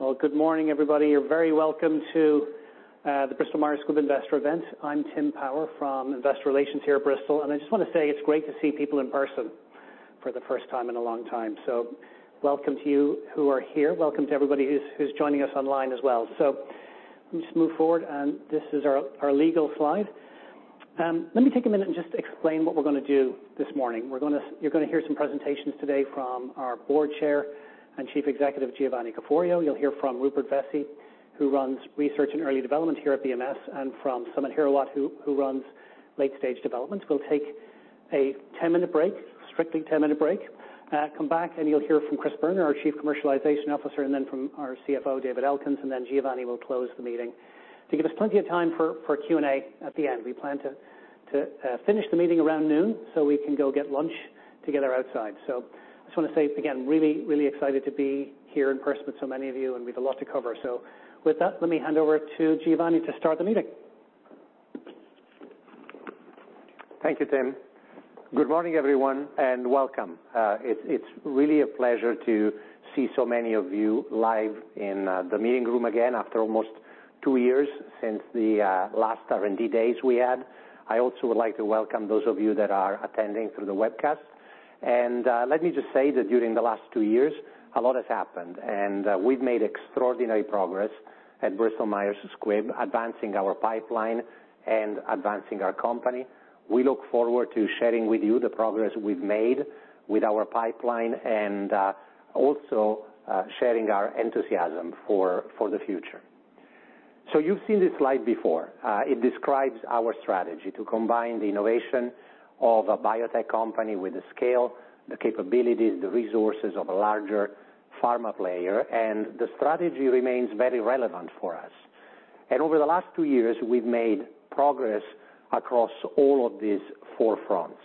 Well, good morning, everybody. You're very welcome to the Bristol Myers Squibb investor event. I'm Tim Power from Investor Relations here at Bristol, and I just wanna say it's great to see people in person for the first time in a long time. Welcome to you who are here. Welcome to everybody who's joining us online as well. Let me just move forward, and this is our legal slide. Let me take a minute and just explain what we're gonna do this morning. You're gonna hear some presentations today from our Board Chair and Chief Executive, Giovanni Caforio. You'll hear from Rupert Vessey, who runs research and early development here at BMS, and from Samit Hirawat, who runs late-stage development. We'll take a 10-minute break. Strictly 10-minute break. Welcome back, and you'll hear from Christopher Boerner, our Chief Commercialization Officer, and then from our CFO, David Elkins, and then Giovanni will close the meeting to give us plenty of time for Q&A at the end. We plan to finish the meeting around noon so we can go get lunch together outside. I just wanna say again, really excited to be here in person with so many of you, and we've a lot to cover. With that, let me hand over to Giovanni to start the meeting. Thank you, Tim. Good morning, everyone, and welcome. It's really a pleasure to see so many of you live in the meeting room again after almost two years since the last R&D days we had. I also would like to welcome those of you that are attending through the webcast. Let me just say that during the last two years, a lot has happened, and we've made extraordinary progress at Bristol Myers Squibb, advancing our pipeline and advancing our company. We look forward to sharing with you the progress we've made with our pipeline and also sharing our enthusiasm for the future. You've seen this slide before. It describes our strategy to combine the innovation of a biotech company with the scale, the capabilities, the resources of a larger pharma player, and the strategy remains very relevant for us. Over the last two years, we've made progress across all of these four fronts.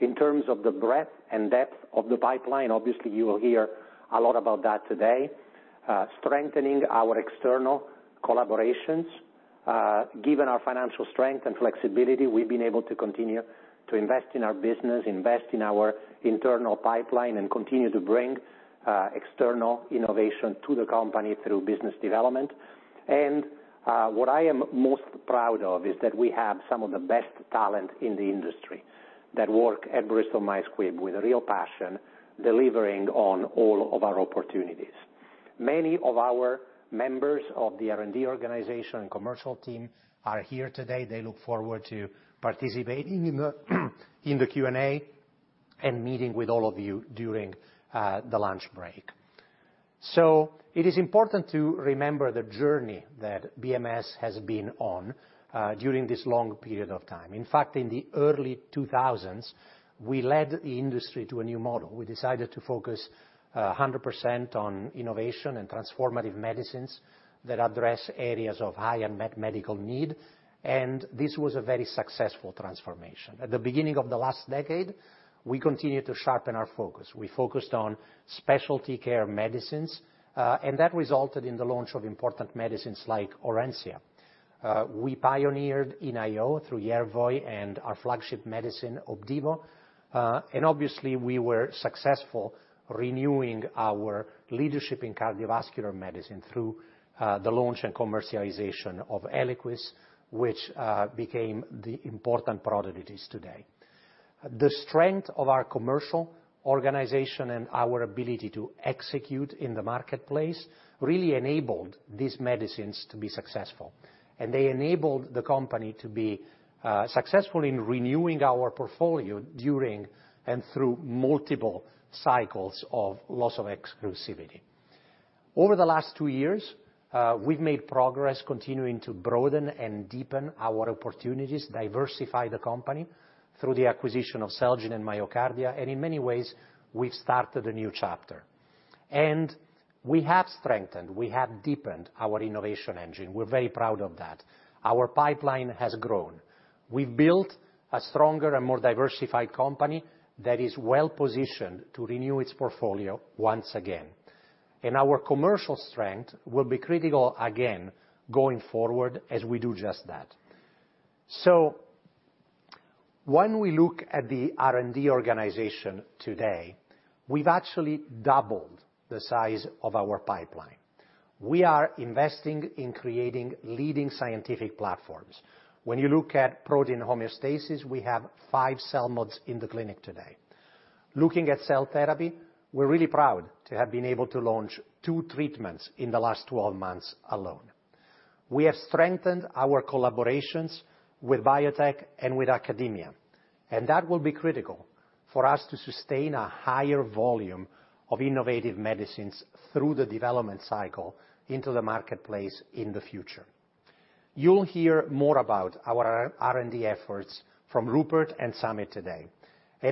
In terms of the breadth and depth of the pipeline, obviously you will hear a lot about that today, strengthening our external collaborations. Given our financial strength and flexibility, we've been able to continue to invest in our business, invest in our internal pipeline, and continue to bring external innovation to the company through business development. What I am most proud of is that we have some of the best talent in the industry that work at Bristol-Myers Squibb with a real passion, delivering on all of our opportunities. Many of our members of the R&D organization and commercial team are here today. They look forward to participating in the Q&A and meeting with all of you during the lunch break. It is important to remember the journey that BMS has been on during this long period of time. In fact, in the early 2000s, we led the industry to a new model. We decided to focus 100% on innovation and transformative medicines that address areas of high unmet medical need, and this was a very successful transformation. At the beginning of the last decade, we continued to sharpen our focus. We focused on specialty care medicines, and that resulted in the launch of important medicines like Orencia. We pioneered in IO through Yervoy and our flagship medicine, Opdivo. Obviously, we were successful renewing our leadership in cardiovascular medicine through the launch and commercialization of Eliquis, which became the important product it is today. The strength of our commercial organization and our ability to execute in the marketplace really enabled these medicines to be successful, and they enabled the company to be successful in renewing our portfolio during and through multiple cycles of loss of exclusivity. Over the last two years, we've made progress continuing to broaden and deepen our opportunities, diversify the company through the acquisition of Celgene and MyoKardia, and in many ways, we've started a new chapter. We have strengthened, we have deepened our innovation engine. We're very proud of that. Our pipeline has grown. We've built a stronger and more diversified company that is well-positioned to renew its portfolio once again. Our commercial strength will be critical again going forward as we do just that. When we look at the R&D organization today, we've actually doubled the size of our pipeline. We are investing in creating leading scientific platforms. When you look at protein homeostasis, we have five CELMoDs in the clinic today. Looking at cell therapy, we're really proud to have been able to launch two treatments in the last 12 months alone. We have strengthened our collaborations with biotech and with academia, and that will be critical for us to sustain a higher volume of innovative medicines through the development cycle into the marketplace in the future. You'll hear more about our R&D efforts from Rupert and Samit today.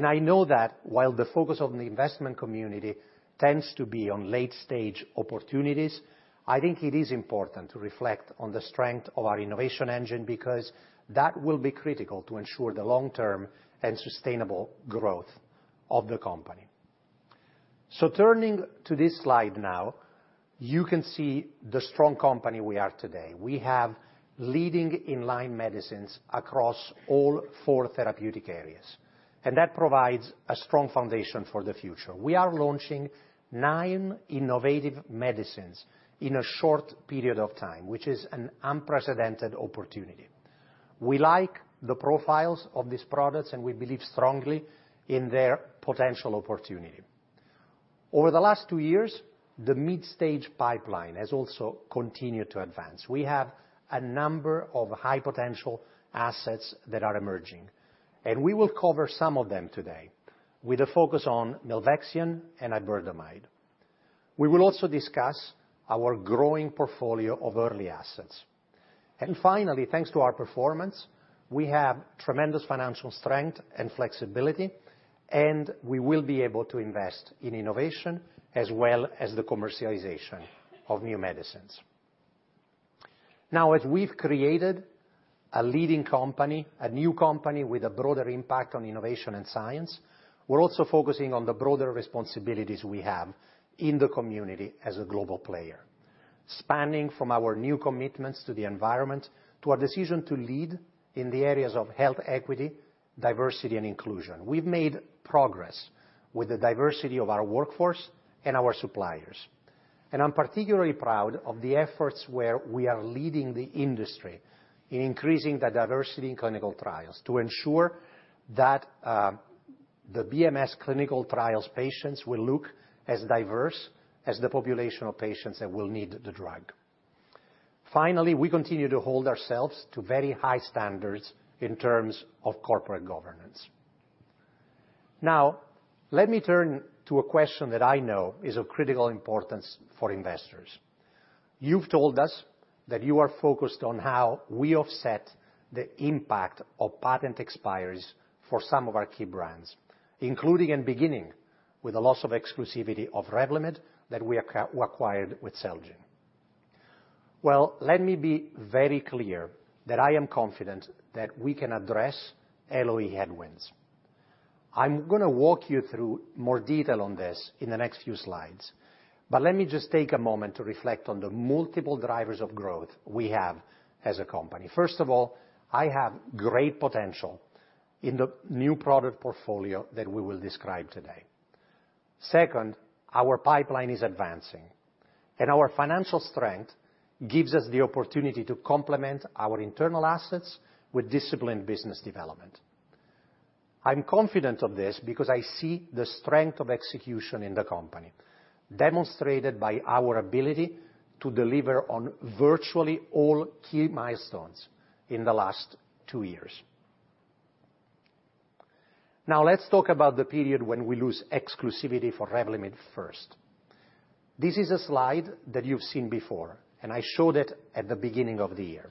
I know that while the focus on the investment community tends to be on late-stage opportunities, I think it is important to reflect on the strength of our innovation engine because that will be critical to ensure the long-term and sustainable growth of the company. Turning to this slide now, you can see the strong company we are today. We have leading-in-line medicines across all four therapeutic areas, and that provides a strong foundation for the future. We are launching nine innovative medicines in a short period of time, which is an unprecedented opportunity. We like the profiles of these products, and we believe strongly in their potential opportunity. Over the last two years, the midstage pipeline has also continued to advance. We have a number of high-potential assets that are emerging, and we will cover some of them today with a focus on milvexian and iberdomide. We will also discuss our growing portfolio of early assets. Finally, thanks to our performance, we have tremendous financial strength and flexibility, and we will be able to invest in innovation as well as the commercialization of new medicines. Now, as we've created a leading company, a new company with a broader impact on innovation and science, we're also focusing on the broader responsibilities we have in the community as a global player, spanning from our new commitments to the environment, to our decision to lead in the areas of health equity, diversity, and inclusion. We've made progress with the diversity of our workforce and our suppliers. I'm particularly proud of the efforts where we are leading the industry in increasing the diversity in clinical trials to ensure that the BMS clinical trials patients will look as diverse as the population of patients that will need the drug. Finally, we continue to hold ourselves to very high standards in terms of corporate governance. Now, let me turn to a question that I know is of critical importance for investors. You've told us that you are focused on how we offset the impact of patent expiries for some of our key brands, including and beginning with the loss of exclusivity of Revlimid that we acquired with Celgene. Well, let me be very clear that I am confident that we can address LOE headwinds. I'm gonna walk you through more detail on this in the next few slides, but let me just take a moment to reflect on the multiple drivers of growth we have as a company. First of all, I have great potential in the new product portfolio that we will describe today. Second, our pipeline is advancing, and our financial strength gives us the opportunity to complement our internal assets with disciplined business development. I'm confident of this because I see the strength of execution in the company, demonstrated by our ability to deliver on virtually all key milestones in the last two years. Now, let's talk about the period when we lose exclusivity for Revlimid first. This is a slide that you've seen before, and I showed it at the beginning of the year.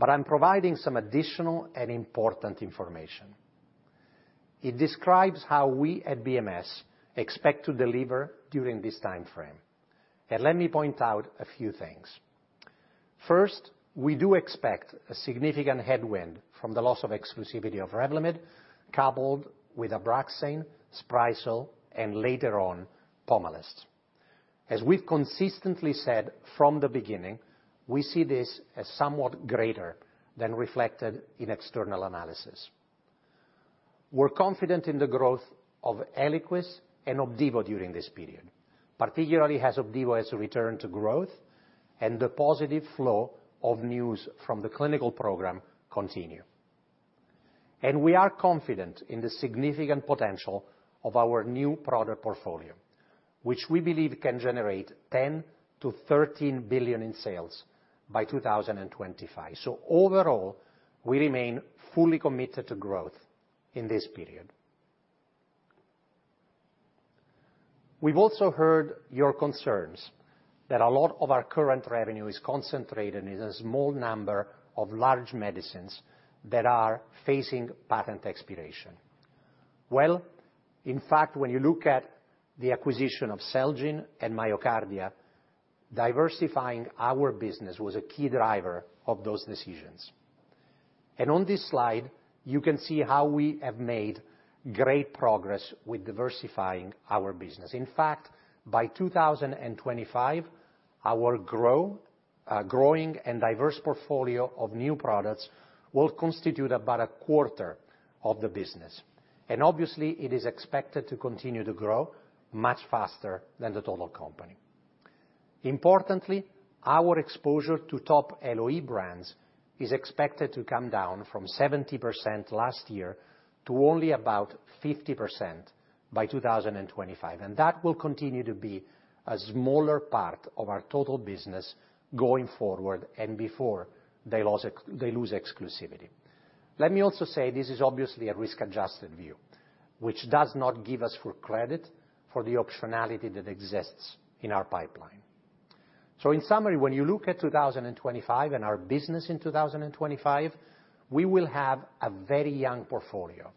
I'm providing some additional and important information. It describes how we at BMS expect to deliver during this time frame. Let me point out a few things. First, we do expect a significant headwind from the loss of exclusivity of Revlimid, coupled with Abraxane, Sprycel, and later on, Pomalyst. As we've consistently said from the beginning, we see this as somewhat greater than reflected in external analysis. We're confident in the growth of Eliquis and Opdivo during this period, particularly as Opdivo has returned to growth and the positive flow of news from the clinical program continue. We are confident in the significant potential of our new product portfolio, which we believe can generate $10 billion-$13 billion in sales by 2025. Overall, we remain fully committed to growth in this period. We've also heard your concerns that a lot of our current revenue is concentrated in a small number of large medicines that are facing patent expiration. Well, in fact, when you look at the acquisition of Celgene and MyoKardia, diversifying our business was a key driver of those decisions. On this slide, you can see how we have made great progress with diversifying our business. In fact, by 2025, our growing and diverse portfolio of new products will constitute about a quarter of the business. Obviously, it is expected to continue to grow much faster than the total company. Importantly, our exposure to top LOE brands is expected to come down from 70% last year to only about 50% by 2025. That will continue to be a smaller part of our total business going forward and before they lose exclusivity. Let me also say this is obviously a risk-adjusted view, which does not give us full credit for the optionality that exists in our pipeline. In summary, when you look at 2025 and our business in 2025, we will have a very young portfolio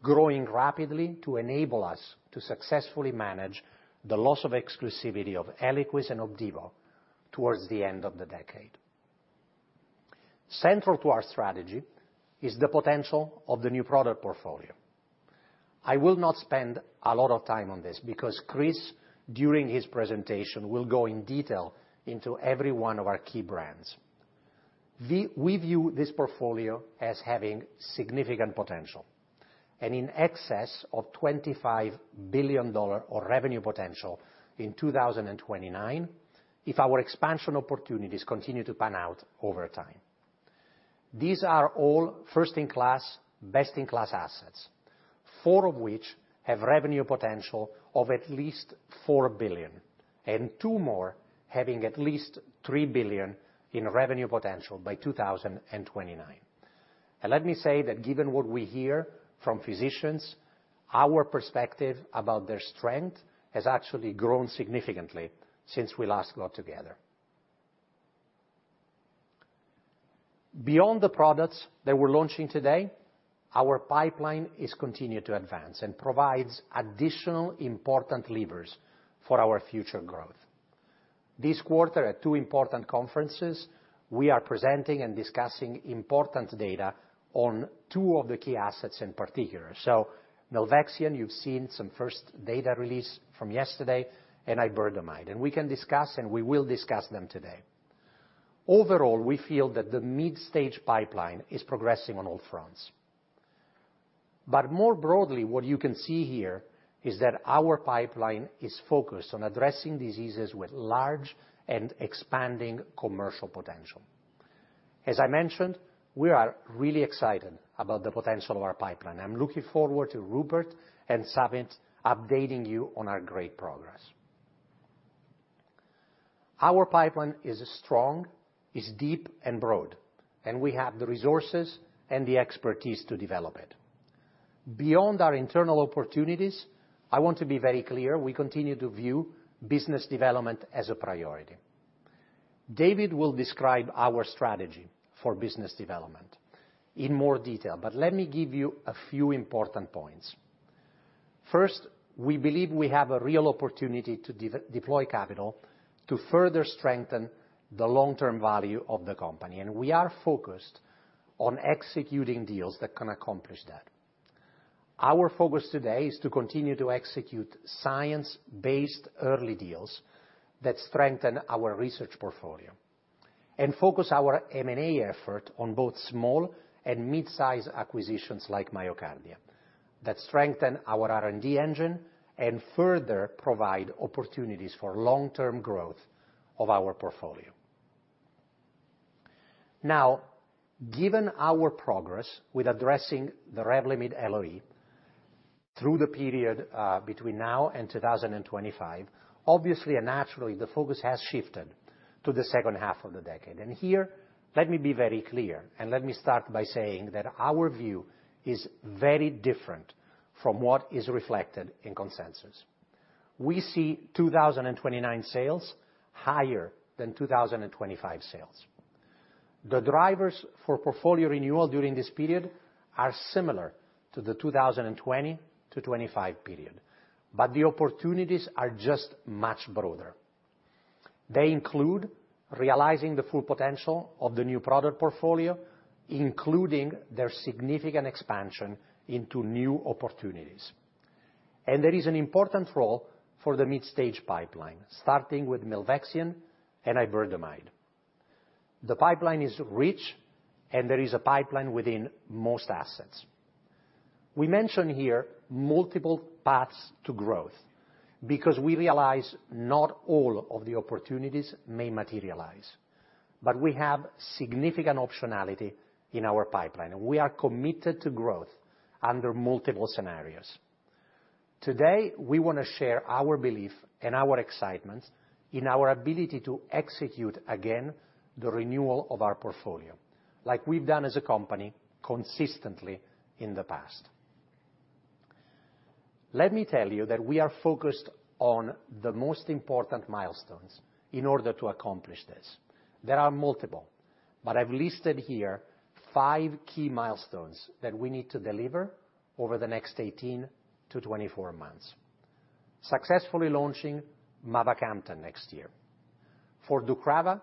growing rapidly to enable us to successfully manage the loss of exclusivity of Eliquis and Opdivo towards the end of the decade. Central to our strategy is the potential of the new product portfolio. I will not spend a lot of time on this because Chris, during his presentation, will go in detail into every one of our key brands. We view this portfolio as having significant potential. In excess of $25 billion of revenue potential in 2029 if our expansion opportunities continue to pan out over time. These are all first-in-class, best-in-class assets, four of which have revenue potential of at least $4 billion, and two more having at least $3 billion in revenue potential by 2029. Let me say that given what we hear from physicians, our perspective about their strength has actually grown significantly since we last got together. Beyond the products that we're launching today, our pipeline has continued to advance and provides additional important levers for our future growth. This quarter, at two important conferences, we are presenting and discussing important data on two of the key assets in particular. Milvexian, you've seen some first data release from yesterday, and iberdomide. We can discuss, and we will discuss them today. Overall, we feel that the midstage pipeline is progressing on all fronts. More broadly, what you can see here is that our pipeline is focused on addressing diseases with large and expanding commercial potential. As I mentioned, we are really excited about the potential of our pipeline. I'm looking forward to Rupert and Samit updating you on our great progress. Our pipeline is strong, is deep and broad, and we have the resources and the expertise to develop it. Beyond our internal opportunities, I want to be very clear, we continue to view business development as a priority. David will describe our strategy for business development in more detail, but let me give you a few important points. First, we believe we have a real opportunity to deploy capital to further strengthen the long-term value of the company, and we are focused on executing deals that can accomplish that. Our focus today is to continue to execute science-based early deals that strengthen our research portfolio, and focus our M&A effort on both small and mid-size acquisitions like MyoKardia, that strengthen our R&D engine and further provide opportunities for long-term growth of our portfolio. Now, given our progress with addressing the Revlimid LOE through the period between now and 2025, obviously and naturally, the focus has shifted to the second half of the decade. Here, let me be very clear, and let me start by saying that our view is very different from what is reflected in consensus. We see 2029 sales higher than 2025 sales. The drivers for portfolio renewal during this period are similar to the 2020 to 2025 period, but the opportunities are just much broader. They include realizing the full potential of the new product portfolio, including their significant expansion into new opportunities. There is an important role for the mid stage pipeline, starting with milvexian and iberdomide. The pipeline is rich, and there is a pipeline within most assets. We mention here multiple paths to growth because we realize not all of the opportunities may materialize, but we have significant optionality in our pipeline, and we are committed to growth under multiple scenarios. Today, we wanna share our belief and our excitement in our ability to execute again the renewal of our portfolio, like we've done as a company consistently in the past. Let me tell you that we are focused on the most important milestones in order to accomplish this. There are multiple, but I've listed here five key milestones that we need to deliver over the next 18-24 months. Successfully launching mavacamten next year. For deucravacitinib,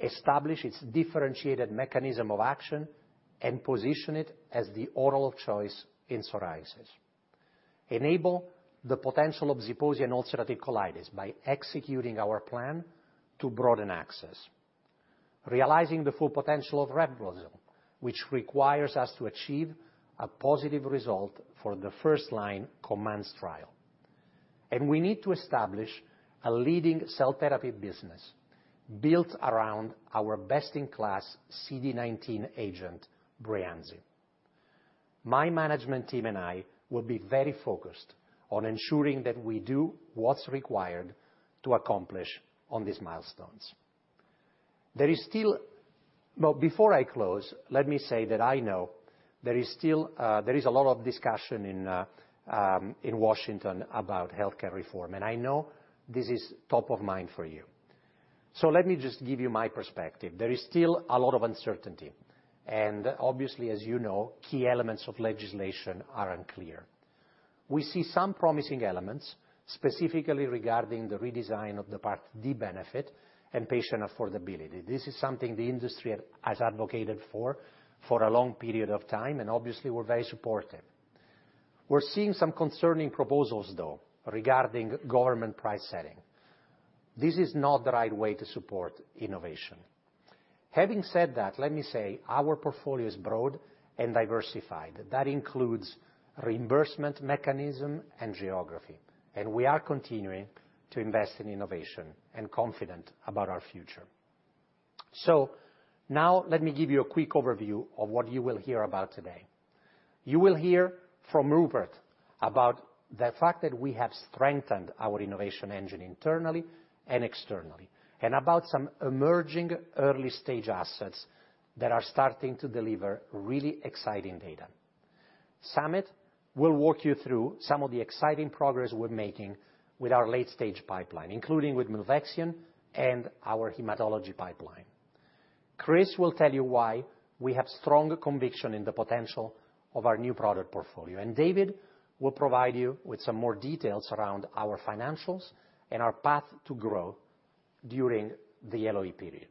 establish its differentiated mechanism of action and position it as the oral of choice in psoriasis. Enable the potential of Zeposia ulcerative colitis by executing our plan to broaden access. Realizing the full potential of Reblozyl, which requires us to achieve a positive result for the first-line COMMANDS trial. We need to establish a leading cell therapy business built around our best-in-class CD19 agent, Breyanzi. My management team and I will be very focused on ensuring that we do what's required to accomplish on these milestones. There is still... Well, before I close, let me say that I know there is still a lot of discussion in Washington about healthcare reform, and I know this is top of mind for you. Let me just give you my perspective. There is still a lot of uncertainty, and obviously, as you know, key elements of legislation are unclear. We see some promising elements, specifically regarding the redesign of the Part D benefit and patient affordability. This is something the industry has advocated for a long period of time, and obviously, we're very supportive. We're seeing some concerning proposals, though, regarding government price setting. This is not the right way to support innovation. Having said that, let me say our portfolio is broad and diversified. That includes reimbursement mechanism and geography, and we are continuing to invest in innovation and confident about our future. Now let me give you a quick overview of what you will hear about today. You will hear from Rupert about the fact that we have strengthened our innovation engine internally and externally, and about some emerging early-stage assets that are starting to deliver really exciting data. Samit will walk you through some of the exciting progress we're making with our late-stage pipeline, including with milvexian and our hematology pipeline. Chris will tell you why we have strong conviction in the potential of our new product portfolio. David will provide you with some more details around our financials and our path to growth during the LOE period.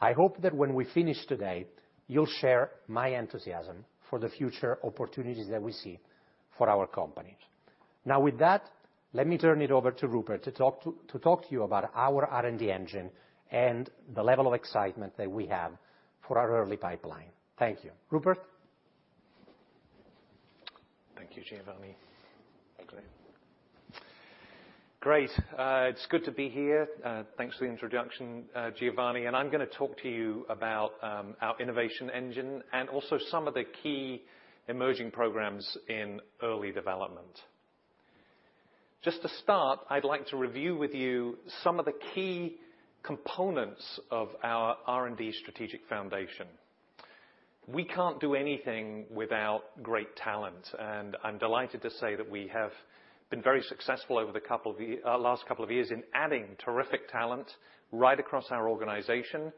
I hope that when we finish today, you'll share my enthusiasm for the future opportunities that we see for our company. Now with that, let me turn it over to Rupert to talk to you about our R&D engine and the level of excitement that we have for our early pipeline. Thank you. Rupert? Thank you, Giovanni. Great. It's good to be here. Thanks for the introduction, Giovanni, and I'm gonna talk to you about our innovation engine and also some of the key emerging programs in early development. Just to start, I'd like to review with you some of the key components of our R&D strategic foundation. We can't do anything without great talent, and I'm delighted to say that we have been very successful over the last couple of years in adding terrific talent right across our organization,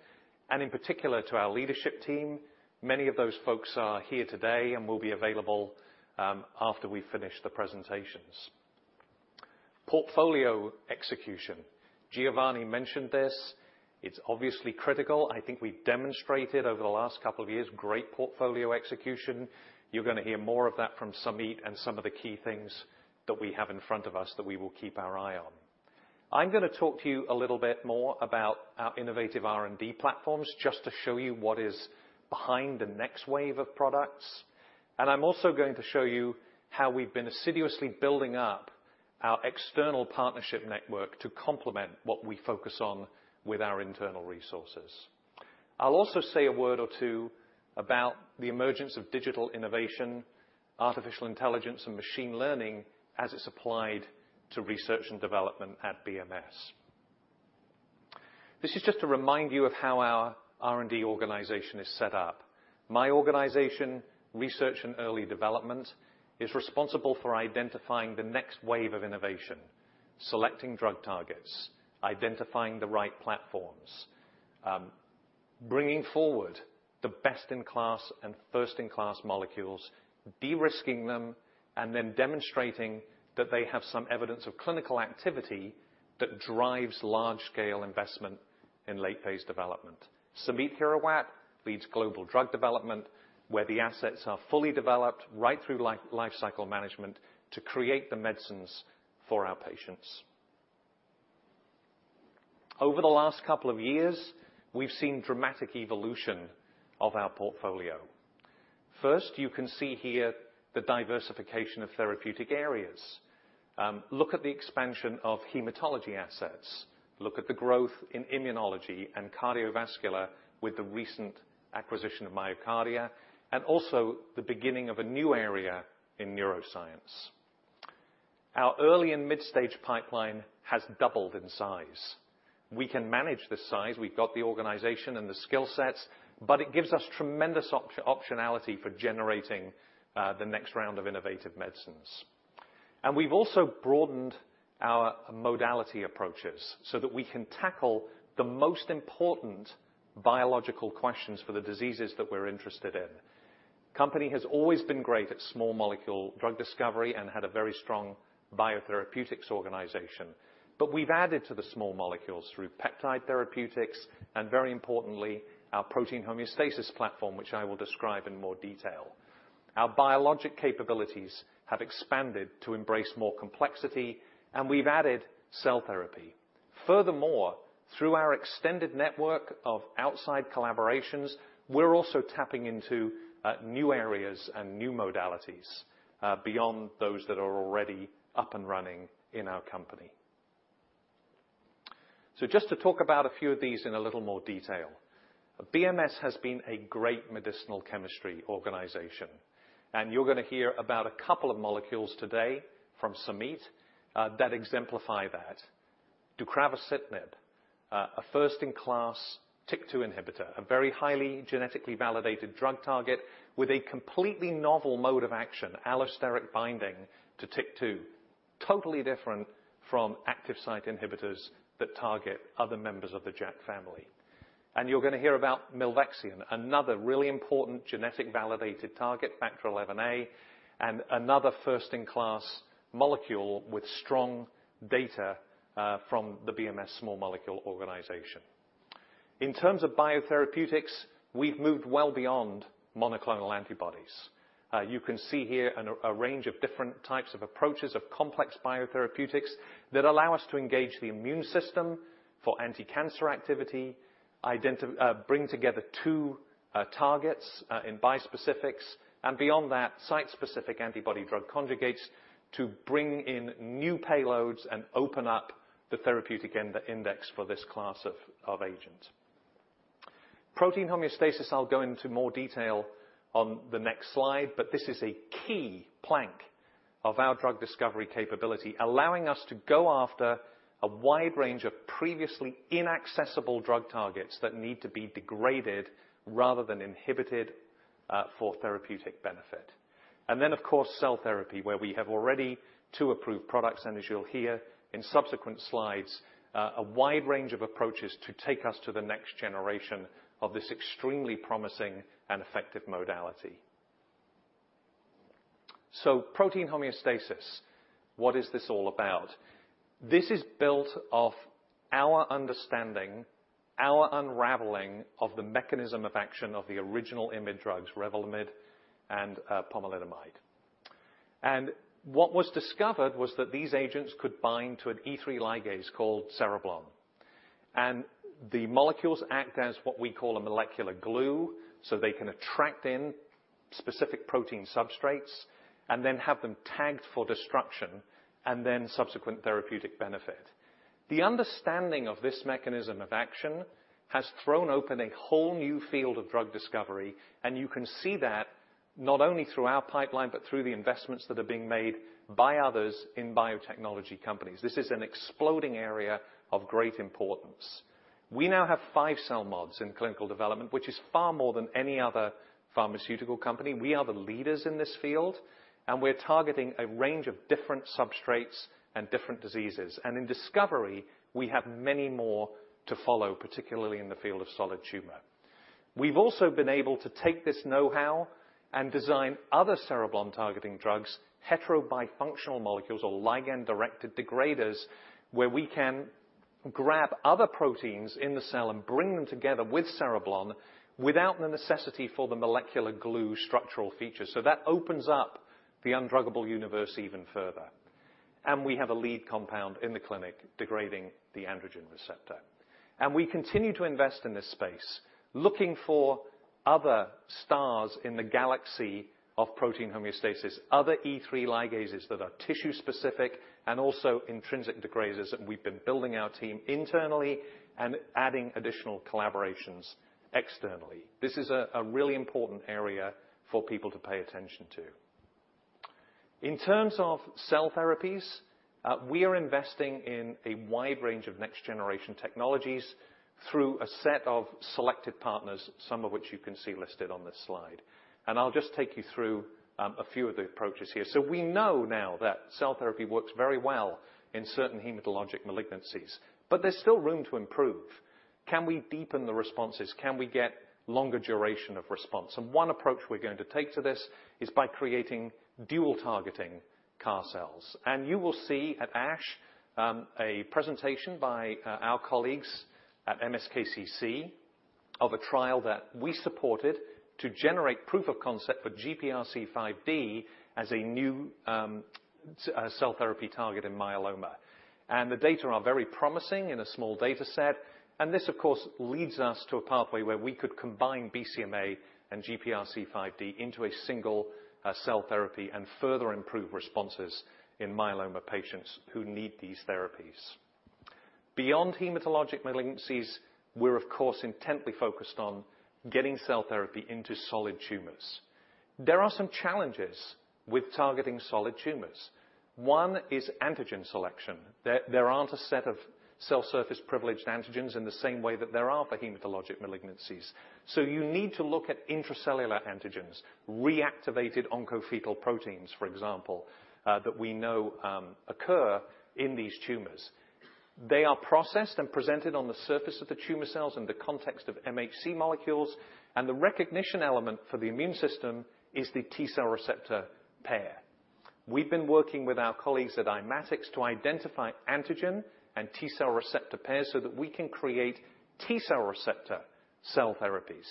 and in particular to our leadership team. Many of those folks are here today and will be available after we finish the presentations. Portfolio execution. Giovanni mentioned this. It's obviously critical. I think we've demonstrated over the last couple of years great portfolio execution. You're gonna hear more of that from Samit and some of the key things that we have in front of us that we will keep our eye on. I'm gonna talk to you a little bit more about our innovative R&D platforms just to show you what is behind the next wave of products, and I'm also going to show you how we've been assiduously building up our external partnership network to complement what we focus on with our internal resources. I'll also say a word or two about the emergence of digital innovation, artificial intelligence, and machine learning as it's applied to research and development at BMS. This is just to remind you of how our R&D organization is set up. My organization, Research and Early Development, is responsible for identifying the next wave of innovation, selecting drug targets, identifying the right platforms, bringing forward the best-in-class and first-in-class molecules, de-risking them, and then demonstrating that they have some evidence of clinical activity that drives large-scale investment in late phase development. Samit Hirawat leads Global Drug Development, where the assets are fully developed right through life cycle management to create the medicines for our patients. Over the last couple of years, we've seen dramatic evolution of our portfolio. First, you can see here the diversification of therapeutic areas. Look at the expansion of hematology assets. Look at the growth in immunology and cardiovascular with the recent acquisition of MyoKardia, and also the beginning of a new area in neuroscience. Our early and mid-stage pipeline has doubled in size. We can manage this size. We've got the organization and the skill sets, but it gives us tremendous optionality for generating the next round of innovative medicines. We've also broadened our modality approaches so that we can tackle the most important biological questions for the diseases that we're interested in. Company has always been great at small molecule drug discovery and had a very strong biotherapeutics organization. We've added to the small molecules through peptide therapeutics, and very importantly, our protein homeostasis platform, which I will describe in more detail. Our biologic capabilities have expanded to embrace more complexity, and we've added cell therapy. Furthermore, through our extended network of outside collaborations, we're also tapping into new areas and new modalities beyond those that are already up and running in our company. Just to talk about a few of these in a little more detail. BMS has been a great medicinal chemistry organization, and you're gonna hear about a couple of molecules today from Samit that exemplify that. Deucravacitinib, a first-in-class TYK2 inhibitor, a very highly genetically validated drug target with a completely novel mode of action, allosteric binding to TYK2, totally different from active site inhibitors that target other members of the JAK family. You're gonna hear about milvexian, another really important genetic validated target, Factor XIa, and another first-in-class molecule with strong data from the BMS small molecule organization. In terms of biotherapeutics, we've moved well beyond monoclonal antibodies. You can see here a range of different types of approaches of complex biotherapeutics that allow us to engage the immune system for anticancer activity, bring together two targets in bispecifics, and beyond that, site-specific antibody drug conjugates to bring in new payloads and open up the therapeutic index for this class of agents. Protein homeostasis, I'll go into more detail on the next slide, but this is a key plank of our drug discovery capability, allowing us to go after a wide range of previously inaccessible drug targets that need to be degraded rather than inhibited for therapeutic benefit. Of course, cell therapy, where we have already two approved products, and as you'll hear in subsequent slides, a wide range of approaches to take us to the next generation of this extremely promising and effective modality. Protein homeostasis, what is this all about? This is built off our understanding, our unraveling of the mechanism of action of the original IMiD drugs, Revlimid and pomalidomide. What was discovered was that these agents could bind to an E3 ligase called Cereblon. The molecules act as what we call a molecular glue, so they can attract in specific protein substrates and then have them tagged for destruction and then subsequent therapeutic benefit. The understanding of this mechanism of action has thrown open a whole new field of drug discovery, and you can see that not only through our pipeline, but through the investments that are being made by others in biotechnology companies. This is an exploding area of great importance. We now have five CELMoDs in clinical development, which is far more than any other pharmaceutical company. We are the leaders in this field, and we're targeting a range of different substrates and different diseases. In discovery, we have many more to follow, particularly in the field of solid tumor. We've also been able to take this know-how and design other Cereblon-targeting drugs, heterobifunctional molecules or ligand-directed degraders, where we can grab other proteins in the cell and bring them together with Cereblon without the necessity for the molecular glue structural features. That opens up the undruggable universe even further. We have a lead compound in the clinic degrading the androgen receptor. We continue to invest in this space, looking for other stars in the galaxy of protein homeostasis, other E3 ligases that are tissue specific and also intrinsic degraders, and we've been building our team internally and adding additional collaborations externally. This is a really important area for people to pay attention to. In terms of cell therapies, we are investing in a wide range of next-generation technologies through a set of selected partners, some of which you can see listed on this slide. I'll just take you through a few of the approaches here. We know now that cell therapy works very well in certain hematologic malignancies, but there's still room to improve. Can we deepen the responses? Can we get longer duration of response? One approach we're going to take to this is by creating dual targeting CAR cells. You will see at ASH a presentation by our colleagues at MSKCC of a trial that we supported to generate proof of concept for GPRC5D as a new cell therapy target in myeloma. The data are very promising in a small dataset, and this of course leads us to a pathway where we could combine BCMA and GPRC5D into a single cell therapy and further improve responses in myeloma patients who need these therapies. Beyond hematologic malignancies, we're of course intently focused on getting cell therapy into solid tumors. There are some challenges with targeting solid tumors. One is antigen selection. There aren't a set of cell surface privileged antigens in the same way that there are for hematologic malignancies. So you need to look at intracellular antigens, reactivated oncofetal proteins, for example, that we know occur in these tumors. They are processed and presented on the surface of the tumor cells in the context of MHC molecules, and the recognition element for the immune system is the T-cell receptor pair. We've been working with our colleagues at Immatics to identify antigen and T-cell receptor pairs so that we can create T-cell receptor cell therapies.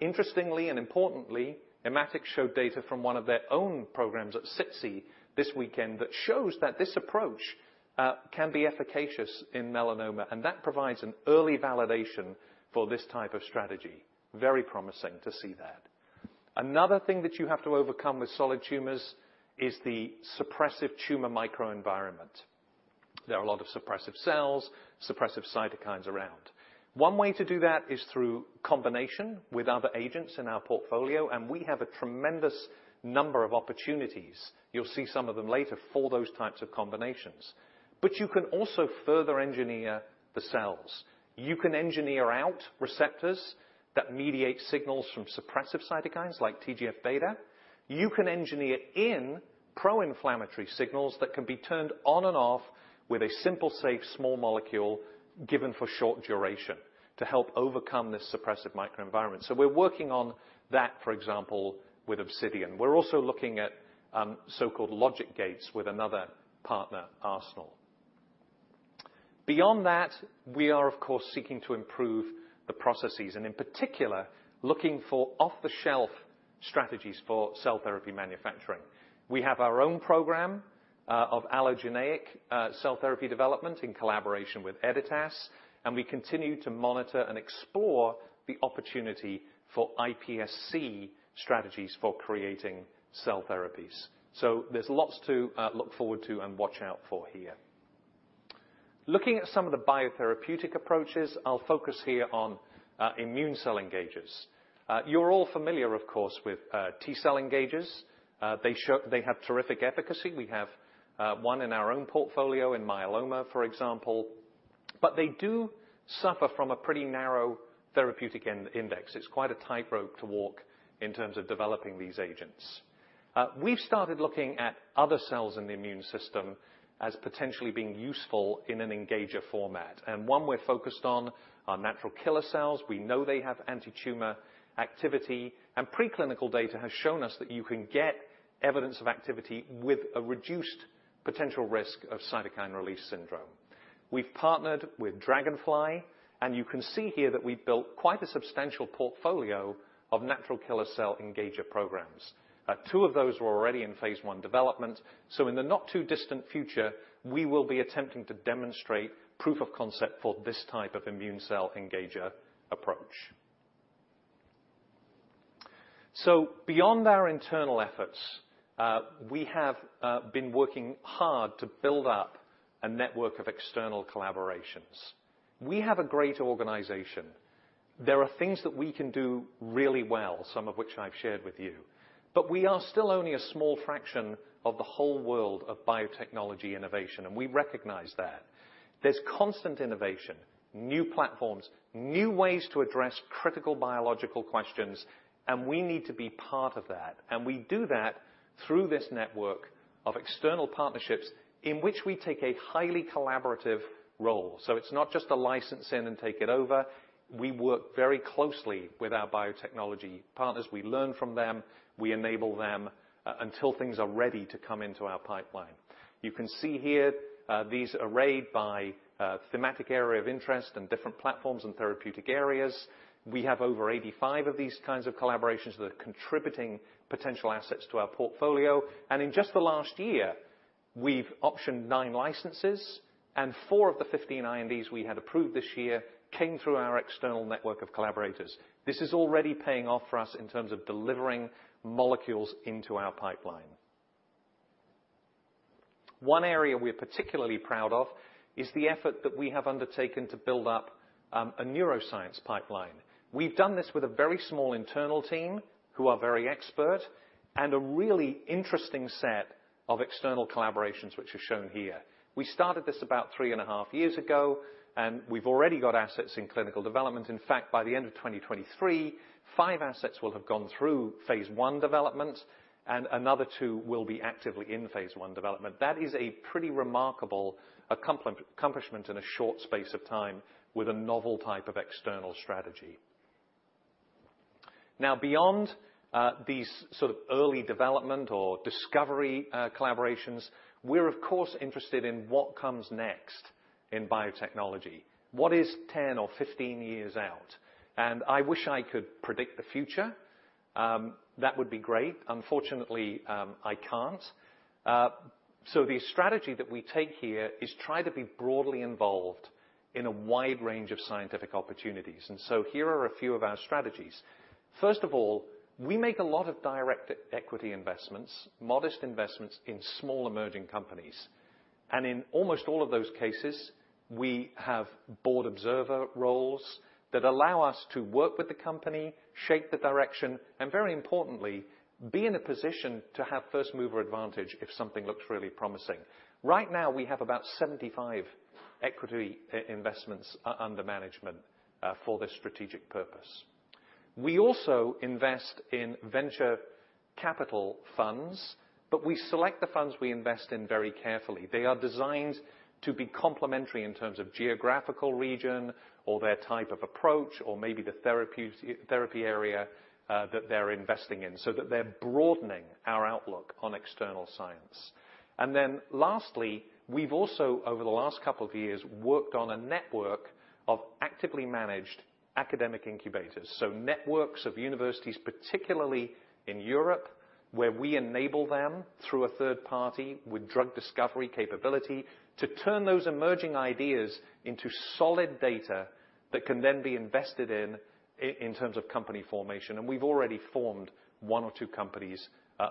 Interestingly and importantly, Immatics showed data from one of their own programs at SITC this weekend that shows that this approach can be efficacious in melanoma, and that provides an early validation for this type of strategy. Very promising to see that. Another thing that you have to overcome with solid tumors is the suppressive tumor microenvironment. There are a lot of suppressive cells, suppressive cytokines around. One way to do that is through combination with other agents in our portfolio, and we have a tremendous number of opportunities, you'll see some of them later, for those types of combinations. You can also further engineer the cells. You can engineer out receptors that mediate signals from suppressive cytokines like TGF-beta. You can engineer in proinflammatory signals that can be turned on and off with a simple, safe, small molecule given for short duration to help overcome this suppressive microenvironment. We're working on that, for example, with Obsidian. We're also looking at so-called logic gates with another partner, Arsenal. Beyond that, we are of course seeking to improve the processes, and in particular, looking for off-the-shelf strategies for cell therapy manufacturing. We have our own program of allogeneic cell therapy development in collaboration with Editas, and we continue to monitor and explore the opportunity for iPSC strategies for creating cell therapies. There's lots to look forward to and watch out for here. Looking at some of the biotherapeutic approaches, I'll focus here on immune cell engagers. You're all familiar, of course, with T-cell engagers. They have terrific efficacy. We have one in our own portfolio in myeloma, for example. They do suffer from a pretty narrow therapeutic index. It's quite a tightrope to walk in terms of developing these agents. We've started looking at other cells in the immune system as potentially being useful in an engager format, and one we're focused on are natural killer cells. We know they have antitumor activity, and preclinical data has shown us that you can get evidence of activity with a reduced potential risk of cytokine release syndrome. We've partnered with Dragonfly, and you can see here that we've built quite a substantial portfolio of natural killer cell engager programs. Two of those were already in phase I development. In the not too distant future, we will be attempting to demonstrate proof of concept for this type of immune cell engager approach. Beyond our internal efforts, we have been working hard to build up a network of external collaborations. We have a great organization. There are things that we can do really well, some of which I've shared with you. We are still only a small fraction of the whole world of biotechnology innovation, and we recognize that. There's constant innovation, new platforms, new ways to address critical biological questions, and we need to be part of that. We do that through this network of external partnerships in which we take a highly collaborative role. It's not just a license in and take it over. We work very closely with our biotechnology partners. We learn from them, we enable them, until things are ready to come into our pipeline. You can see here these arrayed by thematic area of interest and different platforms and therapeutic areas. We have over 85 of these kinds of collaborations that are contributing potential assets to our portfolio. In just the last year, we've optioned nine licenses and four of the 15 INDs we had approved this year came through our external network of collaborators. This is already paying off for us in terms of delivering molecules into our pipeline. One area we're particularly proud of is the effort that we have undertaken to build up a neuroscience pipeline. We've done this with a very small internal team who are very expert and a really interesting set of external collaborations, which are shown here. We started this about three and a half years ago, and we've already got assets in clinical development. In fact, by the end of 2023, five assets will have gone through phase I development, and another two will be actively in phase I development. That is a pretty remarkable accomplishment in a short space of time with a novel type of external strategy. Now, beyond these sort of early development or discovery collaborations, we're of course interested in what comes next in biotechnology. What is 10 or 15 years out? I wish I could predict the future. That would be great. Unfortunately, I can't. The strategy that we take here is try to be broadly involved in a wide range of scientific opportunities. Here are a few of our strategies. First of all, we make a lot of direct equity investments, modest investments in small emerging companies. In almost all of those cases, we have board observer roles that allow us to work with the company, shape the direction, and very importantly, be in a position to have first mover advantage if something looks really promising. Right now, we have about 75 equity investments under management for this strategic purpose. We also invest in venture capital funds, but we select the funds we invest in very carefully. They are designed to be complementary in terms of geographical region or their type of approach or maybe the therapy area that they're investing in so that they're broadening our outlook on external science. Lastly, we've also over the last couple of years, worked on a network of actively managed academic incubators. Networks of universities, particularly in Europe, where we enable them through a third party with drug discovery capability to turn those emerging ideas into solid data that can then be invested in terms of company formation. We've already formed one or two companies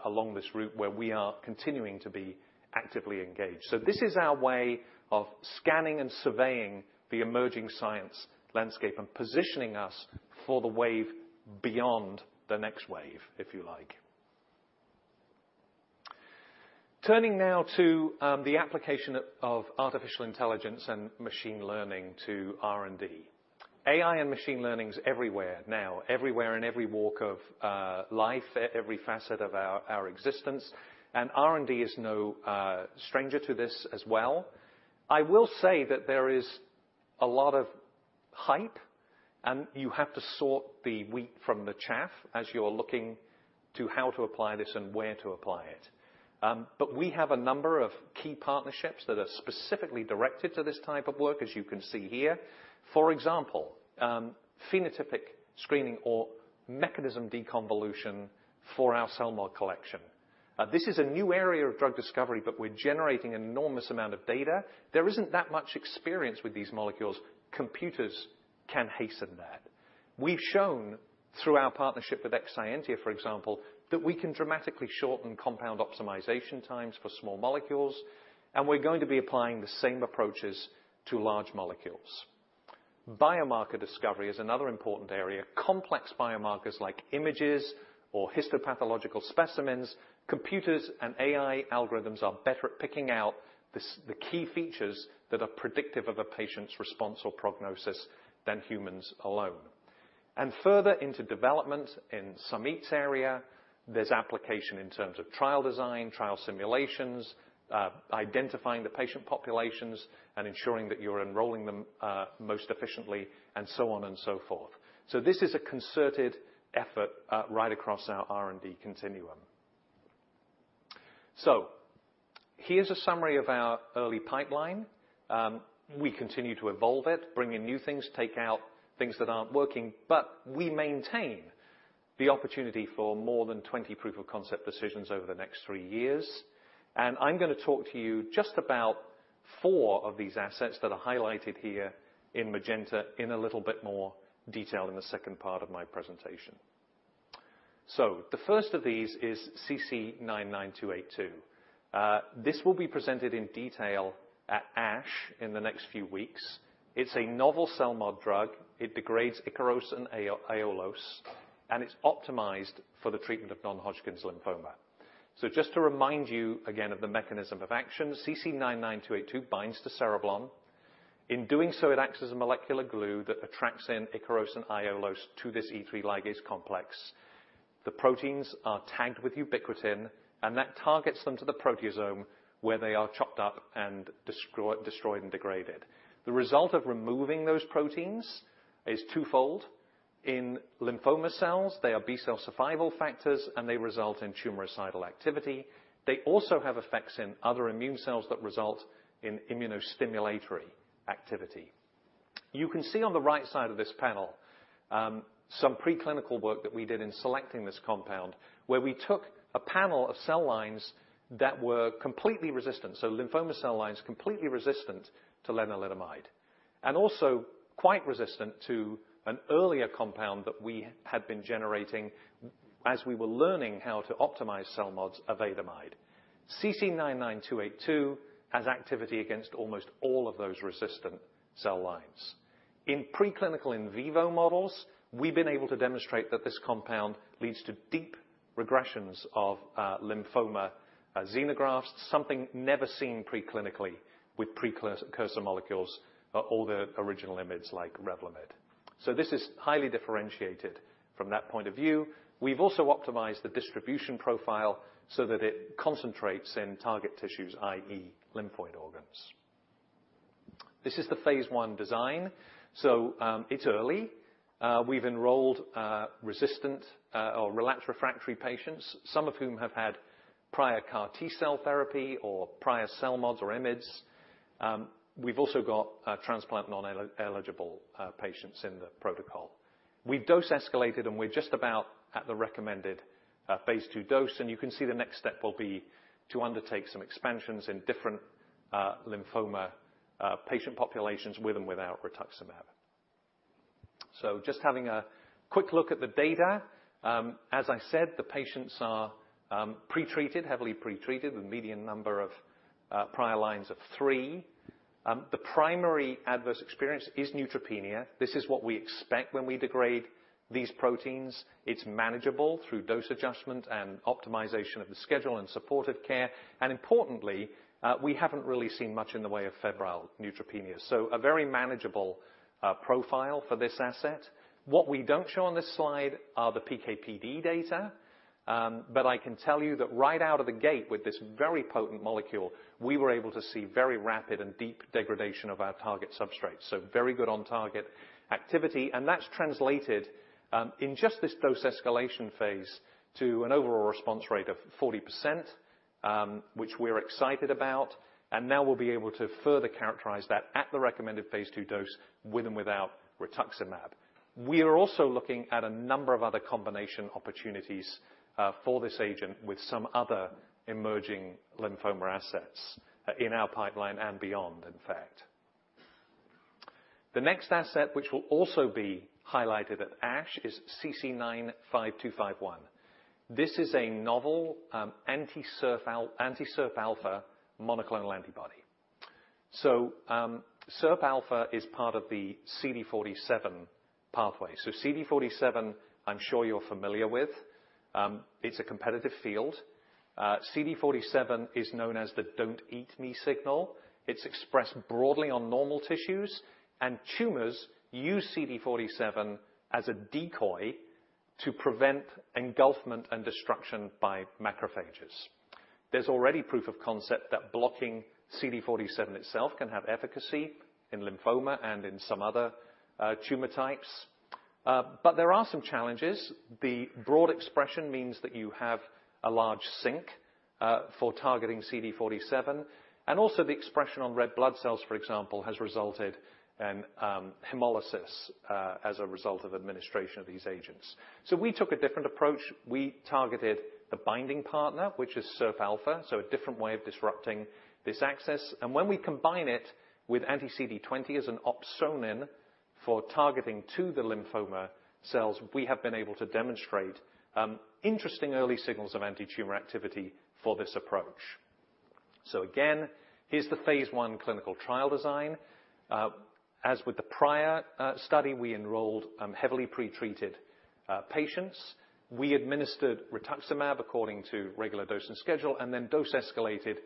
along this route where we are continuing to be actively engaged. This is our way of scanning and surveying the emerging science landscape and positioning us for the wave beyond the next wave, if you like. Turning now to the application of artificial intelligence and machine learning to R&D. AI and machine learning is everywhere now, everywhere in every walk of life, every facet of our existence, and R&D is no stranger to this as well. I will say that there is a lot of hype, and you have to sort the wheat from the chaff as you're looking to how to apply this and where to apply it. We have a number of key partnerships that are specifically directed to this type of work, as you can see here. For example, phenotypic screening or mechanism deconvolution for our CELMoD collection. This is a new area of drug discovery, but we're generating an enormous amount of data. There isn't that much experience with these molecules. Computers can hasten that. We've shown through our partnership with Exscientia, for example, that we can dramatically shorten compound optimization times for small molecules, and we're going to be applying the same approaches to large molecules. Biomarker discovery is another important area. Complex biomarkers like images or histopathological specimens, computers and AI algorithms are better at picking out the key features that are predictive of a patient's response or prognosis than humans alone. Further into development in Samit's area, there's application in terms of trial design, trial simulations, identifying the patient populations, and ensuring that you're enrolling them most efficiently and so on and so forth. This is a concerted effort right across our R&D continuum. Here's a summary of our early pipeline. We continue to evolve it, bring in new things, take out things that aren't working, but we maintain the opportunity for more than 20 proof of concept decisions over the next three years. I'm gonna talk to you just about four of these assets that are highlighted here in magenta in a little bit more detail in the second part of my presentation. The first of these is CC-99282. This will be presented in detail at ASH in the next few weeks. It's a novel CELMoD drug. It degrades Ikaros and Aiolos, and it's optimized for the treatment of non-Hodgkin's lymphoma. Just to remind you again of the mechanism of action, CC-99282 binds to Cereblon. In doing so, it acts as a molecular glue that attracts in Ikaros and Aiolos to this E3 ligase complex. The proteins are tagged with ubiquitin, and that targets them to the proteasome, where they are chopped up and destroyed and degraded. The result of removing those proteins is twofold. In lymphoma cells, they are B-cell survival factors, and they result in tumoricidal activity. They also have effects in other immune cells that result in immunostimulatory activity. You can see on the right side of this panel, some preclinical work that we did in selecting this compound, where we took a panel of cell lines that were completely resistant, so lymphoma cell lines completely resistant to lenalidomide, and also quite resistant to an earlier compound that we had been generating as we were learning how to optimize CELMoDs avadomide. CC-99282 has activity against almost all of those resistant cell lines. In preclinical in vivo models, we've been able to demonstrate that this compound leads to deep regressions of lymphoma xenografts, something never seen preclinically with precursor molecules or the original IMiDs like Revlimid. This is highly differentiated from that point of view. We've also optimized the distribution profile so that it concentrates in target tissues, i.e., lymphoid organs. This is the phase I design. It's early. We've enrolled resistant or relapsed refractory patients, some of whom have had prior CAR T-cell therapy or prior CELMoDs or IMiDs. We've also got transplant non-eligible patients in the protocol. We've dose escalated, and we're just about at the recommended phase II dose, and you can see the next step will be to undertake some expansions in different lymphoma patient populations with and without rituximab. Just having a quick look at the data. As I said, the patients are heavily pretreated with median number of prior lines of three. The primary adverse experience is neutropenia. This is what we expect when we degrade these proteins. It's manageable through dose adjustment and optimization of the schedule and supportive care. Importantly, we haven't really seen much in the way of febrile neutropenia. A very manageable profile for this asset. What we don't show on this slide are the PK/PD data. I can tell you that right out of the gate with this very potent molecule, we were able to see very rapid and deep degradation of our target substrates. Very good on target activity, and that's translated in just this dose escalation phase to an overall response rate of 40%, which we're excited about. Now we'll be able to further characterize that at the recommended phase II dose with and without rituximab. We are also looking at a number of other combination opportunities for this agent with some other emerging lymphoma assets in our pipeline and beyond, in fact. The next asset which will also be highlighted at ASH is CC-95251. This is a novel anti-SIRPα monoclonal antibody. SIRPα is part of the CD47 pathway. CD47, I'm sure you're familiar with. It's a competitive field. CD47 is known as the don't eat me signal. It's expressed broadly on normal tissues, and tumors use CD47 as a decoy to prevent engulfment and destruction by macrophages. There's already proof of concept that blocking CD47 itself can have efficacy in lymphoma and in some other tumor types. There are some challenges. The broad expression means that you have a large sink for targeting CD47. Also the expression on red blood cells, for example, has resulted in hemolysis as a result of administration of these agents. We took a different approach. We targeted the binding partner, which is SIRPα, so a different way of disrupting this access. When we combine it with anti-CD20 as an opsonin for targeting to the lymphoma cells, we have been able to demonstrate interesting early signals of antitumor activity for this approach. Again, here's the phase I clinical trial design. As with the prior study, we enrolled heavily pretreated patients. We administered rituximab according to regular dose and schedule, and then dose escalated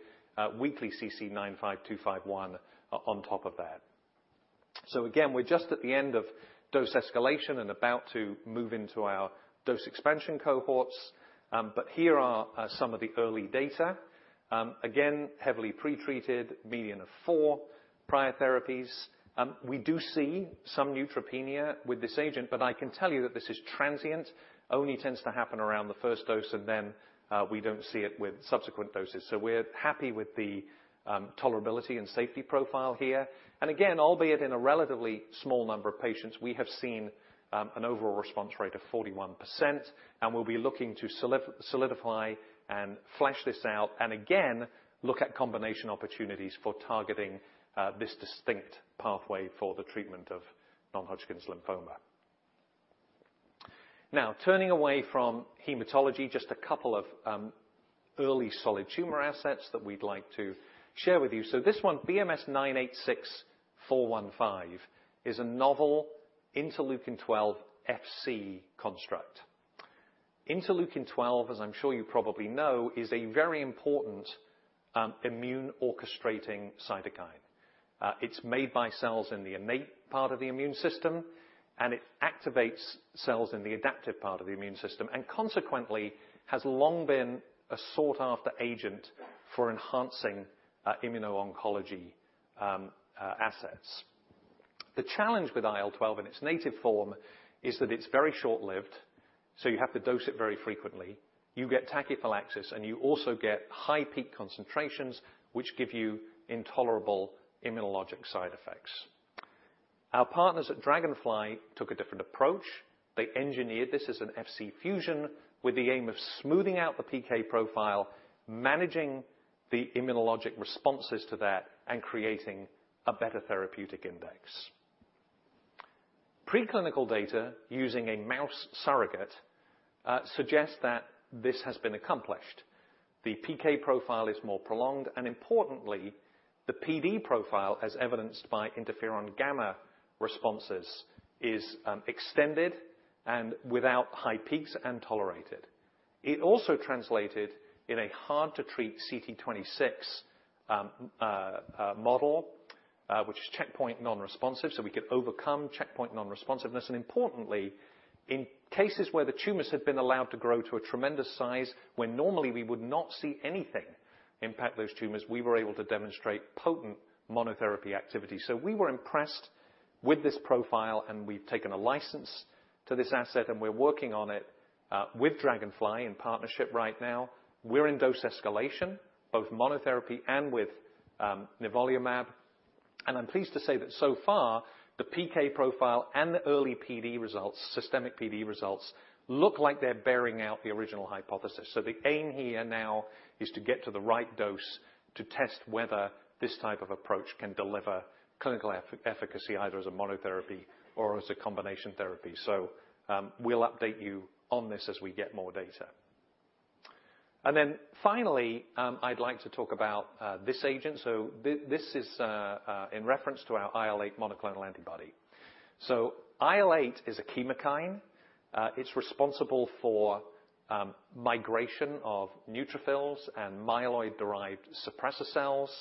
weekly CC-95251 on top of that. Again, we're just at the end of dose escalation and about to move into our dose expansion cohorts. But here are some of the early data. Again, heavily pretreated, median of four prior therapies. We do see some neutropenia with this agent, but I can tell you that this is transient, only tends to happen around the first dose, and then we don't see it with subsequent doses. We're happy with the tolerability and safety profile here. Again, albeit in a relatively small number of patients, we have seen an overall response rate of 41%, and we'll be looking to solidify and flesh this out, and again, look at combination opportunities for targeting this distinct pathway for the treatment of non-Hodgkin lymphoma. Now, turning away from hematology, just a couple of early solid tumor assets that we'd like to share with you. This one, BMS-986415, is a novel interleukin-12 Fc construct. Interleukin-12, as I'm sure you probably know, is a very important immune-orchestrating cytokine. It's made by cells in the innate part of the immune system, and it activates cells in the adaptive part of the immune system, and consequently, has long been a sought-after agent for enhancing immuno-oncology assets. The challenge with IL-12 in its native form is that it's very short-lived, so you have to dose it very frequently. You get tachyphylaxis, and you also get high peak concentrations, which give you intolerable immunologic side effects. Our partners at Dragonfly took a different approach. They engineered this as an Fc fusion with the aim of smoothing out the PK profile, managing the immunologic responses to that, and creating a better therapeutic index. Preclinical data using a mouse surrogate suggests that this has been accomplished. The PK profile is more prolonged, and importantly, the PD profile, as evidenced by interferon gamma responses, is extended and without high peaks and tolerated. It also translated in a hard-to-treat CT26 model, which is checkpoint non-responsive, so we could overcome checkpoint non-responsiveness. Importantly, in cases where the tumors had been allowed to grow to a tremendous size, when normally we would not see anything impact those tumors, we were able to demonstrate potent monotherapy activity. We were impressed with this profile, and we've taken a license to this asset, and we're working on it with Dragonfly in partnership right now. We're in dose escalation, both monotherapy and with nivolumab. I'm pleased to say that so far, the PK profile and the early PD results, systemic PD results, look like they're bearing out the original hypothesis. The aim here now is to get to the right dose to test whether this type of approach can deliver clinical efficacy either as a monotherapy or as a combination therapy. We'll update you on this as we get more data. Then finally, I'd like to talk about this agent. This is in reference to our IL-8 monoclonal antibody. IL-8 is a chemokine. It's responsible for migration of neutrophils and myeloid-derived suppressor cells,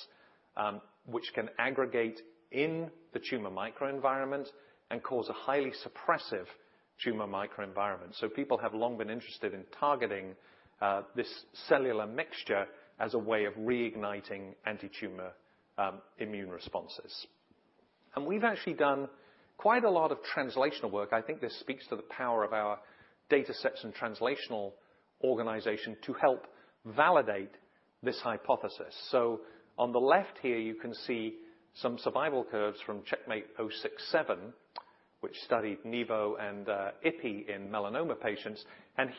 which can aggregate in the tumor microenvironment and cause a highly suppressive tumor microenvironment. People have long been interested in targeting this cellular mixture as a way of reigniting antitumor immune responses. We've actually done quite a lot of translational work. I think this speaks to the power of our datasets and translational organization to help validate this hypothesis. On the left here, you can see some survival curves from CheckMate 067, which studied nivolumab and ipi in melanoma patients.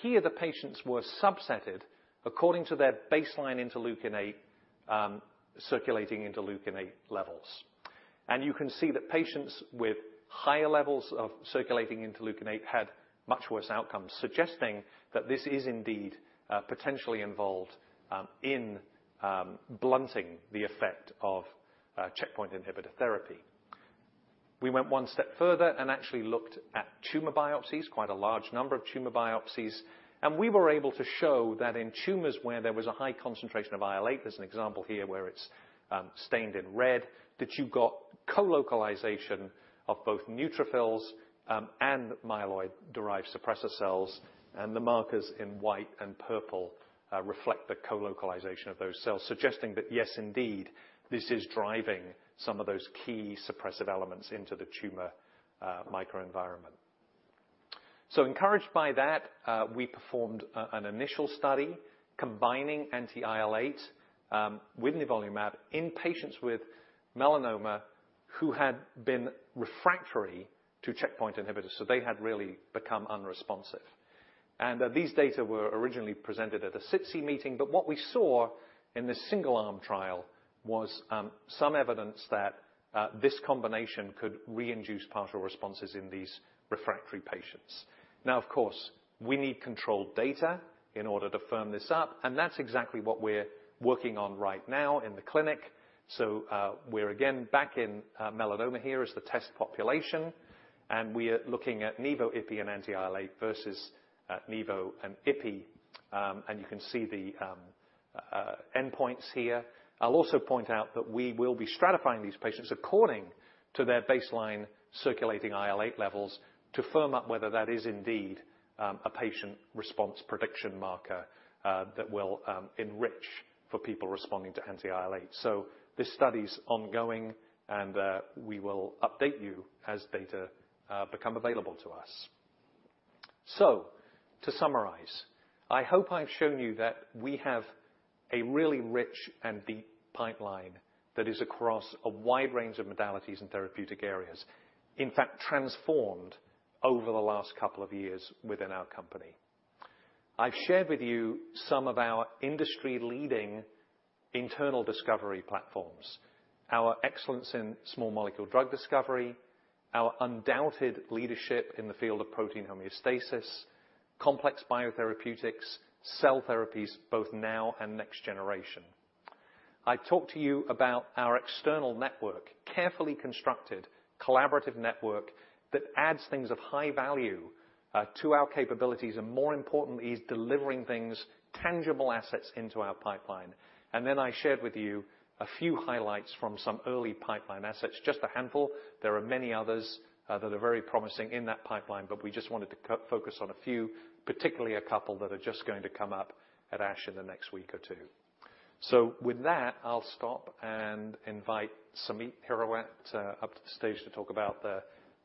Here, the patients were subsetted according to their baseline interleukin-eight circulating interleukin-eight levels. You can see that patients with higher levels of circulating interleukin-eight had much worse outcomes, suggesting that this is indeed potentially involved in blunting the effect of checkpoint inhibitor therapy. We went one step further and actually looked at tumor biopsies, quite a large number of tumor biopsies. We were able to show that in tumors where there was a high concentration of IL-8, there's an example here where it's stained in red, that you got colocalization of both neutrophils and myeloid-derived suppressor cells. The markers in white and purple reflect the colocalization of those cells, suggesting that yes, indeed, this is driving some of those key suppressive elements into the tumor microenvironment. Encouraged by that, we performed an initial study combining anti-IL-8 with nivolumab in patients with melanoma who had been refractory to checkpoint inhibitors. They had really become unresponsive. These data were originally presented at a SITC meeting, but what we saw in this single-arm trial was some evidence that this combination could reinduce partial responses in these refractory patients. Now, of course, we need controlled data in order to firm this up, and that's exactly what we're working on right now in the clinic. We're again back in melanoma here as the test population, and we are looking at nivo, ipi and anti-IL-8 versus nivo and ipi. You can see the endpoints here. I'll also point out that we will be stratifying these patients according to their baseline circulating IL-8 levels to firm up whether that is indeed a patient response prediction marker that will enrich for people responding to anti-IL-8. This study's ongoing, and we will update you as data become available to us. To summarize, I hope I've shown you that we have a really rich and deep pipeline that is across a wide range of modalities and therapeutic areas, in fact, transformed over the last couple of years within our company. I've shared with you some of our industry-leading internal discovery platforms, our excellence in small molecule drug discovery, our undoubted leadership in the field of protein homeostasis, complex biotherapeutics, cell therapies, both now and next generation. I talked to you about our external network, carefully constructed collaborative network that adds things of high value to our capabilities, and more importantly, is delivering things, tangible assets into our pipeline. I shared with you a few highlights from some early pipeline assets. Just a handful. There are many others that are very promising in that pipeline, but we just wanted to focus on a few, particularly a couple that are just going to come up at ASH in the next week or two. With that, I'll stop and invite Samit Hirawat up to the stage to talk about the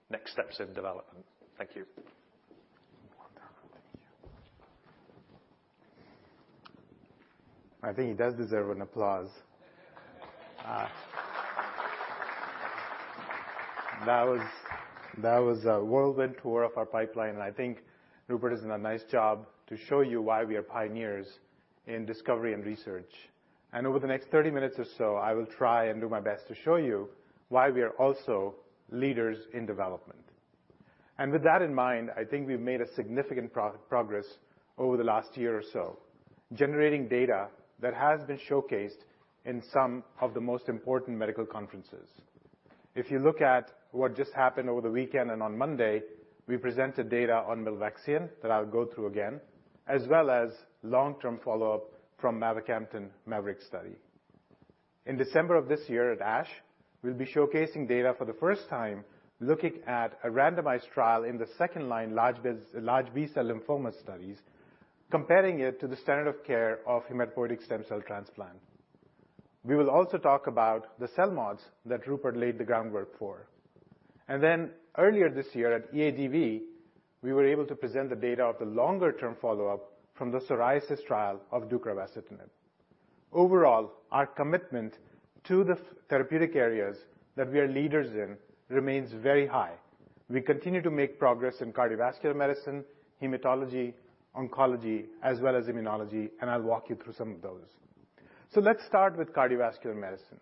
next steps in development. Thank you. I think he does deserve an applause. That was a whirlwind tour of our pipeline. I think Rupert has done a nice job to show you why we are pioneers in discovery and research. Over the next 30 minutes or so, I will try and do my best to show you why we are also leaders in development. With that in mind, I think we've made a significant progress over the last year or so, generating data that has been showcased in some of the most important medical conferences. If you look at what just happened over the weekend and on Monday, we presented data on milvexian that I'll go through again, as well as long-term follow-up from mavacamten MAVERICK study. In December of this year at ASH, we'll be showcasing data for the first time looking at a randomized trial in the second-line large B-cell lymphoma studies, comparing it to the standard of care of hematopoietic stem cell transplant. We will also talk about the cell mods that Rupert laid the groundwork for. Earlier this year at EADV, we were able to present the data of the longer term follow-up from the psoriasis trial of deucravacitinib. Overall, our commitment to the therapeutic areas that we are leaders in remains very high. We continue to make progress in cardiovascular medicine, hematology, oncology, as well as immunology, and I'll walk you through some of those. Let's start with cardiovascular medicine.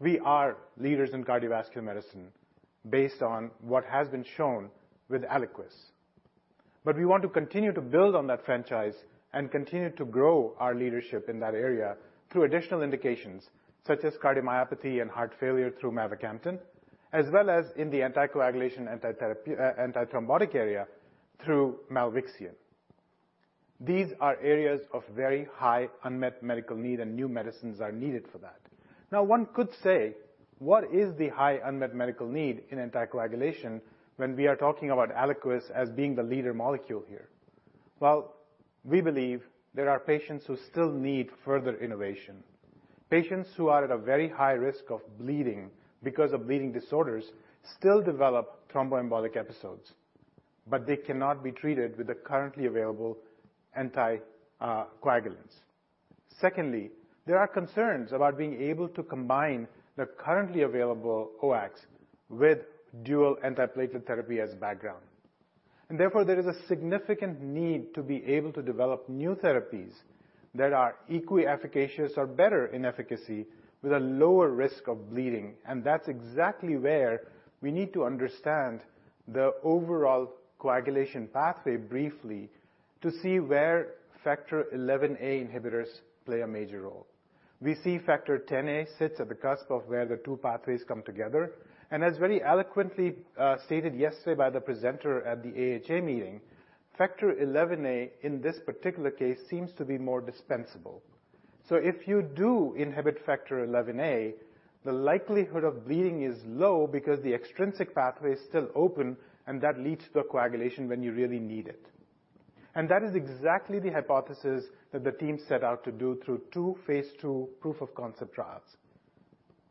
We are leaders in cardiovascular medicine based on what has been shown with Eliquis. We want to continue to build on that franchise and continue to grow our leadership in that area through additional indications such as cardiomyopathy and heart failure through mavacamten, as well as in the anticoagulation, antithrombotic area through milvexian. These are areas of very high unmet medical need, and new medicines are needed for that. Now, one could say, "What is the high unmet medical need in anticoagulation when we are talking about Eliquis as being the leader molecule here?" Well, we believe there are patients who still need further innovation. Patients who are at a very high risk of bleeding because of bleeding disorders still develop thromboembolic episodes, but they cannot be treated with the currently available anticoagulants. Secondly, there are concerns about being able to combine the currently available OACs with dual antiplatelet therapy as background. Therefore, there is a significant need to be able to develop new therapies that are equally efficacious or better in efficacy with a lower risk of bleeding. That's exactly where we need to understand the overall coagulation pathway briefly to see where factor XIa inhibitors play a major role. We see factor Xa sits at the cusp of where the two pathways come together. As very eloquently stated yesterday by the presenter at the AHA meeting, factor XIa in this particular case seems to be more dispensable. If you do inhibit factor XIa, the likelihood of bleeding is low because the extrinsic pathway is still open, and that leads to coagulation when you really need it. That is exactly the hypothesis that the team set out to do through two phase II proof-of-concept trials.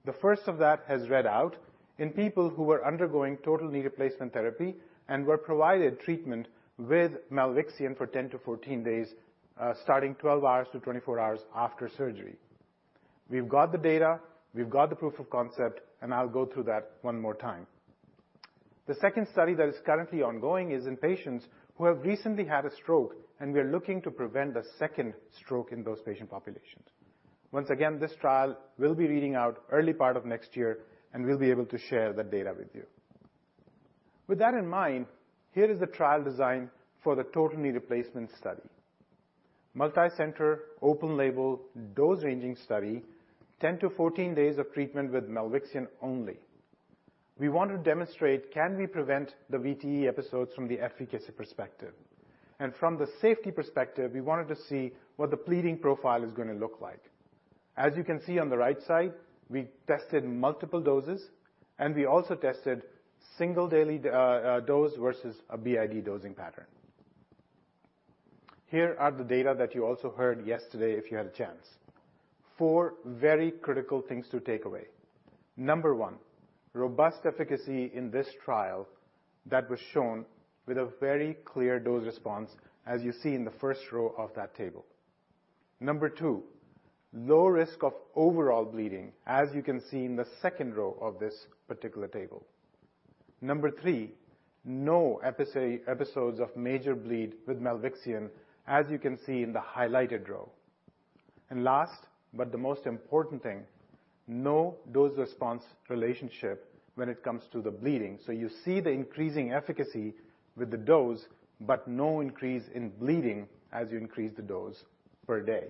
The first of that has read out in people who were undergoing total knee replacement therapy and were provided treatment with milvexian for 10-14 days, starting 12-24 hours after surgery. We've got the data, we've got the proof of concept, and I'll go through that one more time. The second study that is currently ongoing is in patients who have recently had a stroke, and we are looking to prevent a second stroke in those patient populations. Once again, this trial will be reading out early part of next year, and we'll be able to share the data with you. With that in mind, here is the trial design for the total knee replacement study. Multicenter, open-label, dose-ranging study, 10-14 days of treatment with milvexian only. We want to demonstrate, can we prevent the VTE episodes from the efficacy perspective? From the safety perspective, we wanted to see what the bleeding profile is gonna look like. As you can see on the right side, we tested multiple doses and we also tested single daily dose versus a BID dosing pattern. Here are the data that you also heard yesterday if you had a chance. Four very critical things to take away. Number one, robust efficacy in this trial that was shown with a very clear dose response as you see in the first row of that table. Number two, low risk of overall bleeding, as you can see in the second row of this particular table. Number three, no episodes of major bleed with milvexian, as you can see in the highlighted row. Last, but the most important thing, no dose response relationship when it comes to the bleeding. You see the increasing efficacy with the dose, but no increase in bleeding as you increase the dose per day.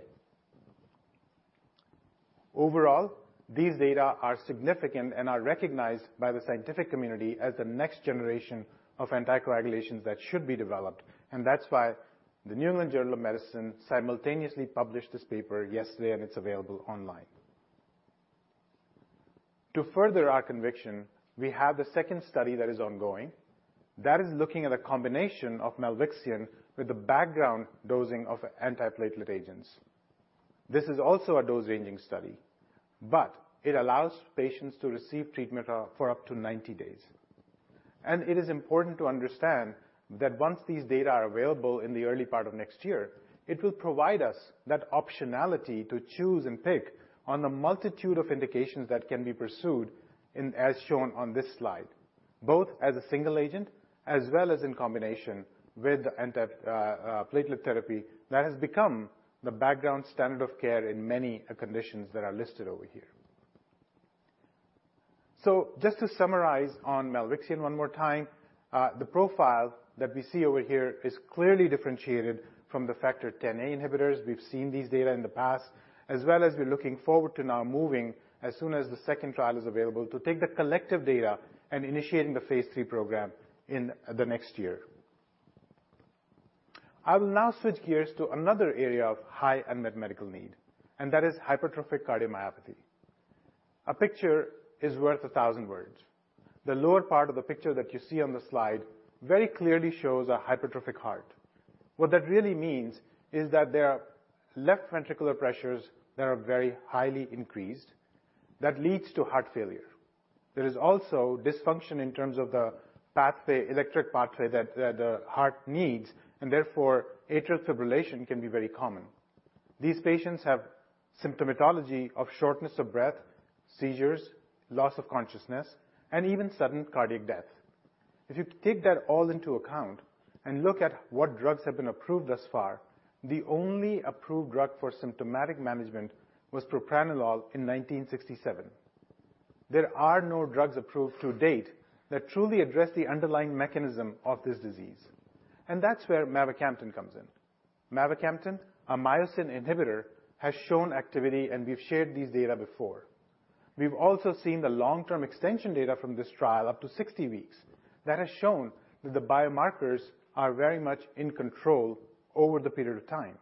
Overall, these data are significant and are recognized by the scientific community as the next generation of anticoagulants that should be developed, and that's why the New England Journal of Medicine simultaneously published this paper yesterday, and it's available online. To further our conviction, we have the second study that is ongoing. That is looking at a combination of milvexian with the background dosing of antiplatelet agents. This is also a dose-ranging study, but it allows patients to receive treatment for up to 90 days. It is important to understand that once these data are available in the early part of next year, it will provide us that optionality to choose and pick on a multitude of indications that can be pursued in As shown on this slide, both as a single agent as well as in combination with the anti-platelet therapy that has become the background standard of care in many conditions that are listed over here. Just to summarize on milvexian one more time, the profile that we see over here is clearly differentiated from the factor Xa inhibitors. We've seen these data in the past, as well as we're looking forward to now moving as soon as the second trial is available to take the collective data and initiating the phase III program in the next year. I will now switch gears to another area of high unmet medical need, and that is hypertrophic cardiomyopathy. A picture is worth a thousand words. The lower part of the picture that you see on the slide very clearly shows a hypertrophic heart. What that really means is that there are left ventricular pressures that are very highly increased that leads to heart failure. There is also dysfunction in terms of the pathway, electric pathway that the heart needs, and therefore atrial fibrillation can be very common. These patients have symptomatology of shortness of breath, seizures, loss of consciousness, and even sudden cardiac death. If you take that all into account and look at what drugs have been approved thus far, the only approved drug for symptomatic management was propranolol in 1967. There are no drugs approved to date that truly address the underlying mechanism of this disease, and that's where mavacamten comes in. Mavacamten, a myosin inhibitor, has shown activity, and we've shared these data before. We've also seen the long-term extension data from this trial up to 60 weeks. That has shown that the biomarkers are very much in control over the period of time.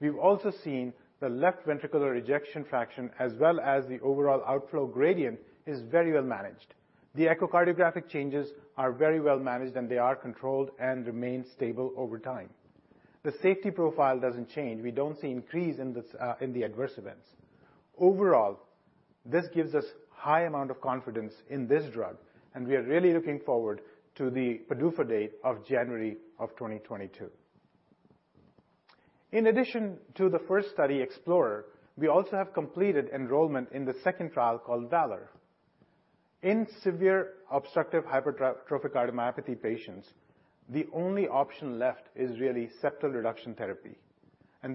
We've also seen the left ventricular ejection fraction as well as the overall outflow gradient is very well managed. The echocardiographic changes are very well managed, and they are controlled and remain stable over time. The safety profile doesn't change. We don't see increase in this, in the adverse events. Overall, this gives us high amount of confidence in this drug, and we are really looking forward to the PDUFA date of January 2022. In addition to the first study, EXPLORER, we also have completed enrollment in the second trial called VALOR. In severe obstructive hypertrophic cardiomyopathy patients, the only option left is really septal reduction therapy.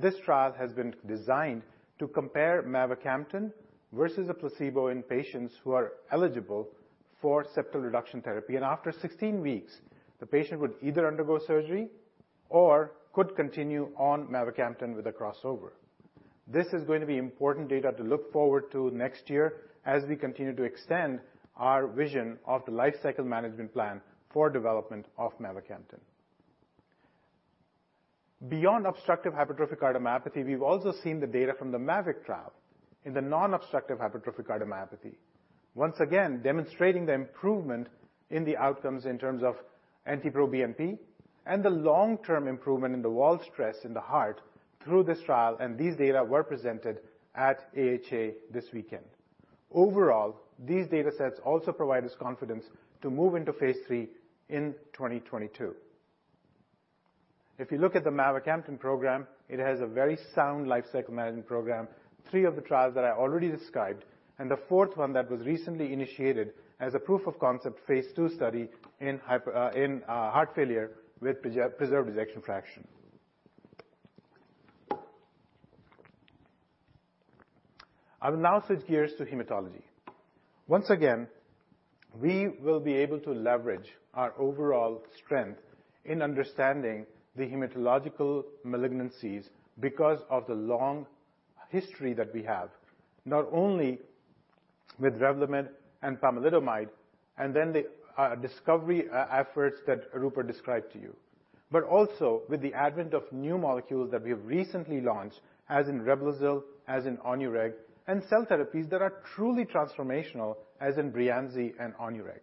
This trial has been designed to compare mavacamten versus a placebo in patients who are eligible for septal reduction therapy. After 16 weeks, the patient would either undergo surgery or could continue on mavacamten with a crossover. This is going to be important data to look forward to next year as we continue to extend our vision of the lifecycle management plan for development of mavacamten. Beyond obstructive hypertrophic cardiomyopathy, we've also seen the data from the MAVERICK trial in the non-obstructive hypertrophic cardiomyopathy. Once again, demonstrating the improvement in the outcomes in terms of NT-proBNP and the long-term improvement in the wall stress in the heart through this trial, and these data were presented at AHA this weekend. Overall, these datasets also provide us confidence to move into phase III in 2022. If you look at the mavacamten program, it has a very sound lifecycle management program, three of the trials that I already described, and the fourth one that was recently initiated as a proof of concept phase II study in heart failure with preserved ejection fraction. I will now switch gears to hematology. Once again, we will be able to leverage our overall strength in understanding the hematological malignancies because of the long history that we have, not only with Revlimid and pomalidomide, and then the discovery efforts that Rupert described to you, but also with the advent of new molecules that we have recently launched, as in Reblozyl, as in Onureg, and cell therapies that are truly transformational, as in Breyanzi and Onureg.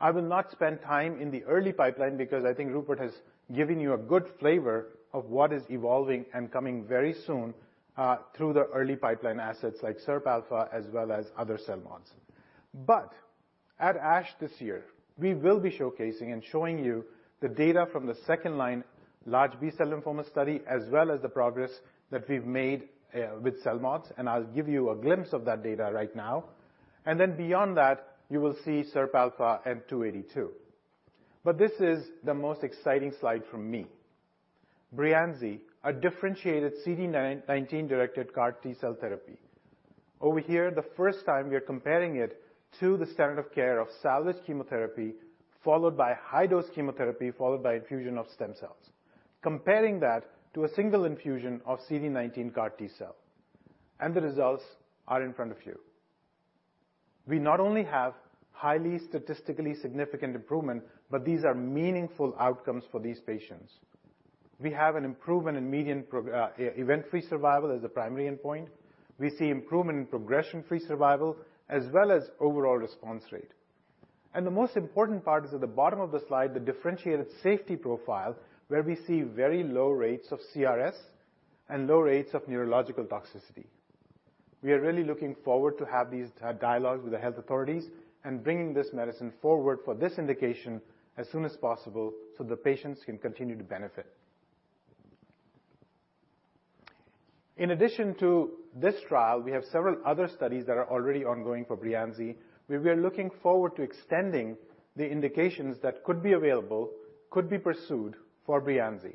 I will not spend time in the early pipeline because I think Rupert has given you a good flavor of what is evolving and coming very soon, through the early pipeline assets like SIRPalpha as well as other CELMoDs. At ASH this year, we will be showcasing and showing you the data from the second-line large B-cell lymphoma study, as well as the progress that we've made, with CELMoDs, and I'll give you a glimpse of that data right now. Then beyond that, you will see SIRPalpha and CC-99282. This is the most exciting slide for me. Breyanzi, a differentiated CD19-directed CAR T-cell therapy. Over here, the first time we are comparing it to the standard of care of salvage chemotherapy, followed by high-dose chemotherapy, followed by infusion of stem cells. Comparing that to a single infusion of CD19 CAR T-cell. The results are in front of you. We not only have highly statistically significant improvement, but these are meaningful outcomes for these patients. We have an improvement in median event-free survival as the primary endpoint. We see improvement in progression-free survival, as well as overall response rate. The most important part is at the bottom of the slide, the differentiated safety profile, where we see very low rates of CRS and low rates of neurological toxicity. We are really looking forward to have these dialogues with the health authorities and bringing this medicine forward for this indication as soon as possible, so the patients can continue to benefit. In addition to this trial, we have several other studies that are already ongoing for Breyanzi. We are looking forward to extending the indications that could be available, could be pursued for Breyanzi.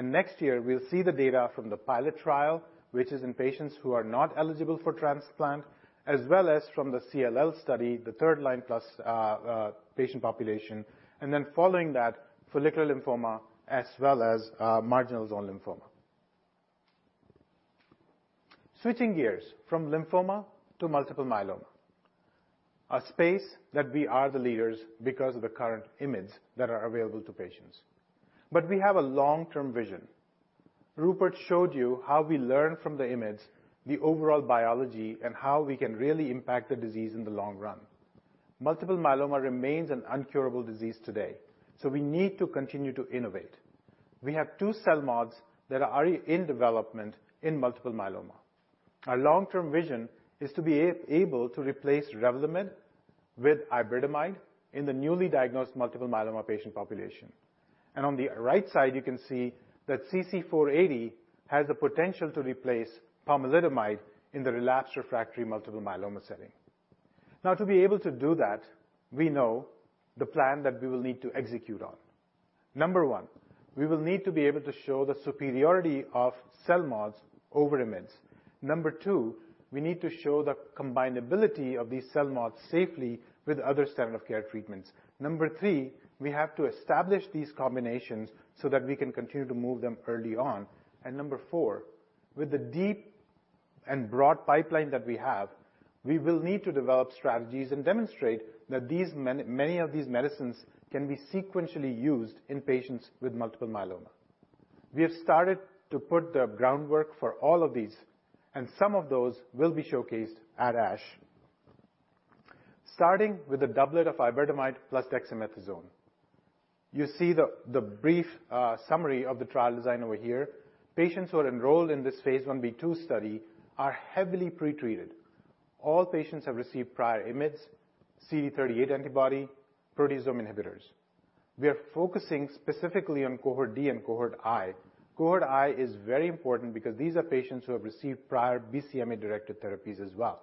Next year, we'll see the data from the pilot trial, which is in patients who are not eligible for transplant, as well as from the CLL study, the third-line plus patient population, and then following that, follicular lymphoma as well as marginal zone lymphoma. Switching gears from lymphoma to multiple myeloma, a space that we are the leaders because of the current IMiDs that are available to patients. We have a long-term vision. Rupert showed you how we learn from the IMiDs the overall biology and how we can really impact the disease in the long run. Multiple myeloma remains an incurable disease today, so we need to continue to innovate. We have two CELMoDs that are already in development in multiple myeloma. Our long-term vision is to be able to replace Revlimid with iberdomide in the newly diagnosed multiple myeloma patient population. On the right side, you can see that CC-92480 has the potential to replace pomalidomide in the relapsed refractory multiple myeloma setting. Now to be able to do that, we know the plan that we will need to execute on. Number one, we will need to be able to show the superiority of CELMoDs over IMiDs. Number two, we need to show the combinability of these CELMoDs safely with other standard of care treatments. Number three, we have to establish these combinations so that we can continue to move them early on. Number four, with the deep and broad pipeline that we have, we will need to develop strategies and demonstrate that these many of these medicines can be sequentially used in patients with multiple myeloma. We have started to put the groundwork for all of these, and some of those will be showcased at ASH. Starting with the doublet of iberdomide plus dexamethasone. You see the brief summary of the trial design over here. Patients who are enrolled in this phase I/B II study are heavily pretreated. All patients have received prior IMiDs, CD38 antibody, proteasome inhibitors. We are focusing specifically on cohort D and cohort I. Cohort I is very important because these are patients who have received prior BCMA-directed therapies as well.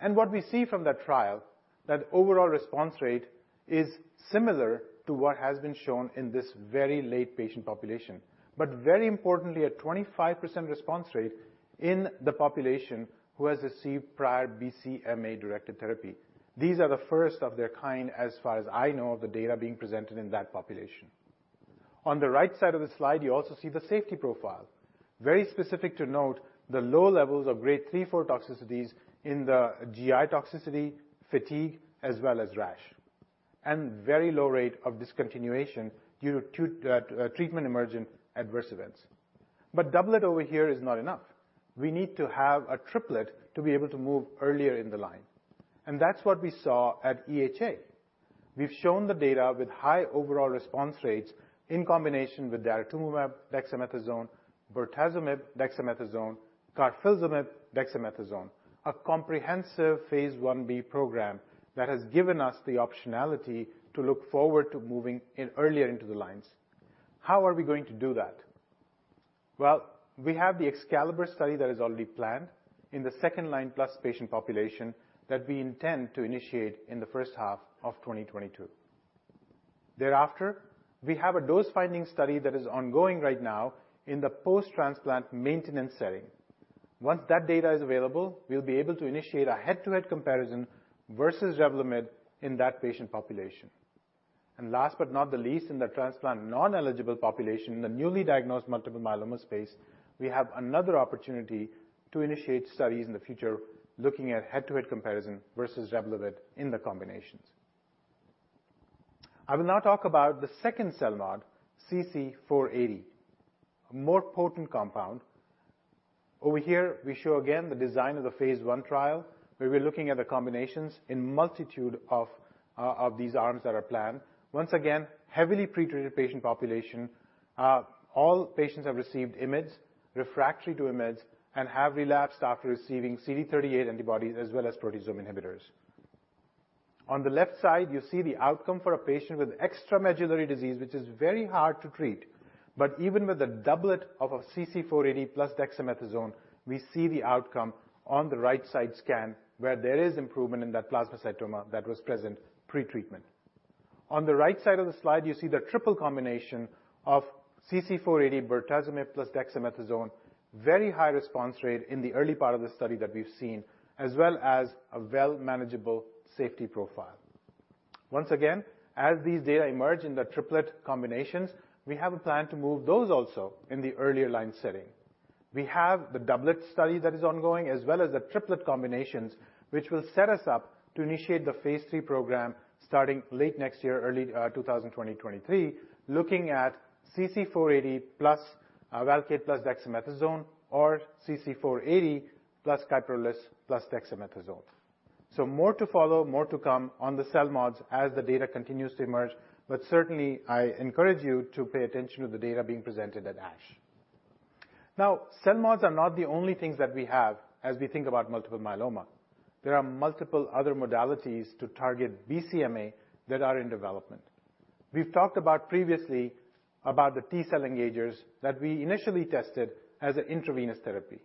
What we see from that trial, that overall response rate is similar to what has been shown in this very late patient population, but very importantly, a 25% response rate in the population who has received prior BCMA-directed therapy. These are the first of their kind as far as I know of the data being presented in that population. On the right side of the slide, you also see the safety profile. Very specific to note the low levels of grade three, four toxicities in the GI toxicity, fatigue, as well as rash, and very low rate of discontinuation due to treatment-emergent adverse events. Doublet over here is not enough. We need to have a triplet to be able to move earlier in the line, and that's what we saw at EHA. We've shown the data with high overall response rates in combination with daratumumab, dexamethasone, bortezomib, dexamethasone, carfilzomib, dexamethasone, a comprehensive phase I B program that has given us the optionality to look forward to moving in earlier into the lines. How are we going to do that? Well, we have the EXCALIBER study that is already planned in the second-line plus patient population that we intend to initiate in the first half of 2022. Thereafter, we have a dose-finding study that is ongoing right now in the post-transplant maintenance setting. Once that data is available, we'll be able to initiate a head-to-head comparison versus Revlimid in that patient population. Last but not the least, in the transplant non-eligible population, the newly diagnosed multiple myeloma space, we have another opportunity to initiate studies in the future looking at head-to-head comparison versus Revlimid in the combinations. I will now talk about the second CELMoD, CC-92480, a more potent compound. Over here, we show again the design of the phase I trial, where we're looking at the combinations in multitude of these arms that are planned. Once again, heavily pre-treated patient population. All patients have received IMiDs, refractory to IMiDs, and have relapsed after receiving CD38 antibodies as well as proteasome inhibitors. On the left side, you see the outcome for a patient with extramedullary disease, which is very hard to treat. Even with a doublet of a CC-92480 plus dexamethasone, we see the outcome on the right side scan, where there is improvement in that plasmacytoma that was present pre-treatment. On the right side of the slide, you see the triple combination of CC-92480, bortezomib plus dexamethasone. Very high response rate in the early part of the study that we've seen, as well as a well manageable safety profile. Once again, as these data emerge in the triplet combinations, we have a plan to move those also in the earlier line setting. We have the doublet study that is ongoing, as well as the triplet combinations, which will set us up to initiate the phase III program starting late next year, early 2023, looking at CC-92480 plus Velcade plus dexamethasone or CC-92480 plus Kyprolis plus dexamethasone. More to follow, more to come on the cell mods as the data continues to emerge, but certainly I encourage you to pay attention to the data being presented at ASH. Cell mods are not the only things that we have as we think about multiple myeloma. There are multiple other modalities to target BCMA that are in development. We've talked about previously about the T-cell engagers that we initially tested as an intravenous therapy.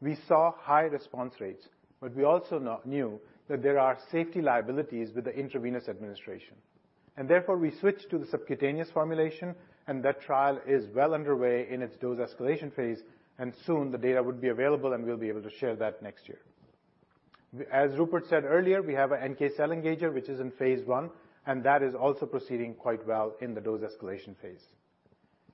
We saw high response rates, but we also knew that there are safety liabilities with the intravenous administration. Therefore, we switched to the subcutaneous formulation, and that trial is well underway in its dose escalation phase, and soon the data would be available, and we'll be able to share that next year. As Rupert said earlier, we have an NK cell engager, which is in phase I, and that is also proceeding quite well in the dose escalation phase.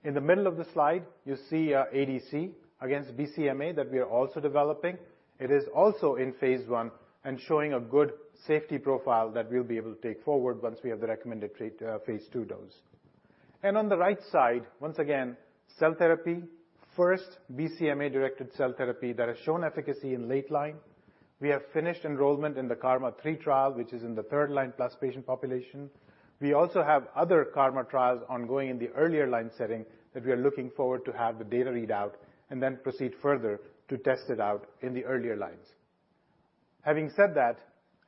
In the middle of the slide, you see, ADC against BCMA that we are also developing. It is also in phase I and showing a good safety profile that we'll be able to take forward once we have the recommended phase II dose. On the right side, once again, cell therapy. First BCMA-directed cell therapy that has shown efficacy in late-line. We have finished enrollment in the KarMMa three trial, which is in the third-line+ patient population. We also have other KarMMa trials ongoing in the earlier-line setting that we are looking forward to have the data readout and then proceed further to test it out in the earlier lines. Having said that,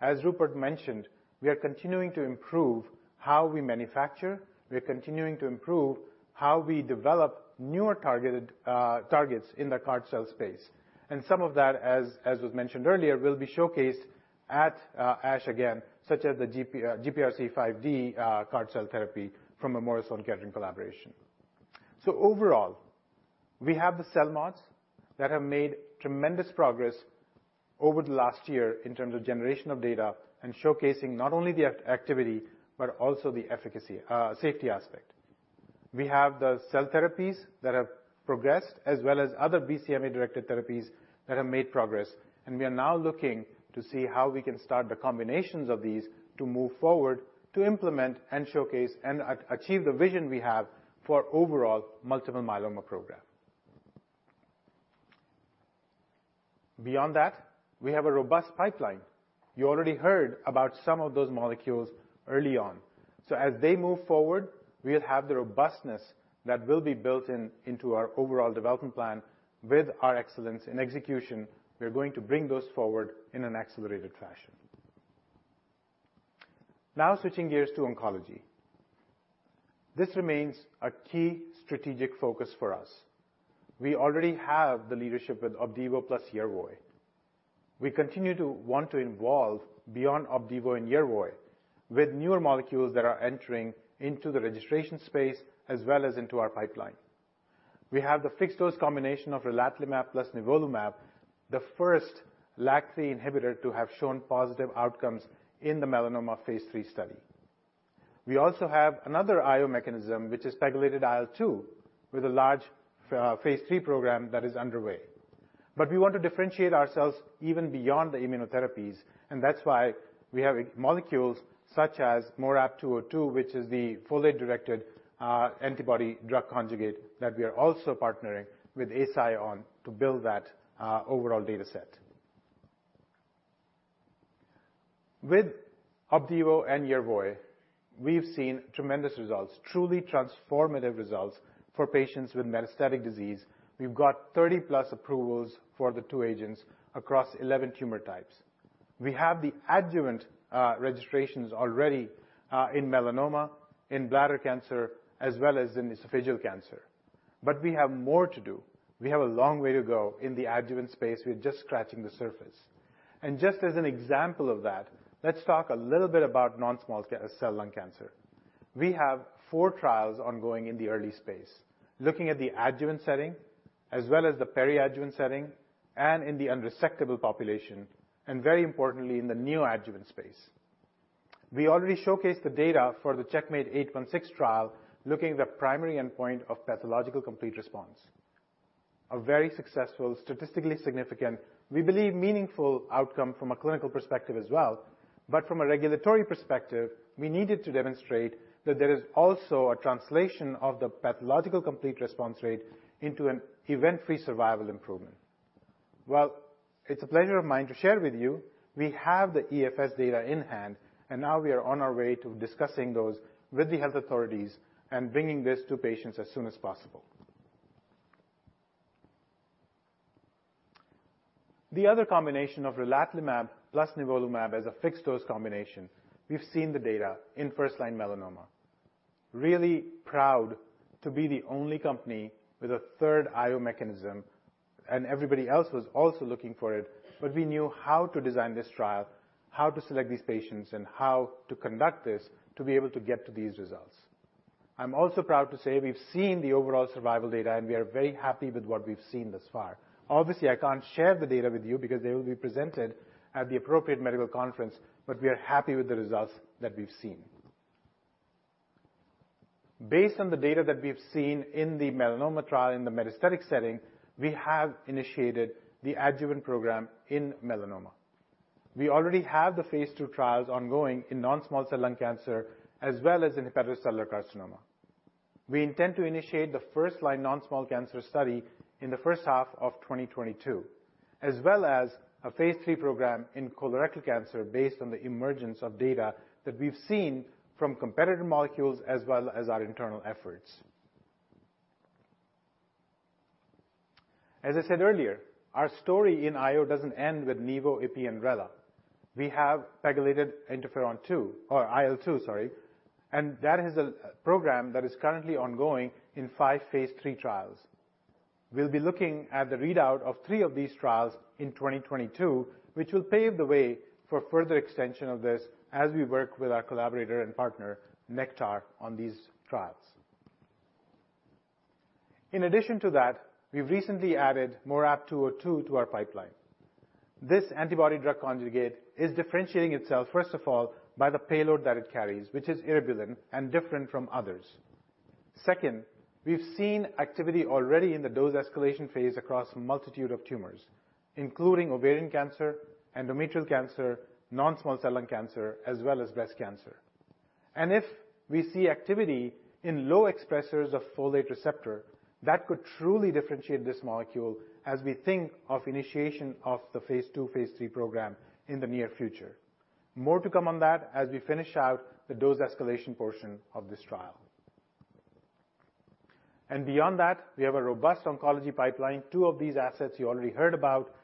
as Rupert mentioned, we are continuing to improve how we manufacture. We are continuing to improve how we develop newer targeted targets in the CAR T cell space. Some of that, as was mentioned earlier, will be showcased at ASH again, such as the GPRC5D CAR-T cell therapy from a Memorial Sloan Kettering collaboration. Overall, we have the CELMoDs that have made tremendous progress over the last year in terms of generation of data and showcasing not only the activity, but also the efficacy, safety aspect. We have the cell therapies that have progressed as well as other BCMA-directed therapies that have made progress. We are now looking to see how we can start the combinations of these to move forward to implement and showcase and achieve the vision we have for overall multiple myeloma program. Beyond that, we have a robust pipeline. You already heard about some of those molecules early on. As they move forward, we'll have the robustness that will be built in into our overall development plan. With our excellence in execution, we are going to bring those forward in an accelerated fashion. Now switching gears to oncology. This remains a key strategic focus for us. We already have the leadership with Opdivo plus Yervoy. We continue to want to evolve beyond Opdivo and Yervoy with newer molecules that are entering into the registration space as well as into our pipeline. We have the fixed dose combination of relatlimab plus nivolumab, the first LAG-3 inhibitor to have shown positive outcomes in the melanoma phase III study. We also have another IO mechanism, which is regulated IL-2 with a large phase III program that is underway. We want to differentiate ourselves even beyond the immunotherapies, and that's why we have molecules such as MORab-202, which is the folate-directed antibody drug conjugate that we are also partnering with Eisai on to build that overall data set. With Opdivo and Yervoy, we've seen tremendous results, truly transformative results for patients with metastatic disease. We've got 30+ approvals for the two agents across 11 tumor types. We have the adjuvant registrations already in melanoma, in bladder cancer, as well as in esophageal cancer. We have more to do. We have a long way to go in the adjuvant space. We're just scratching the surface. Just as an example of that, let's talk a little bit about non-small cell lung cancer. We have four trials ongoing in the early space, looking at the adjuvant setting as well as the peri-adjuvant setting and in the unresectable population, and very importantly, in the neo-adjuvant space. We already showcased the data for the CheckMate 816 trial, looking at the primary endpoint of pathological complete response, a very successful, statistically significant, we believe, meaningful outcome from a clinical perspective as well. From a regulatory perspective, we needed to demonstrate that there is also a translation of the pathological complete response rate into an event-free survival improvement. Well, it's a pleasure of mine to share with you, we have the EFS data in hand, and now we are on our way to discussing those with the health authorities and bringing this to patients as soon as possible. The other combination of relatlimab plus nivolumab as a fixed-dose combination, we've seen the data in first-line melanoma. Really proud to be the only company with a third IO mechanism, and everybody else was also looking for it. We knew how to design this trial, how to select these patients, and how to conduct this to be able to get to these results. I'm also proud to say we've seen the overall survival data, and we are very happy with what we've seen thus far. Obviously, I can't share the data with you because they will be presented at the appropriate medical conference, but we are happy with the results that we've seen. Based on the data that we have seen in the melanoma trial in the metastatic setting, we have initiated the adjuvant program in melanoma. We already have the phase II trials ongoing in non-small cell lung cancer as well as in hepatocellular carcinoma. We intend to initiate the first-line non-small cell cancer study in the first half of 2022, as well as a phase III program in colorectal cancer based on the emergence of data that we've seen from competitive molecules as well as our internal efforts. As I said earlier, our story in IO doesn't end with nivo, ipi, and rela. We have pegylated IL-2, sorry, and that is a program that is currently ongoing in five phase III trials. We'll be looking at the readout of three of these trials in 2022, which will pave the way for further extension of this as we work with our collaborator and partner, Nektar, on these trials. In addition to that, we've recently added MORab-202 to our pipeline. This antibody drug conjugate is differentiating itself, first of all, by the payload that it carries, which is eribulin and different from others. Second, we've seen activity already in the dose escalation phase across a multitude of tumors, including ovarian cancer, endometrial cancer, non-small cell lung cancer, as well as breast cancer. If we see activity in low expressers of folate receptor, that could truly differentiate this molecule as we think of initiation of the phase II, phase III program in the near future. More to come on that as we finish out the dose escalation portion of this trial. Beyond that, we have a robust oncology pipeline, two of these assets you already heard about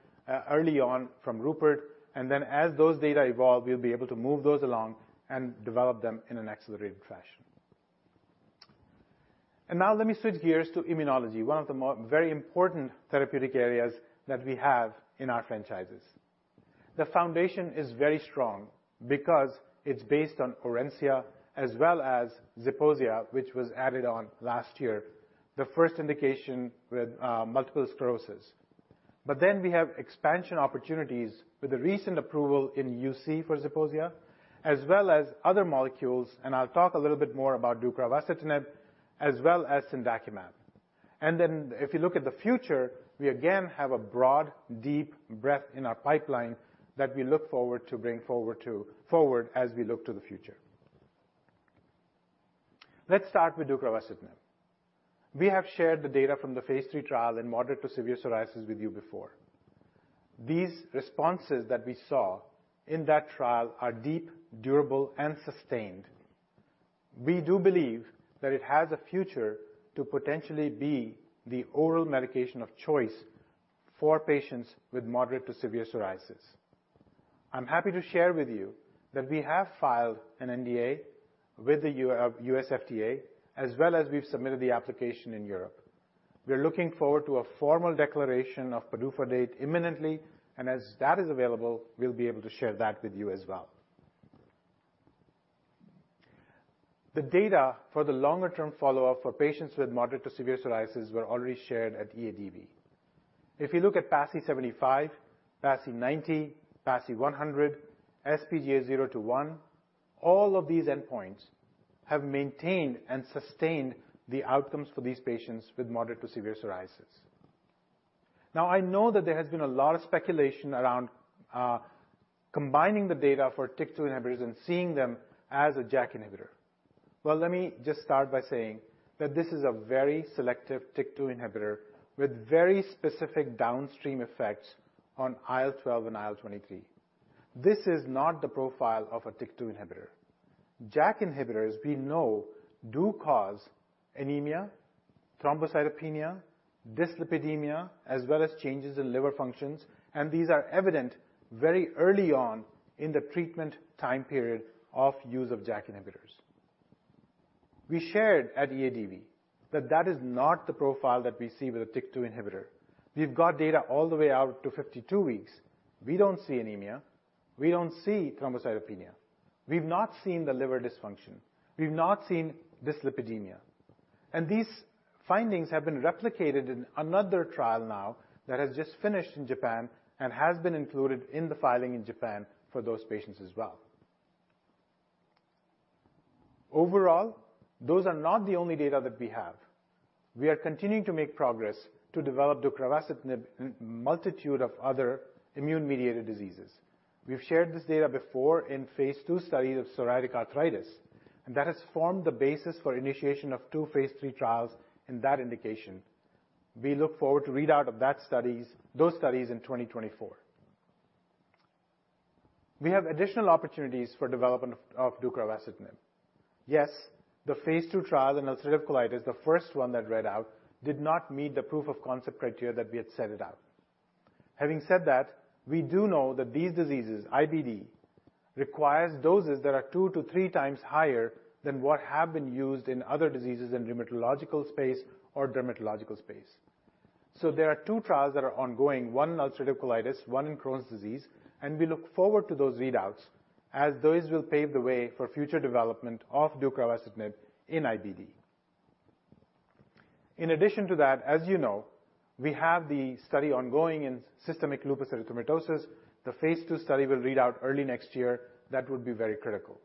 early on from Rupert. As those data evolve, we'll be able to move those along and develop them in an accelerated fashion. Now let me switch gears to immunology, one of the very important therapeutic areas that we have in our franchises. The foundation is very strong because it's based on Orencia as well as Zeposia, which was added on last year, the first indication with multiple sclerosis. Then we have expansion opportunities with the recent approval in UC for Zeposia, as well as other molecules. I'll talk a little bit more about deucravacitinib as well as sindaximod. Then if you look at the future, we again have a broad, deep breadth in our pipeline that we look forward to bring forward as we look to the future. Let's start with deucravacitinib. We have shared the data from the phase III trial in moderate to severe psoriasis with you before. These responses that we saw in that trial are deep, durable, and sustained. We do believe that it has a future to potentially be the oral medication of choice for patients with moderate to severe psoriasis. I'm happy to share with you that we have filed an NDA with the U.S. FDA, as well as we've submitted the application in Europe. We are looking forward to a formal declaration of PDUFA date imminently, and as that is available, we'll be able to share that with you as well. The data for the longer-term follow-up for patients with moderate to severe psoriasis were already shared at EADV. If you look at PASI 75, PASI 90, PASI 100, SPA 0-1, all of these endpoints have maintained and sustained the outcomes for these patients with moderate to severe psoriasis. Now, I know that there has been a lot of speculation around combining the data for TYK2 inhibitors and seeing them as a JAK inhibitor. Well, let me just start by saying that this is a very selective TYK2 inhibitor with very specific downstream effects on IL-12 and IL-23. This is not the profile of a TYK2 inhibitor. JAK inhibitors, we know, do cause anemia, thrombocytopenia, dyslipidemia, as well as changes in liver functions, and these are evident very early on in the treatment time period of use of JAK inhibitors. We shared at EADV that that is not the profile that we see with a TYK2 inhibitor. We've got data all the way out to 52 weeks. We don't see anemia, we don't see thrombocytopenia. We've not seen the liver dysfunction. We've not seen dyslipidemia. These findings have been replicated in another trial now that has just finished in Japan and has been included in the filing in Japan for those patients as well. Overall, those are not the only data that we have. We are continuing to make progress to develop deucravacitinib in multitude of other immune-mediated diseases. We've shared this data before in phase II study of psoriatic arthritis, and that has formed the basis for initiation of two phase III trials in that indication. We look forward to readout of those studies in 2024. We have additional opportunities for development of deucravacitinib. Yes, the phase II trial in ulcerative colitis, the first one that read out, did not meet the proof of concept criteria that we had set out. Having said that, we do know that these diseases, IBD, requires doses that are two to three times higher than what have been used in other diseases in rheumatological space or dermatological space. There are two trials that are ongoing, one in ulcerative colitis, one in Crohn's disease, and we look forward to those readouts as those will pave the way for future development of deucravacitinib in IBD. In addition to that, as you know, we have the study ongoing in systemic lupus erythematosus. The phase II study will read out early next year. That would be very critical.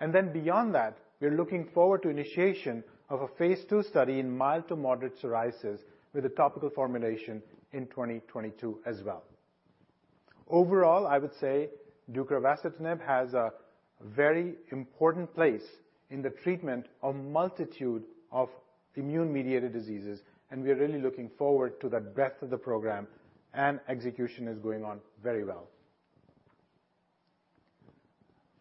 Beyond that, we're looking forward to initiation of a phase II study in mild to moderate psoriasis with a topical formulation in 2022 as well. Overall, I would say deucravacitinib has a very important place in the treatment of a multitude of immune-mediated diseases, and we are really looking forward to the breadth of the program, and execution is going on very well.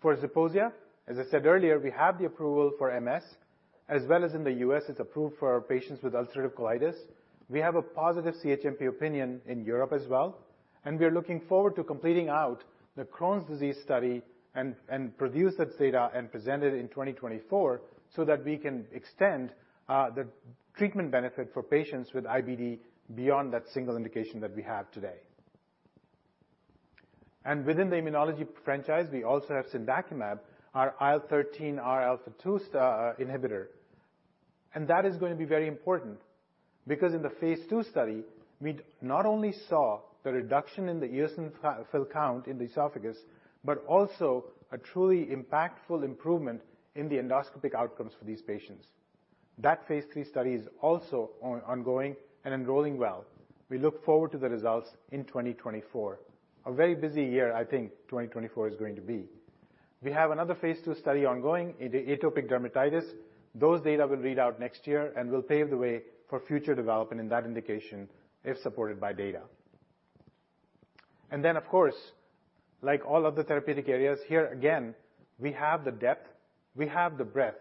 For Zeposia, as I said earlier, we have the approval for MS, as well as in the U.S., it's approved for our patients with ulcerative colitis. We have a positive CHMP opinion in Europe as well, and we are looking forward to rounding out the Crohn's disease study and produce that data and present it in 2024, so that we can extend the treatment benefit for patients with IBD beyond that single indication that we have today. Within the immunology franchise, we also have cendakimab, our IL-13 R alpha 2 inhibitor. That is gonna be very important because in the phase II study, we not only saw the reduction in the eosinophil count in the esophagus, but also a truly impactful improvement in the endoscopic outcomes for these patients. That phase III study is also ongoing and enrolling well. We look forward to the results in 2024. A very busy year, I think, 2024 is going to be. We have another phase II study ongoing in the atopic dermatitis. Those data will read out next year and will pave the way for future development in that indication if supported by data. Of course, like all other therapeutic areas, here again, we have the depth, we have the breadth,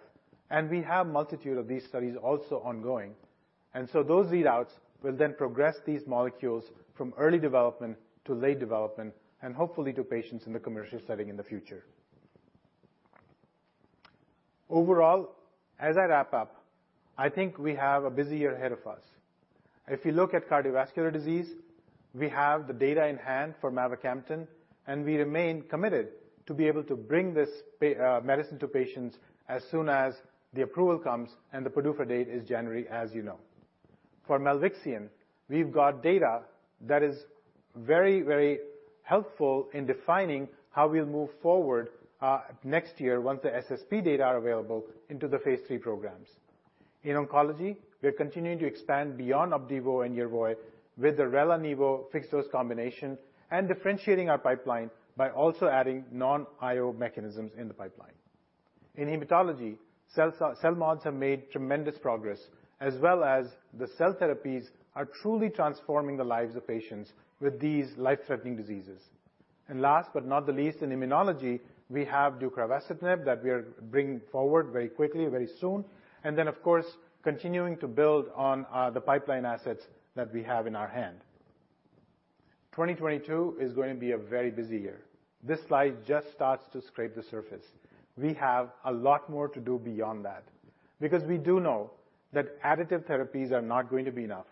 and we have multitude of these studies also ongoing. Those readouts will then progress these molecules from early development to late development and hopefully to patients in the commercial setting in the future. Overall, as I wrap up, I think we have a busy year ahead of us. If you look at cardiovascular disease, we have the data in hand for mavacamten, and we remain committed to be able to bring this medicine to patients as soon as the approval comes, and the PDUFA date is January, as you know. For milvexian, we've got data that is very, very helpful in defining how we'll move forward next year once the SSP data are available into the phase III programs. In oncology, we are continuing to expand beyond Opdivo and Yervoy with the relatlimab and nivolumab fixed-dose combination and differentiating our pipeline by also adding non-IO mechanisms in the pipeline. In hematology, cell mods have made tremendous progress, as well as the cell therapies are truly transforming the lives of patients with these life-threatening diseases. Last but not the least, in immunology, we have deucravacitinib that we are bringing forward very quickly, very soon, and then of course, continuing to build on the pipeline assets that we have in our hand. 2022 is going to be a very busy year. This slide just starts to scrape the surface. We have a lot more to do beyond that because we do know that additive therapies are not going to be enough.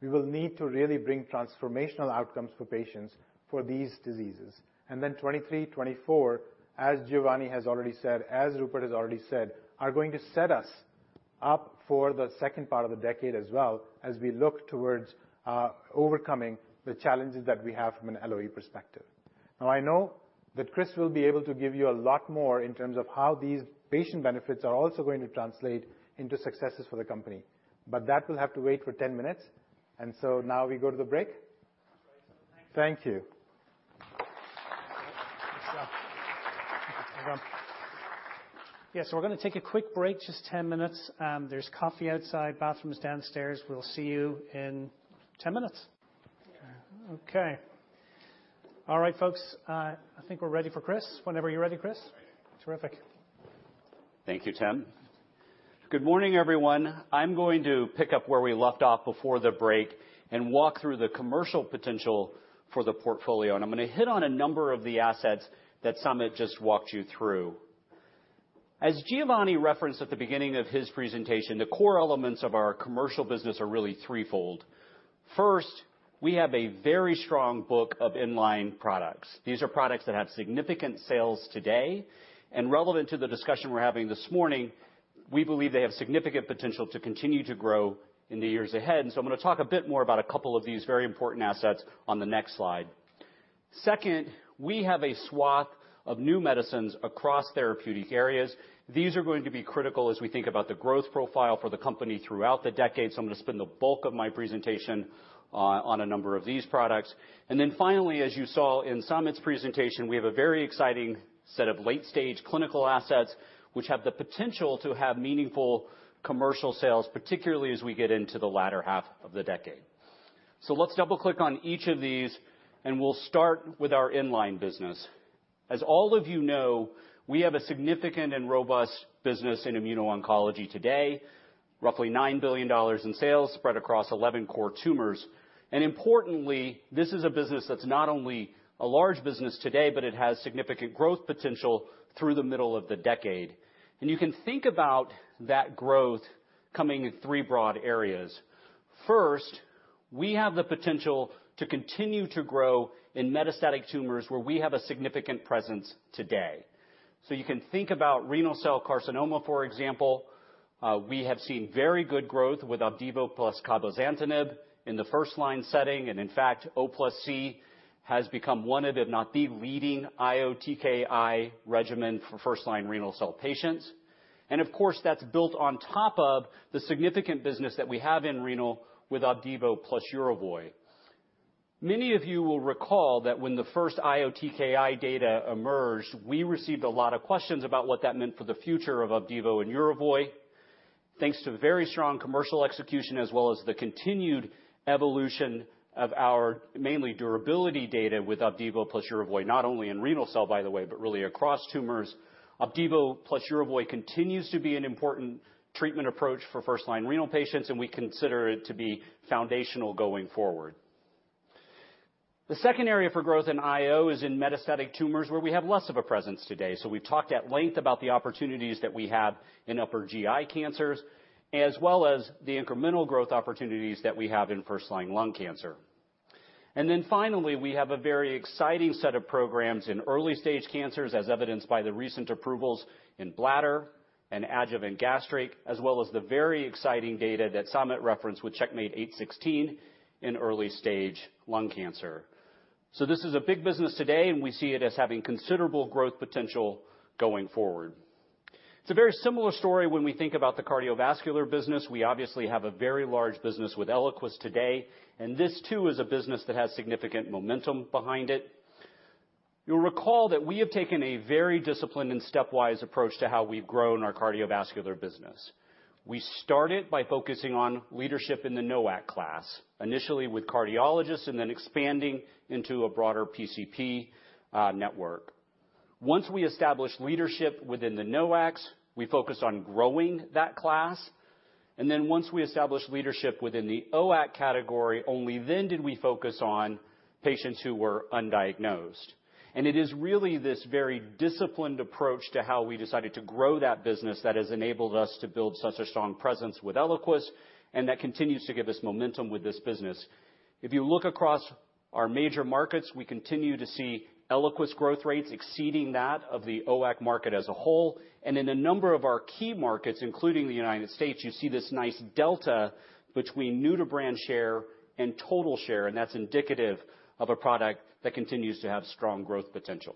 We will need to really bring transformational outcomes for patients for these diseases. 2023, 2024, as Giovanni has already said, as Rupert has already said, are going to set us up for the second part of the decade as well as we look towards overcoming the challenges that we have from an LOE perspective. Now, I know that Chris will be able to give you a lot more in terms of how these patient benefits are also going to translate into successes for the company, but that will have to wait for 10 minutes, and so now we go to the break. Thank you. Yes. We're gonna take a quick break, just 10 minutes. There's coffee outside, bathrooms downstairs. We'll see you in 10 minutes. Okay. All right, folks. I think we're ready for Chris. Whenever you're ready, Chris. Terrific. Thank you, Tim. Good morning, everyone. I'm going to pick up where we left off before the break and walk through the commercial potential for the portfolio, and I'm gonna hit on a number of the assets that Samit just walked you through. As Giovanni referenced at the beginning of his presentation, the core elements of our commercial business are really threefold. First, we have a very strong book of inline products. These are products that have significant sales today, and relevant to the discussion we're having this morning, we believe they have significant potential to continue to grow in the years ahead. I'm gonna talk a bit more about a couple of these very important assets on the next slide. Second, we have a swath of new medicines across therapeutic areas. These are going to be critical as we think about the growth profile for the company throughout the decade, so I'm gonna spend the bulk of my presentation on a number of these products. Then finally, as you saw in Samit's presentation, we have a very exciting set of late-stage clinical assets, which have the potential to have meaningful commercial sales, particularly as we get into the latter half of the decade. Let's double-click on each of these, and we'll start with our inline business. As all of you know, we have a significant and robust business in immuno-oncology today. Roughly $9 billion in sales spread across 11 core tumors. Importantly, this is a business that's not only a large business today, but it has significant growth potential through the middle of the decade. You can think about that growth coming in three broad areas. First, we have the potential to continue to grow in metastatic tumors, where we have a significant presence today. You can think about renal cell carcinoma, for example. We have seen very good growth with Opdivo plus cabozantinib in the first-line setting. In fact, O plus C has become one of, if not the leading IOTKI regimen for first-line renal cell patients. Of course, that's built on top of the significant business that we have in renal with Opdivo plus Yervoy. Many of you will recall that when the first IOTKI data emerged, we received a lot of questions about what that meant for the future of Opdivo and Yervoy. Thanks to very strong commercial execution as well as the continued evolution of our mature durability data with Opdivo plus Yervoy, not only in renal cell, by the way, but really across tumors. Opdivo plus Yervoy continues to be an important treatment approach for first-line renal patients, and we consider it to be foundational going forward. The second area for growth in IO is in metastatic tumors where we have less of a presence today. We've talked at length about the opportunities that we have in upper GI cancers, as well as the incremental growth opportunities that we have in first-line lung cancer. Finally, we have a very exciting set of programs in early-stage cancers, as evidenced by the recent approvals in bladder and adjuvant gastric, as well as the very exciting data that Samit referenced with CheckMate 816 in early-stage lung cancer. This is a big business today, and we see it as having considerable growth potential going forward. It's a very similar story when we think about the cardiovascular business. We obviously have a very large business with Eliquis today, and this too is a business that has significant momentum behind it. You'll recall that we have taken a very disciplined and stepwise approach to how we've grown our cardiovascular business. We started by focusing on leadership in the NOAC class, initially with cardiologists and then expanding into a broader PCP network. Once we established leadership within the NOACs, we focused on growing that class. Once we established leadership within the OAC category, only then did we focus on patients who were undiagnosed. It is really this very disciplined approach to how we decided to grow that business that has enabled us to build such a strong presence with Eliquis and that continues to give us momentum with this business. If you look across our major markets, we continue to see Eliquis growth rates exceeding that of the OAC market as a whole. In a number of our key markets, including the United States, you see this nice delta between new-to-brand share and total share, and that's indicative of a product that continues to have strong growth potential.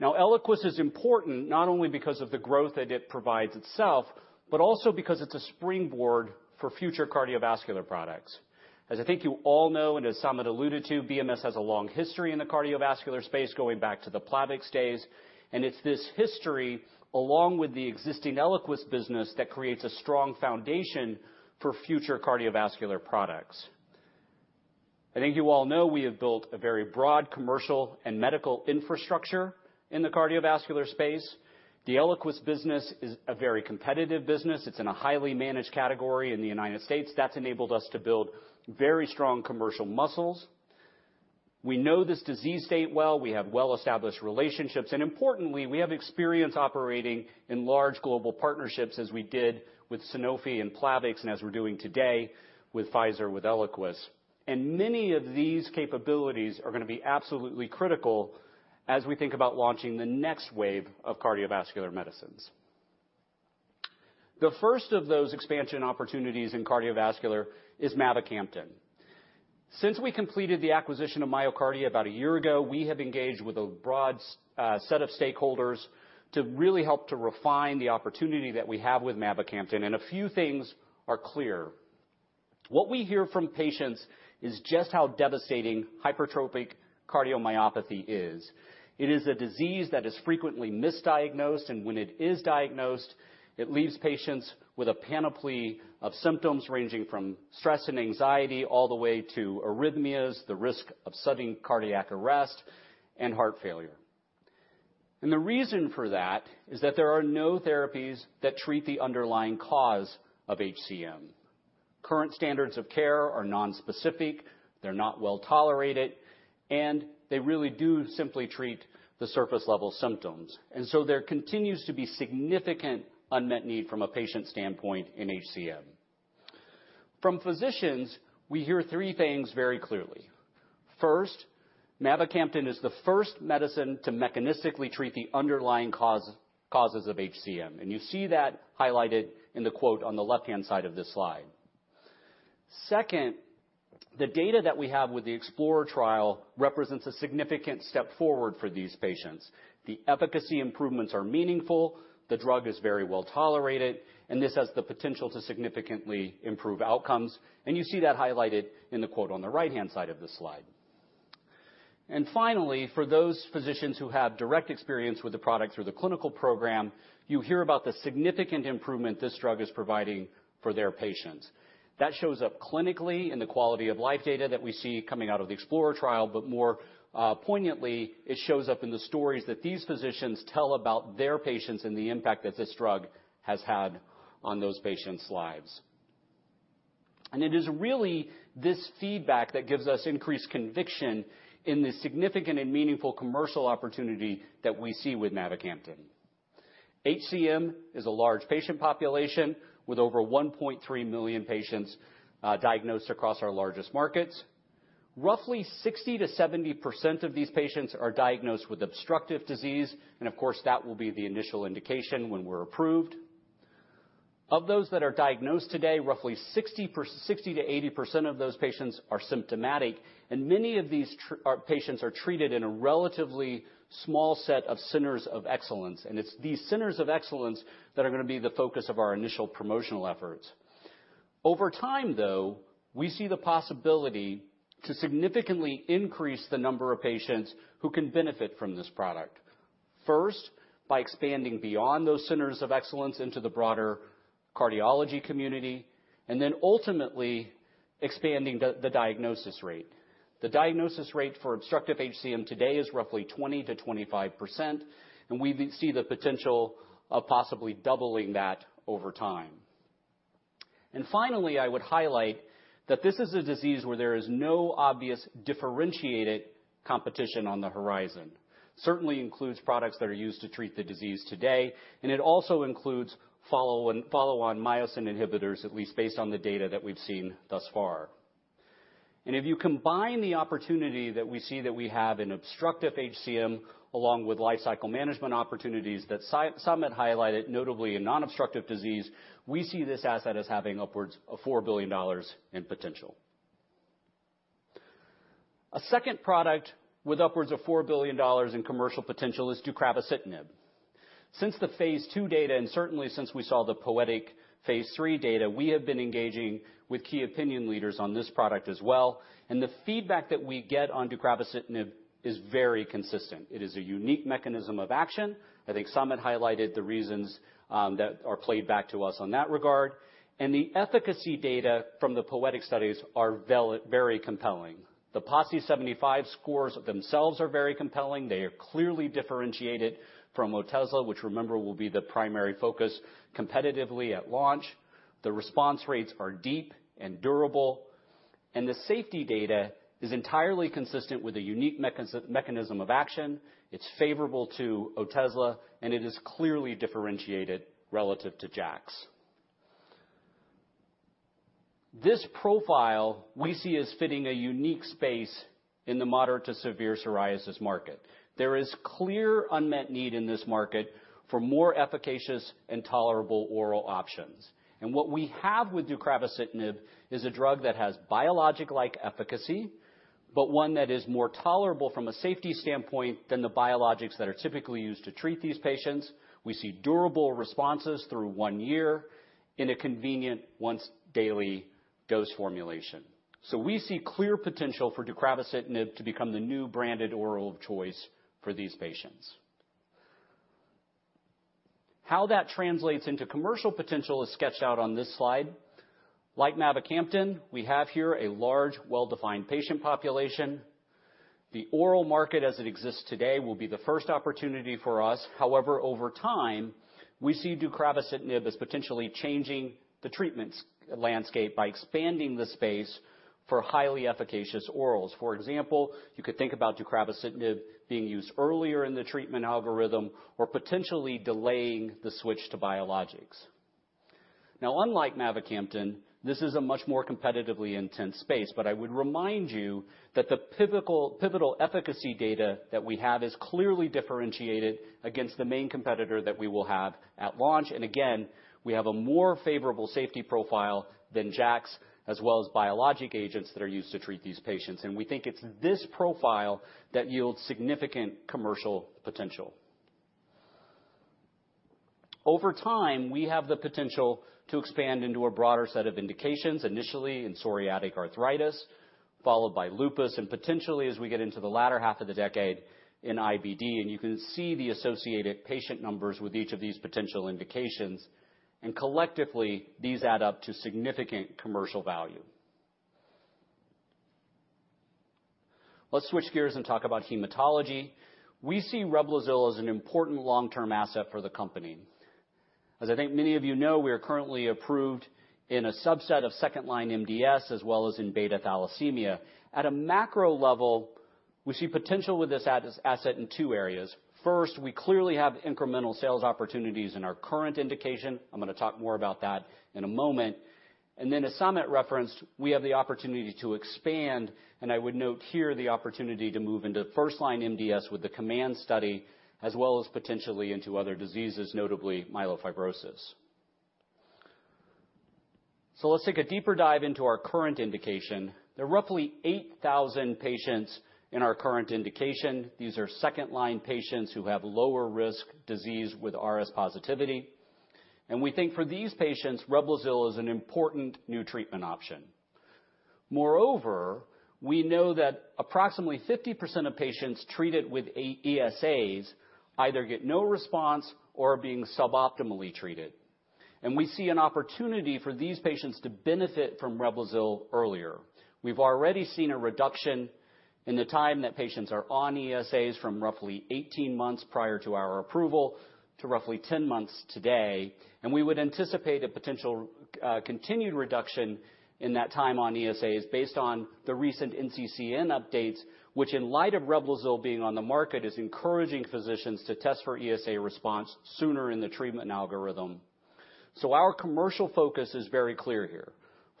Now, Eliquis is important not only because of the growth that it provides itself, but also because it's a springboard for future cardiovascular products. As I think you all know, and as Samit alluded to, BMS has a long history in the cardiovascular space going back to the Plavix days, and it's this history, along with the existing Eliquis business, that creates a strong foundation for future cardiovascular products. I think you all know we have built a very broad commercial and medical infrastructure in the cardiovascular space. The Eliquis business is a very competitive business. It's in a highly managed category in the United States. That's enabled us to build very strong commercial muscles. We know this disease state well. We have well-established relationships. Importantly, we have experience operating in large global partnerships as we did with Sanofi and Plavix, and as we're doing today with Pfizer, with Eliquis. Many of these capabilities are gonna be absolutely critical as we think about launching the next wave of cardiovascular medicines. The first of those expansion opportunities in cardiovascular is mavacamten. Since we completed the acquisition of MyoKardia about a year ago, we have engaged with a broad set of stakeholders to really help to refine the opportunity that we have with mavacamten, and a few things are clear. What we hear from patients is just how devastating hypertrophic cardiomyopathy is. It is a disease that is frequently misdiagnosed, and when it is diagnosed, it leaves patients with a panoply of symptoms ranging from stress and anxiety all the way to arrhythmias, the risk of sudden cardiac arrest, and heart failure. The reason for that is that there are no therapies that treat the underlying cause of HCM. Current standards of care are nonspecific, they're not well-tolerated, and they really do simply treat the surface-level symptoms. There continues to be significant unmet need from a patient standpoint in HCM. From physicians, we hear three things very clearly. First, mavacamten is the first medicine to mechanistically treat the underlying cause, causes of HCM, and you see that highlighted in the quote on the left-hand side of this slide. Second, the data that we have with the Explorer trial represents a significant step forward for these patients. The efficacy improvements are meaningful, the drug is very well-tolerated, and this has the potential to significantly improve outcomes, and you see that highlighted in the quote on the right-hand side of the slide. Finally, for those physicians who have direct experience with the product through the clinical program, you hear about the significant improvement this drug is providing for their patients. That shows up clinically in the quality of life data that we see coming out of the Explorer trial, but more poignantly, it shows up in the stories that these physicians tell about their patients and the impact that this drug has had on those patients' lives. It is really this feedback that gives us increased conviction in the significant and meaningful commercial opportunity that we see with mavacamten. HCM is a large patient population with over 1.3 million patients diagnosed across our largest markets. Roughly 60%-70% of these patients are diagnosed with obstructive disease, and of course, that will be the initial indication when we're approved. Of those that are diagnosed today, roughly 60%-80% of those patients are symptomatic, and many of these patients are treated in a relatively small set of centers of excellence, and it's these centers of excellence that are gonna be the focus of our initial promotional efforts. Over time, though, we see the possibility to significantly increase the number of patients who can benefit from this product. First, by expanding beyond those centers of excellence into the broader cardiology community, and then ultimately expanding the diagnosis rate. The diagnosis rate for obstructive HCM today is roughly 20%-25%, and we see the potential of possibly doubling that over time. Finally, I would highlight that this is a disease where there is no obvious differentiated competition on the horizon. Certainly includes products that are used to treat the disease today, and it also includes follow and follow-on myosin inhibitors, at least based on the data that we've seen thus far. If you combine the opportunity that we see that we have in obstructive HCM, along with lifecycle management opportunities that Samit highlighted, notably in non-obstructive disease, we see this asset as having upwards of $4 billion in potential. A second product with upwards of $4 billion in commercial potential is deucravacitinib. Since the phase II data, and certainly since we saw the POETYK phase III data, we have been engaging with key opinion leaders on this product as well, and the feedback that we get on deucravacitinib is very consistent. It is a unique mechanism of action. I think Samit highlighted the reasons that are played back to us in that regard. The efficacy data from the POETYK studies are very compelling. The PASI 75 scores themselves are very compelling. They are clearly differentiated from Otezla, which remember will be the primary focus competitively at launch. The response rates are deep and durable, and the safety data is entirely consistent with a unique mechanism of action. It's favorable to Otezla, and it is clearly differentiated relative to JAKs. This profile we see as fitting a unique space in the moderate to severe psoriasis market. There is clear unmet need in this market for more efficacious and tolerable oral options. What we have with deucravacitinib is a drug that has biologic-like efficacy, but one that is more tolerable from a safety standpoint than the biologics that are typically used to treat these patients. We see durable responses through one year in a convenient once daily dose formulation. We see clear potential for deucravacitinib to become the new branded oral of choice for these patients. How that translates into commercial potential is sketched out on this slide. Like mavacamten, we have here a large, well-defined patient population. The oral market as it exists today will be the first opportunity for us. However, over time, we see deucravacitinib as potentially changing the treatments landscape by expanding the space for highly efficacious orals. For example, you could think about deucravacitinib being used earlier in the treatment algorithm or potentially delaying the switch to biologics. Now, unlike mavacamten, this is a much more competitively intense space, but I would remind you that the pivotal efficacy data that we have is clearly differentiated against the main competitor that we will have at launch. Again, we have a more favorable safety profile than JAKs, as well as biologic agents that are used to treat these patients. We think it's this profile that yields significant commercial potential. Over time, we have the potential to expand into a broader set of indications, initially in psoriatic arthritis, followed by lupus, and potentially, as we get into the latter half of the decade, in IBD. You can see the associated patient numbers with each of these potential indications. And collectively, these add up to significant commercial value. Let's switch gears and talk about hematology. We see Reblozyl as an important long-term asset for the company. As I think many of you know, we are currently approved in a subset of second-line MDS as well as in beta thalassemia. At a macro level, we see potential with this asset in two areas. First, we clearly have incremental sales opportunities in our current indication. I'm gonna talk more about that in a moment. As Samit referenced, we have the opportunity to expand, and I would note here the opportunity to move into first-line MDS with the COMMANDS study as well as potentially into other diseases, notably myelofibrosis. let's take a deeper dive into our current indication. There are roughly 8,000 patients in our current indication. These are second-line patients who have lower risk disease with RS positivity. we think for these patients, Reblozyl is an important new treatment option. Moreover, we know that approximately 50% of patients treated with ESAs either get no response or are being suboptimally treated. we see an opportunity for these patients to benefit from Reblozyl earlier. We've already seen a reduction in the time that patients are on ESAs from roughly 18 months prior to our approval to roughly 10 months today, and we would anticipate a potential continued reduction in that time on ESAs based on the recent NCCN updates, which in light of Reblozyl being on the market, is encouraging physicians to test for ESA response sooner in the treatment algorithm. Our commercial focus is very clear here.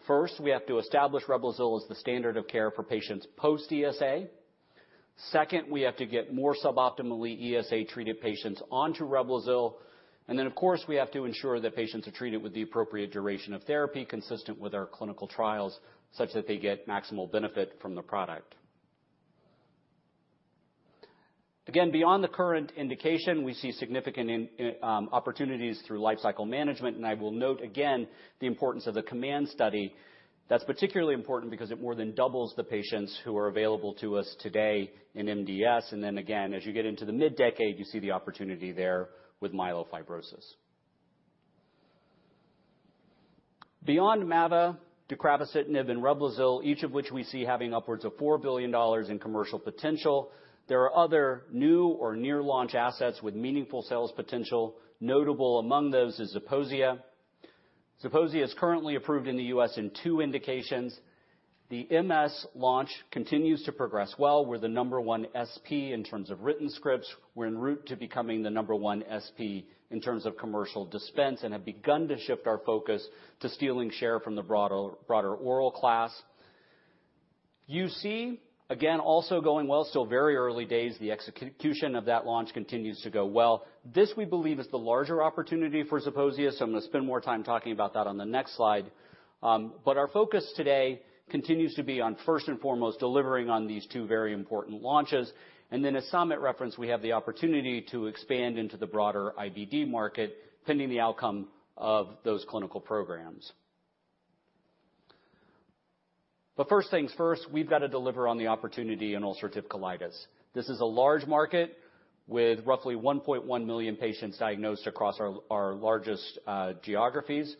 First, we have to establish Reblozyl as the standard of care for patients post-ESA. Second, we have to get more suboptimally ESA-treated patients onto Reblozyl. Then, of course, we have to ensure that patients are treated with the appropriate duration of therapy consistent with our clinical trials, such that they get maximal benefit from the product. Again, beyond the current indication, we see significant opportunities through lifecycle management, and I will note again the importance of the COMMANDS study. That's particularly important because it more than doubles the patients who are available to us today in MDS. Then again, as you get into the mid-decade, you see the opportunity there with myelofibrosis. Beyond mavacamten, deucravacitinib, and Reblozyl, each of which we see having upwards of $4 billion in commercial potential, there are other new or near launch assets with meaningful sales potential. Notable among those is Zeposia. Zeposia is currently approved in the U.S. in two indications. The MS launch continues to progress well. We're the number one SP in terms of written scripts. We're en route to becoming the number one SP in terms of commercial dispense and have begun to shift our focus to stealing share from the broader oral class. UC, again, also going well. Still very early days. The execution of that launch continues to go well. This, we believe, is the larger opportunity for Zeposia, so I'm gonna spend more time talking about that on the next slide. But our focus today continues to be on, first and foremost, delivering on these two very important launches. Then as Samit referenced, we have the opportunity to expand into the broader IBD market, pending the outcome of those clinical programs. First things first, we've got to deliver on the opportunity in ulcerative colitis. This is a large market with roughly 1.1 million patients diagnosed across our largest geographies.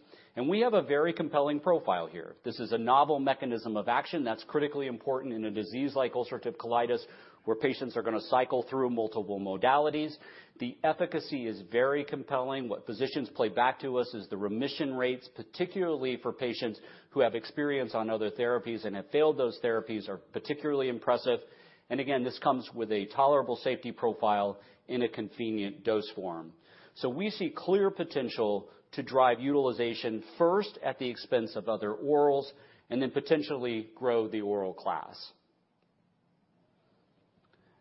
We have a very compelling profile here. This is a novel mechanism of action that's critically important in a disease like ulcerative colitis, where patients are gonna cycle through multiple modalities. The efficacy is very compelling. What physicians play back to us is the remission rates, particularly for patients who have experience on other therapies and have failed those therapies, are particularly impressive. Again, this comes with a tolerable safety profile in a convenient dose form. We see clear potential to drive utilization first at the expense of other orals and then potentially grow the oral class.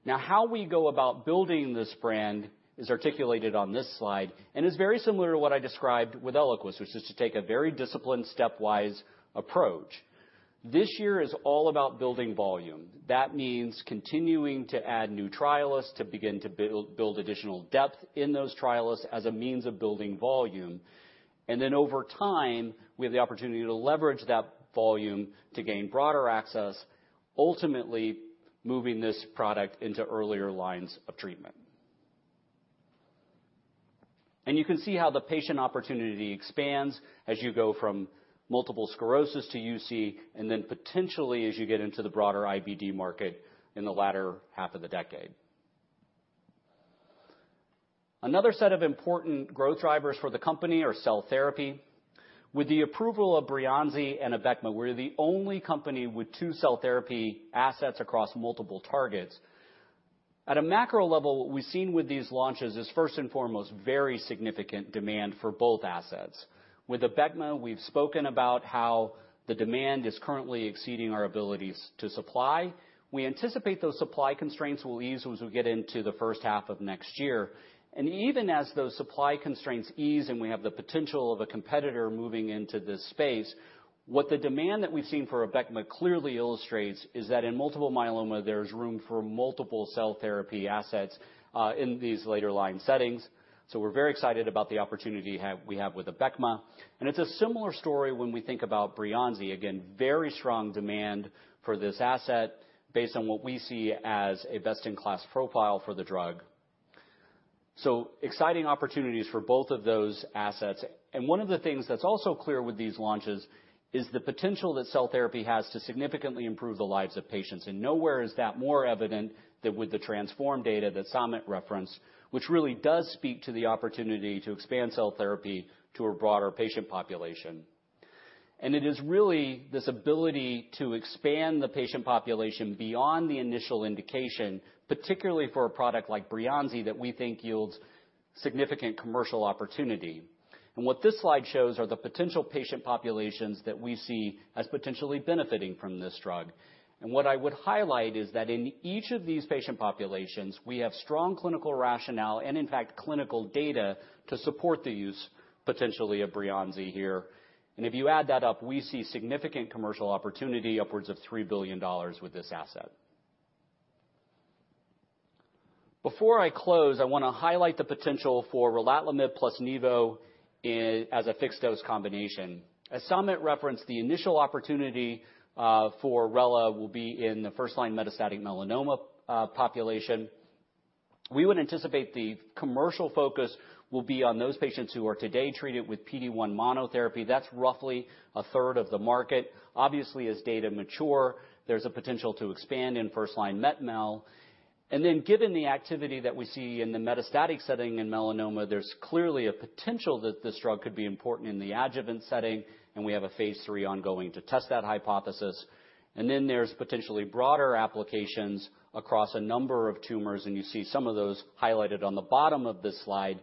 Now, how we go about building this brand is articulated on this slide and is very similar to what I described with Eliquis, which is to take a very disciplined stepwise approach. This year is all about building volume. That means continuing to add new trialists to begin to build additional depth in those trialists as a means of building volume. Over time, we have the opportunity to leverage that volume to gain broader access, ultimately moving this product into earlier lines of treatment. You can see how the patient opportunity expands as you go from multiple sclerosis to UC, and then potentially as you get into the broader IBD market in the latter half of the decade. Another set of important growth drivers for the company are cell therapy. With the approval of Breyanzi and Abecma, we're the only company with two cell therapy assets across multiple targets. At a macro level, what we've seen with these launches is, first and foremost, very significant demand for both assets. With Abecma, we've spoken about how the demand is currently exceeding our abilities to supply. We anticipate those supply constraints will ease as we get into the first half of next year. Even as those supply constraints ease, and we have the potential of a competitor moving into this space, what the demand that we've seen for Abecma clearly illustrates is that in multiple myeloma, there's room for multiple cell therapy assets in these later line settings. We're very excited about the opportunity we have with Abecma. It's a similar story when we think about Breyanzi. Again, very strong demand for this asset based on what we see as a best-in-class profile for the drug. Exciting opportunities for both of those assets. One of the things that's also clear with these launches is the potential that cell therapy has to significantly improve the lives of patients. Nowhere is that more evident than with the TRANSFORM data that Samit referenced, which really does speak to the opportunity to expand cell therapy to a broader patient population. It is really this ability to expand the patient population beyond the initial indication, particularly for a product like Breyanzi, that we think yields significant commercial opportunity. What this slide shows are the potential patient populations that we see as potentially benefiting from this drug. What I would highlight is that in each of these patient populations, we have strong clinical rationale and in fact, clinical data to support the use potentially of Breyanzi here. If you add that up, we see significant commercial opportunity upwards of $3 billion with this asset. Before I close, I wanna highlight the potential for relatlimab plus nivo in as a fixed-dose combination. As Samit referenced, the initial opportunity for relatlimab will be in the first-line metastatic melanoma population. We would anticipate the commercial focus will be on those patients who are today treated with PD-1 monotherapy. That's roughly a third of the market. Obviously, as data mature, there's a potential to expand in first-line metastatic melanoma. Given the activity that we see in the metastatic setting in melanoma, there's clearly a potential that this drug could be important in the adjuvant setting, and we have a phase III ongoing to test that hypothesis. There's potentially broader applications across a number of tumors, and you see some of those highlighted on the bottom of this slide.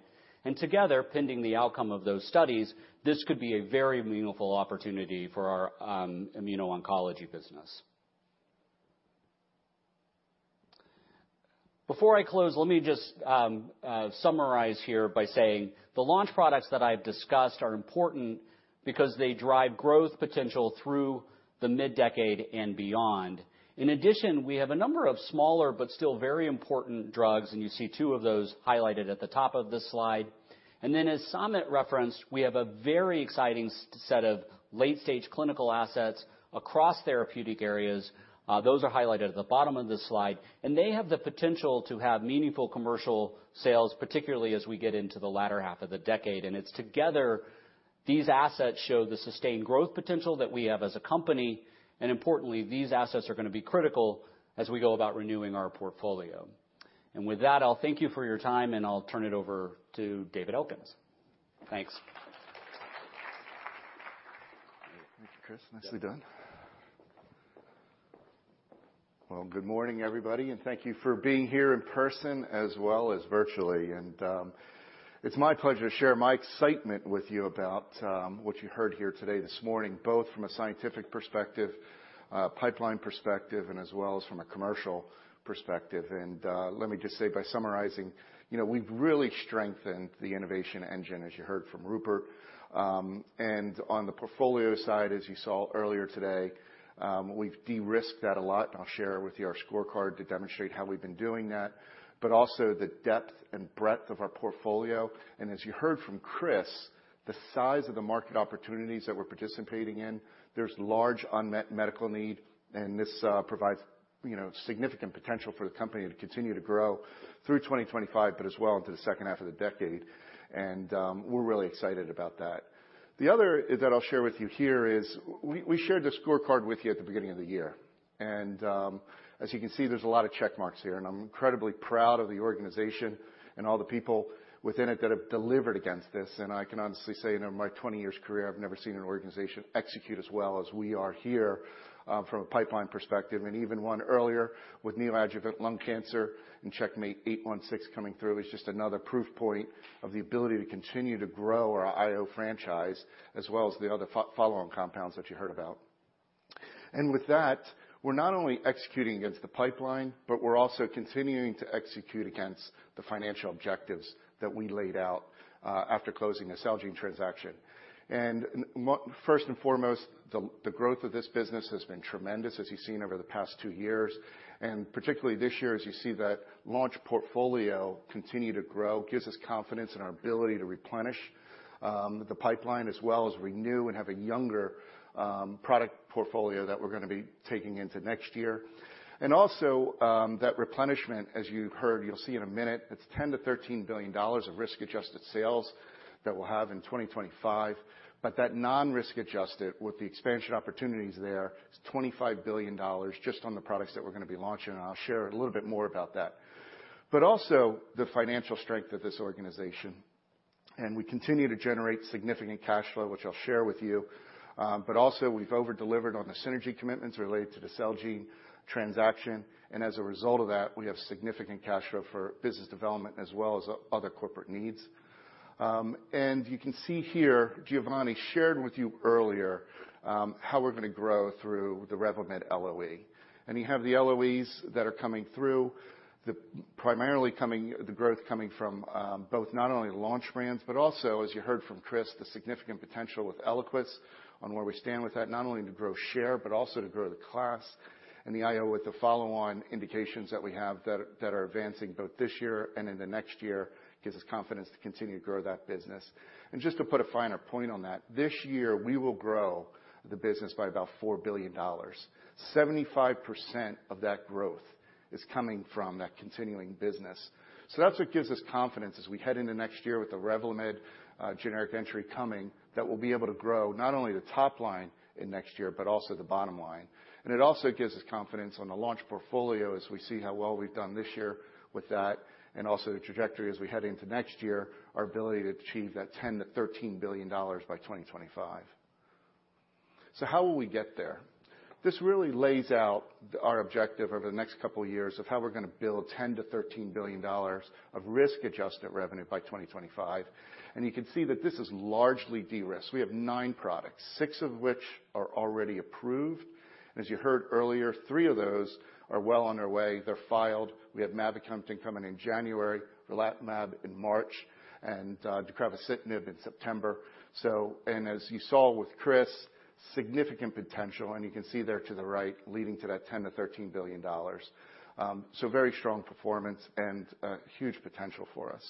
Together, pending the outcome of those studies, this could be a very meaningful opportunity for our immuno-oncology business. Before I close, let me just summarize here by saying the launch products that I've discussed are important because they drive growth potential through the mid-decade and beyond. In addition, we have a number of smaller but still very important drugs, and you see two of those highlighted at the top of this slide. As Samit referenced, we have a very exciting set of late-stage clinical assets across therapeutic areas. Those are highlighted at the bottom of this slide, and they have the potential to have meaningful commercial sales, particularly as we get into the latter half of the decade. It's together, these assets show the sustained growth potential that we have as a company, and importantly, these assets are gonna be critical as we go about renewing our portfolio. With that, I'll thank you for your time, and I'll turn it over to David Elkins. Thanks. Thank you, Chris. Nicely done. Well, good morning, everybody, and thank you for being here in person as well as virtually. It's my pleasure to share my excitement with you about what you heard here today this morning, both from a scientific perspective, pipeline perspective, and as well as from a commercial perspective. Let me just say by summarizing, you know, we've really strengthened the innovation engine, as you heard from Rupert. On the portfolio side, as you saw earlier today, we've de-risked that a lot, and I'll share with you our scorecard to demonstrate how we've been doing that, but also the depth and breadth of our portfolio. As you heard from Chris, the size of the market opportunities that we're participating in, there's large unmet medical need, and this provides, you know, significant potential for the company to continue to grow through 2025, but as well into the second half of the decade. We're really excited about that. The other that I'll share with you here is we shared the scorecard with you at the beginning of the year. As you can see, there's a lot of check marks here, and I'm incredibly proud of the organization and all the people within it that have delivered against this. I can honestly say, you know, in my 20 years career, I've never seen an organization execute as well as we are here from a pipeline perspective. Even one earlier with neoadjuvant lung cancer and CheckMate 816 coming through is just another proof point of the ability to continue to grow our IO franchise as well as the other follow-on compounds that you heard about. With that, we're not only executing against the pipeline, but we're also continuing to execute against the financial objectives that we laid out after closing the Celgene transaction. First and foremost, the growth of this business has been tremendous, as you've seen over the past two years. Particularly this year, as you see that launch portfolio continue to grow, gives us confidence in our ability to replenish the pipeline as well as renew and have a younger product portfolio that we're gonna be taking into next year. That replenishment, as you heard, you'll see in a minute, it's $10 billion-$13 billion of risk-adjusted sales that we'll have in 2025. That non-risk adjusted with the expansion opportunities there, it's $25 billion just on the products that we're gonna be launching, and I'll share a little bit more about that. The financial strength of this organization. We continue to generate significant cash flow, which I'll share with you. We've over-delivered on the synergy commitments related to the Celgene transaction. As a result of that, we have significant cash flow for business development as well as other corporate needs. You can see here, Giovanni shared with you earlier, how we're gonna grow through the Revlimid LOE. You have the LOEs that are coming through, primarily the growth coming from both not only the launch brands, but also, as you heard from Chris, the significant potential with Eliquis on where we stand with that, not only to grow share, but also to grow the class. The IO with the follow-on indications that we have that are advancing both this year and in the next year gives us confidence to continue to grow that business. Just to put a finer point on that, this year we will grow the business by about $4 billion. 75% of that growth is coming from that continuing business. That's what gives us confidence as we head into next year with the Revlimid generic entry coming, that we'll be able to grow not only the top line in next year, but also the bottom line. It also gives us confidence on the launch portfolio as we see how well we've done this year with that, and also the trajectory as we head into next year, our ability to achieve that $10 billion-$13 billion by 2025. How will we get there? This really lays out our objective over the next couple of years of how we're gonna build $10 billion-$13 billion of risk-adjusted revenue by 2025. You can see that this is largely de-risked. We have nine products, six of which are already approved. As you heard earlier, three of those are well on their way. They're filed. We have mavacamten coming in January, relatlimab in March, and deucravacitinib in September. As you saw with Chris, significant potential, and you can see there to the right, leading to that $10 billion-$13 billion. Very strong performance and huge potential for us.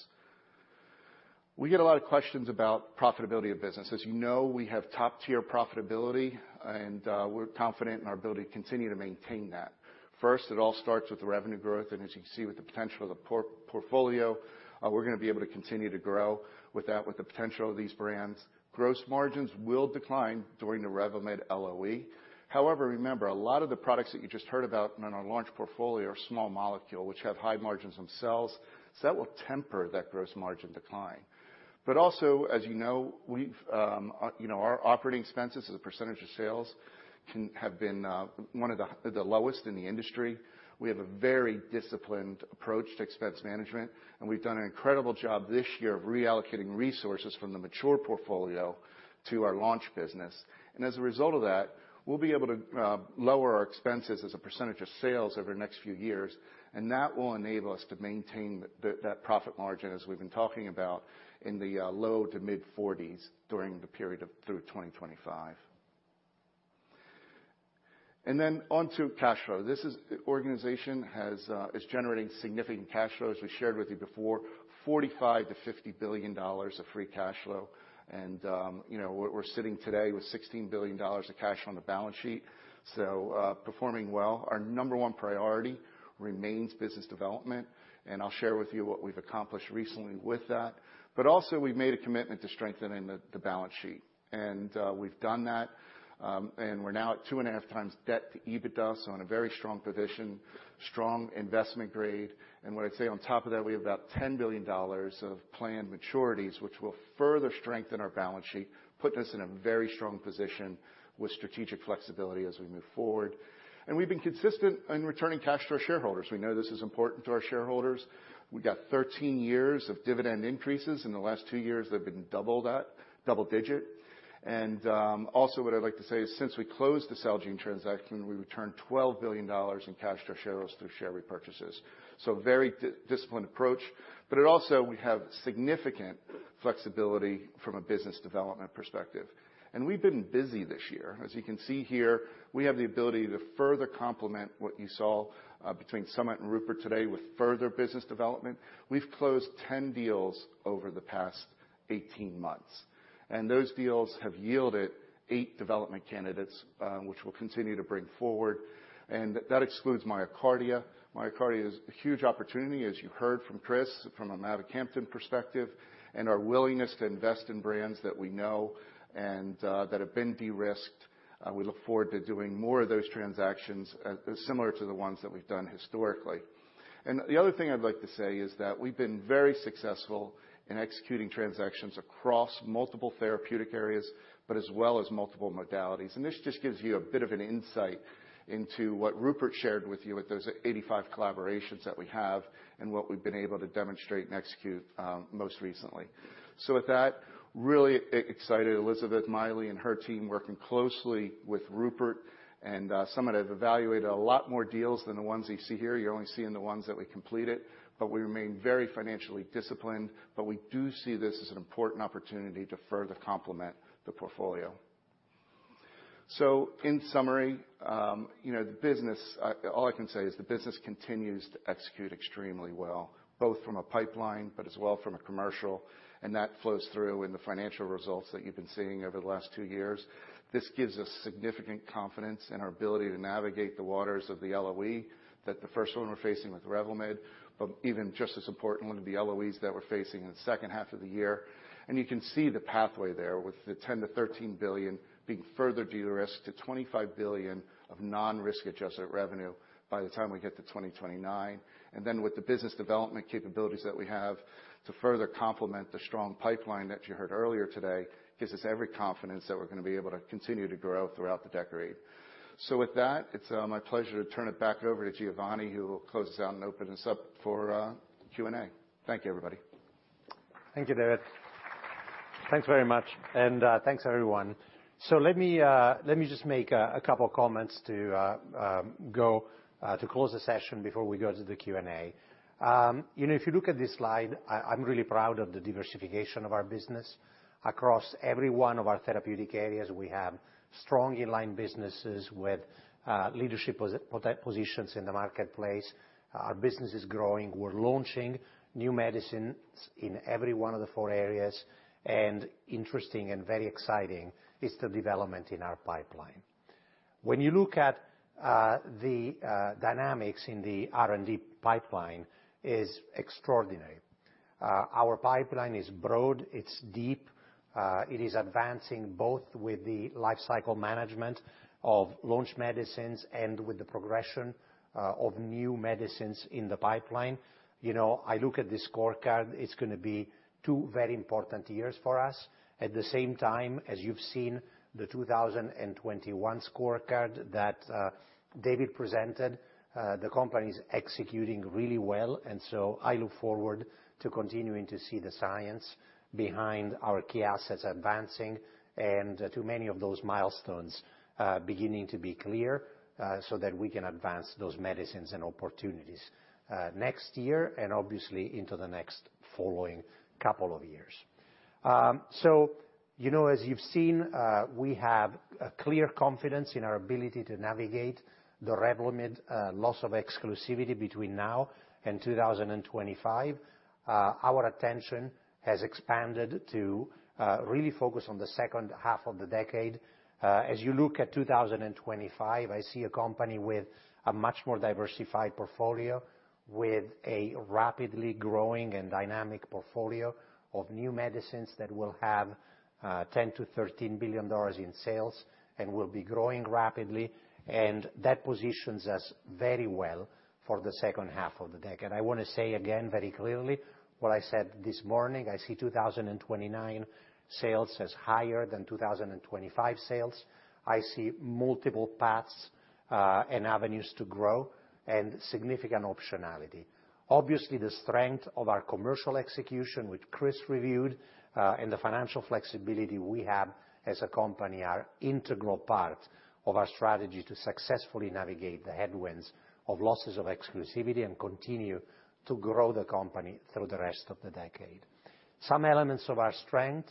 We get a lot of questions about profitability of business. As you know, we have top-tier profitability, and we're confident in our ability to continue to maintain that. First, it all starts with revenue growth, and as you can see with the potential of the portfolio, we're gonna be able to continue to grow with that, with the potential of these brands. Gross margins will decline during the Revlimid LOE. However, remember, a lot of the products that you just heard about in our launch portfolio are small molecule, which have high margins themselves, so that will temper that gross margin decline. But also, as you know, you know, our operating expenses as a percentage of sales have been one of the lowest in the industry. We have a very disciplined approach to expense management, and we've done an incredible job this year of reallocating resources from the mature portfolio to our launch business. As a result of that, we'll be able to lower our expenses as a percentage of sales over the next few years, and that will enable us to maintain that profit margin, as we've been talking about, in the low to mid-40s% during the period through 2025. Then on to cash flow. This organization is generating significant cash flow. As we shared with you before, $45 billion-$50 billion of free cash flow. You know, we're sitting today with $16 billion of cash on the balance sheet, so performing well. Our number one priority remains business development, and I'll share with you what we've accomplished recently with that. We've made a commitment to strengthening the balance sheet. We've done that, and we're now at 2.5x debt to EBITDA, so on a very strong position, strong investment grade. What I'd say on top of that, we have about $10 billion of planned maturities, which will further strengthen our balance sheet, putting us in a very strong position with strategic flexibility as we move forward. We've been consistent in returning cash to our shareholders. We know this is important to our shareholders. We got 13 years of dividend increases. In the last two years, they've been double that, double digit. Also what I'd like to say is since we closed the Celgene transaction, we returned $12 billion in cash to our shareholders through share repurchases. Very disciplined approach, but it also, we have significant flexibility from a business development perspective. We've been busy this year. As you can see here, we have the ability to further complement what you saw between Samit and Rupert today with further business development. We've closed 10 deals over the past 18 months, and those deals have yielded 8 development candidates, which we'll continue to bring forward. That excludes MyoKardia. MyoKardia is a huge opportunity, as you heard from Chris, from a mavacamten perspective, and our willingness to invest in brands that we know and that have been de-risked. We look forward to doing more of those transactions, similar to the ones that we've done historically. The other thing I'd like to say is that we've been very successful in executing transactions across multiple therapeutic areas, but as well as multiple modalities. This just gives you a bit of an insight into what Rupert shared with you with those 85 collaborations that we have and what we've been able to demonstrate and execute, most recently. With that, really excited. Elizabeth Mily and her team working closely with Rupert and Samit have evaluated a lot more deals than the ones you see here. You're only seeing the ones that we completed, but we remain very financially disciplined. We do see this as an important opportunity to further complement the portfolio. In summary, you know, the business, all I can say is the business continues to execute extremely well, both from a pipeline, but as well from a commercial, and that flows through in the financial results that you've been seeing over the last two years. This gives us significant confidence in our ability to navigate the waters of the LOE, that the first one we're facing with Revlimid, but even just as important, one of the LOEs that we're facing in the second half of the year. You can see the pathway there with the $10 billion-$13 billion being further de-risked to $25 billion of non-risk-adjusted revenue by the time we get to 2029. with the business development capabilities that we have to further complement the strong pipeline that you heard earlier today, gives us every confidence that we're gonna be able to continue to grow throughout the decade. With that, it's my pleasure to turn it back over to Giovanni, who will close us out and open us up for Q&A. Thank you, everybody. Thank you, David. Thanks very much. Thanks, everyone. Let me just make a couple comments to go to close the session before we go to the Q&A. You know, if you look at this slide, I'm really proud of the diversification of our business. Across every one of our therapeutic areas we have strong in-line businesses with leadership positions in the marketplace. Our business is growing. We're launching new medicines in every one of the four areas, and interesting and very exciting is the development in our pipeline. When you look at the dynamics in the R&D pipeline, is extraordinary. Our pipeline is broad, it's deep, it is advancing both with the life cycle management of launch medicines and with the progression of new medicines in the pipeline. You know, I look at this scorecard, it's gonna be two very important years for us. At the same time, as you've seen the 2021 scorecard that David presented, the company's executing really well, and so I look forward to continuing to see the science behind our key assets advancing and to many of those milestones beginning to be clear, so that we can advance those medicines and opportunities next year, and obviously into the next following couple of years. You know, as you've seen, we have a clear confidence in our ability to navigate the Revlimid loss of exclusivity between now and 2025. Our attention has expanded to really focus on the second half of the decade. As you look at 2025, I see a company with a much more diversified portfolio, with a rapidly growing and dynamic portfolio of new medicines that will have $10 billion-$13 billion in sales and will be growing rapidly. That positions us very well for the second half of the decade. I wanna say again very clearly what I said this morning. I see 2029 sales as higher than 2025 sales. I see multiple paths and avenues to grow, and significant optionality. Obviously, the strength of our commercial execution, which Chris reviewed, and the financial flexibility we have as a company are integral part of our strategy to successfully navigate the headwinds of losses of exclusivity and continue to grow the company through the rest of the decade. Some elements of our strength,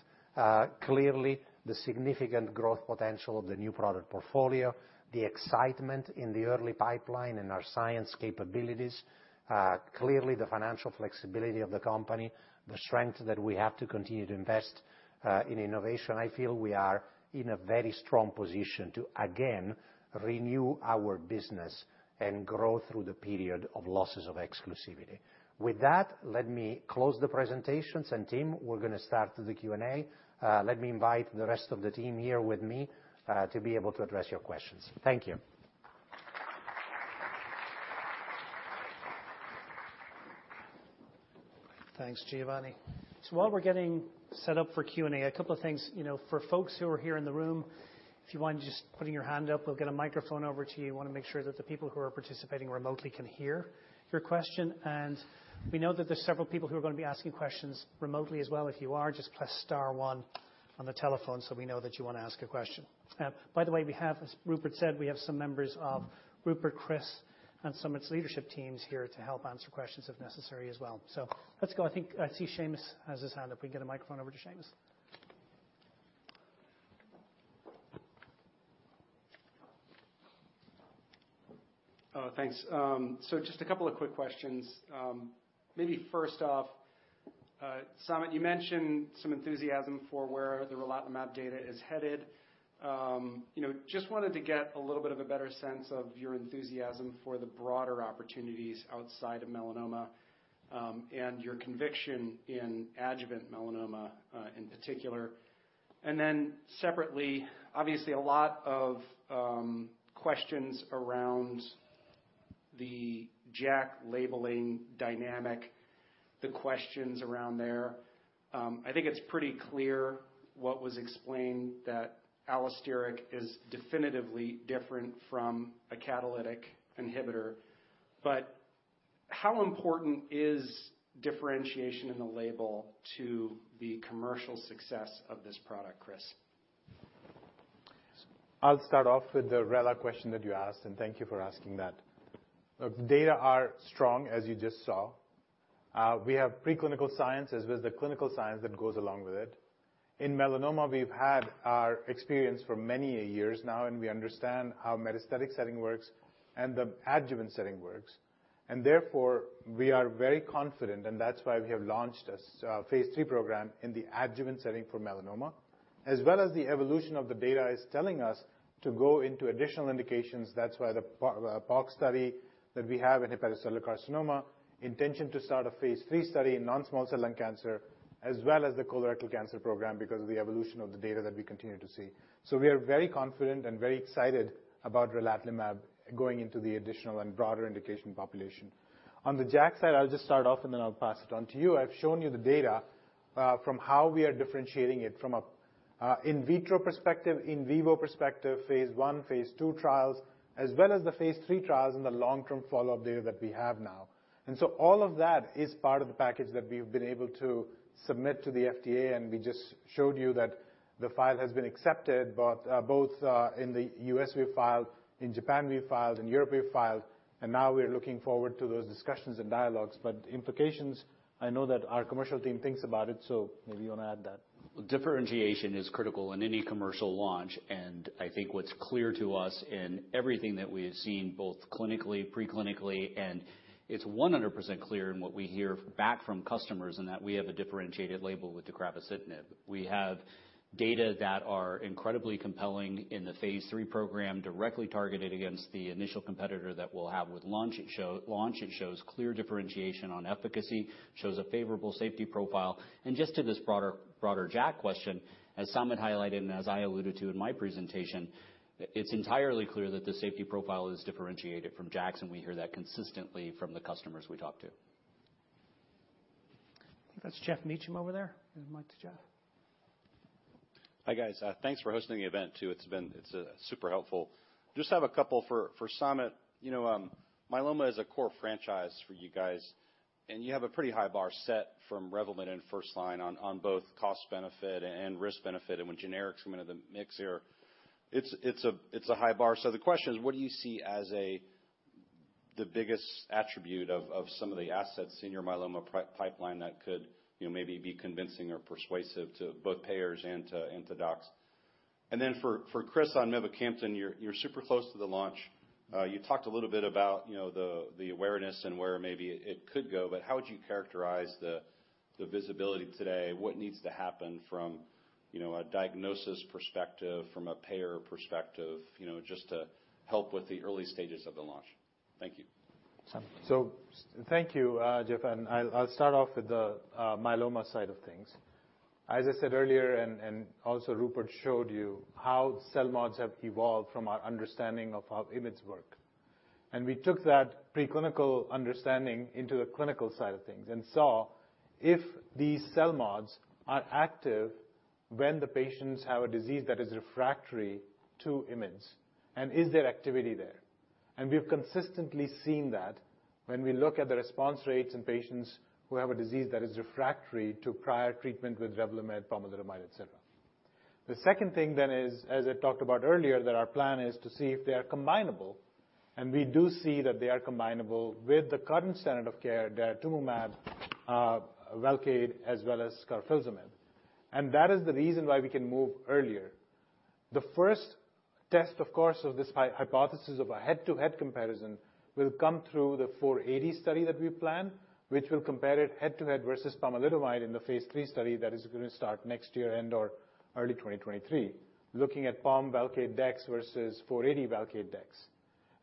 clearly the significant growth potential of the new product portfolio, the excitement in the early pipeline and our science capabilities, clearly the financial flexibility of the company, the strength that we have to continue to invest in innovation. I feel we are in a very strong position to again renew our business and grow through the period of losses of exclusivity. With that, let me close the presentations. Team, we're gonna start the Q&A. Let me invite the rest of the team here with me to be able to address your questions. Thank you. Thanks, Giovanni. While we're getting set up for Q&A, a couple of things. You know, for folks who are here in the room, if you want, just putting your hand up, we'll get a microphone over to you. Wanna make sure that the people who are participating remotely can hear your question. We know that there's several people who are gonna be asking questions remotely as well. If you are, just press star one on the telephone, so we know that you wanna ask a question. By the way, we have, as Rupert said, we have some members of Rupert, Chris, and some of its leadership teams here to help answer questions if necessary as well. Let's go. I think I see Seamus has his hand up. We'll get a microphone over to Seamus. Oh, thanks. Just a couple of quick questions. Maybe first off, Samit, you mentioned some enthusiasm for where the relatlimab data is headed. You know, just wanted to get a little bit of a better sense of your enthusiasm for the broader opportunities outside of melanoma, and your conviction in adjuvant melanoma, in particular. Then separately, obviously a lot of questions around the JAK labeling dynamic, the questions around there. I think it's pretty clear what was explained, that allosteric is definitively different from a catalytic inhibitor. But how important is differentiation in the label to the commercial success of this product, Chris? I'll start off with the real question that you asked, and thank you for asking that. Data are strong, as you just saw. We have preclinical science, as well as the clinical science that goes along with it. In melanoma, we've had our experience for many years now, and we understand how metastatic setting works and the adjuvant setting works. Therefore, we are very confident, and that's why we have launched a phase III program in the adjuvant setting for melanoma, as well as the evolution of the data is telling us to go into additional indications. That's why the box study that we have in hepatocellular carcinoma, intention to start a phase III study in non-small cell lung cancer, as well as the colorectal cancer program because of the evolution of the data that we continue to see. We are very confident and very excited about relatlimab going into the additional and broader indication population. On the JAK side, I'll just start off and then I'll pass it on to you. I've shown you the data from how we are differentiating it from a in vitro perspective, in vivo perspective, phase I, phase II trials, as well as the phase III trials and the long-term follow-up data that we have now. All of that is part of the package that we've been able to submit to the FDA, and we just showed you that the file has been accepted, but both in the U.S. we filed, in Japan we filed, in Europe we filed, and now we're looking forward to those discussions and dialogues. Implications, I know that our commercial team thinks about it, so maybe you wanna add that. Differentiation is critical in any commercial launch, and I think what's clear to us in everything that we have seen both clinically, pre-clinically, and it's 100% clear in what we hear back from customers in that we have a differentiated label with deucravacitinib. We have data that are incredibly compelling in the phase III program directly targeted against the initial competitor that we'll have with launch. It shows clear differentiation on efficacy, shows a favorable safety profile. Just to this broader JAK question, as Samit highlighted and as I alluded to in my presentation, it's entirely clear that the safety profile is differentiated from JAKs, and we hear that consistently from the customers we talk to. That's Geoff Meacham over there. Give the mic to Jeff. Hi, guys. Thanks for hosting the event, too. It's been super helpful. Just have a couple for Samit. You know, myeloma is a core franchise for you guys, and you have a pretty high bar set from Revlimid in first line on both cost benefit and risk benefit. When generics come into the mix here, it's a high bar. So the question is, what do you see as the biggest attribute of some of the assets in your myeloma pipeline that could maybe be convincing or persuasive to both payers and to docs? Then for Chris on mavacamten, you're super close to the launch. You talked a little bit about the awareness and where maybe it could go, but how would you characterize the visibility today? What needs to happen from, you know, a diagnosis perspective, from a payer perspective, you know, just to help with the early stages of the launch? Thank you. Samit. Thank you, Jeff, and I'll start off with the myeloma side of things. As I said earlier, and also Rupert showed you how CELMoDs have evolved from our understanding of how IMiDs work. We took that preclinical understanding into the clinical side of things and saw if these CELMoDs are active when the patients have a disease that is refractory to IMiDs, and is there activity there? We've consistently seen that when we look at the response rates in patients who have a disease that is refractory to prior treatment with Revlimid, pomalidomide, et cetera. The second thing then is, as I talked about earlier, that our plan is to see if they are combinable, and we do see that they are combinable with the current standard of care, daratumumab, Velcade, as well as carfilzomib. That is the reason why we can move earlier. The first test, of course, of this hypothesis of a head-to-head comparison will come through the 92480 study that we plan, which will compare it head to head versus pomalidomide in the phase III study that is gonna start next year and/or early 2023. Looking at pom Velcade dex versus 92480 Velcade dex.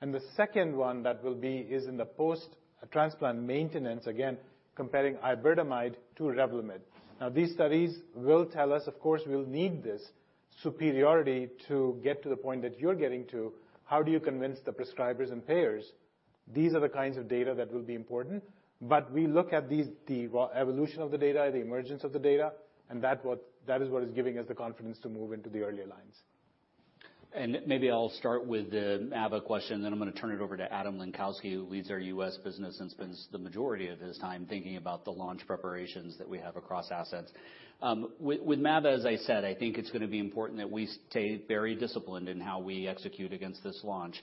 The second one that will be is in the post-transplant maintenance, again, comparing iberdomide to Revlimid. Now, these studies will tell us, of course, we'll need this superiority to get to the point that you're getting to, how do you convince the prescribers and payers? These are the kinds of data that will be important, but we look at these, the raw evolution of the data, the emergence of the data, and that is what is giving us the confidence to move into the earlier lines. Maybe I'll start with the mavacamten question, then I'm gonna turn it over to Adam Lenkowsky, who leads our U.S. business and spends the majority of his time thinking about the launch preparations that we have across assets. With, with mavacamten, as I said, I think it's gonna be important that we stay very disciplined in how we execute against this launch.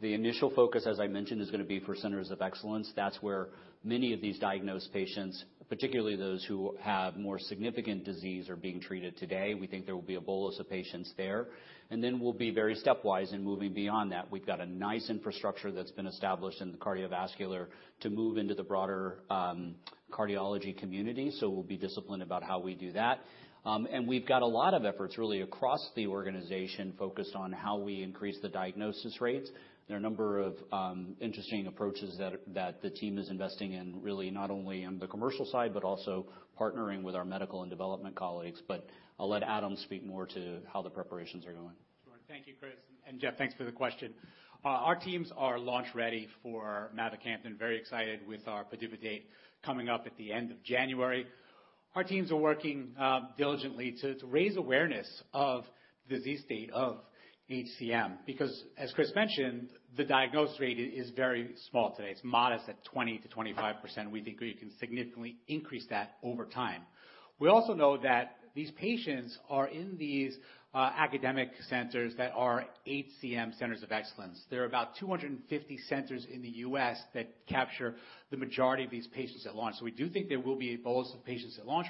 The initial focus, as I mentioned, is gonna be for centers of excellence. That's where many of these diagnosed patients, particularly those who have more significant disease, are being treated today. We think there will be a bolus of patients there. Then we'll be very stepwise in moving beyond that. We've got a nice infrastructure that's been established in the cardiovascular to move into the broader cardiology community, so we'll be disciplined about how we do that. We've got a lot of efforts really across the organization focused on how we increase the diagnosis rates. There are a number of interesting approaches that the team is investing in, really not only on the commercial side, but also partnering with our medical and development colleagues. I'll let Adam speak more to how the preparations are going. Sure. Thank you, Chris, and Jeff, thanks for the question. Our teams are launch ready for mavacamten, very excited with our PDUFA date coming up at the end of January. Our teams are working diligently to raise awareness of the disease state of HCM because as Chris mentioned, the diagnosis rate is very small today. It's modest at 20%-25%. We think we can significantly increase that over time. We also know that these patients are in these academic centers that are HCM centers of excellence. There are about 250 centers in the U.S. that capture the majority of these patients at launch. We do think there will be a bolus of patients at launch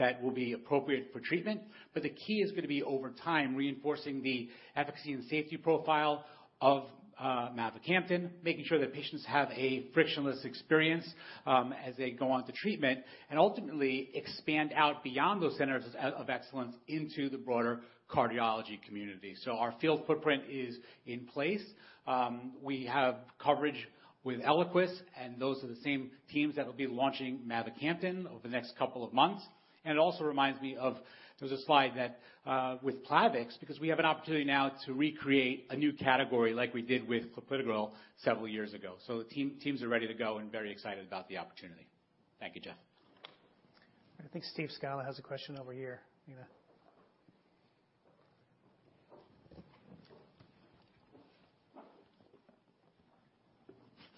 that will be appropriate for treatment, but the key is gonna be over time reinforcing the efficacy and safety profile of mavacamten, making sure that patients have a frictionless experience as they go on to treatment, and ultimately expand out beyond those centers of excellence into the broader cardiology community. Our field footprint is in place. We have coverage with Eliquis, and those are the same teams that will be launching mavacamten over the next couple of months. It also reminds me of, there's a slide that with Plavix, because we have an opportunity now to recreate a new category like we did with clopidogrel several years ago. The teams are ready to go and very excited about the opportunity. Thank you, Geoff. I think Steve Scala has a question over here, Nina.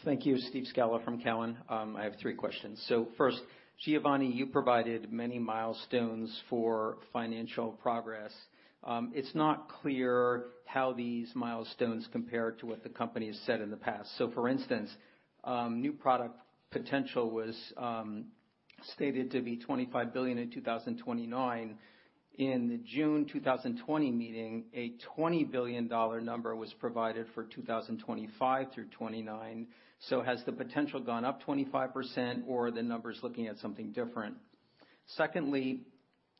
Thank you. Steve Scala from Cowen. I have three questions. First, Giovanni, you provided many milestones for financial progress. It's not clear how these milestones compare to what the company has said in the past. For instance, new product potential was stated to be $25 billion in 2029. In the June 2020 meeting, a $20 billion number was provided for 2025 through 2029. Has the potential gone up 25% or are the numbers looking at something different? Secondly,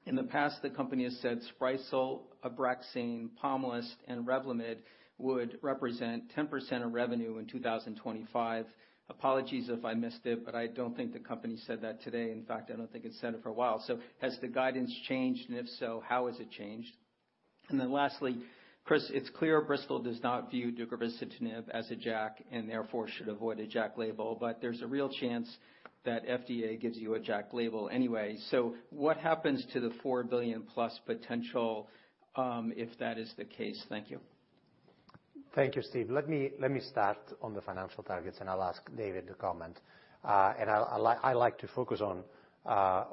in the past, the company has said Sprycel, Abraxane, Pomalyst, and Revlimid would represent 10% of revenue in 2025. Apologies if I missed it, but I don't think the company said that today. In fact, I don't think it's said it for a while. Has the guidance changed? If so, how has it changed? Lastly, Chris, it's clear Bristol does not view deucravacitinib as a JAK and therefore should avoid a JAK label, but there's a real chance that FDA gives you a JAK label anyway. What happens to the $4 billion+ potential if that is the case? Thank you. Thank you, Steve. Let me start on the financial targets, and I'll ask David to comment. I'd like to focus on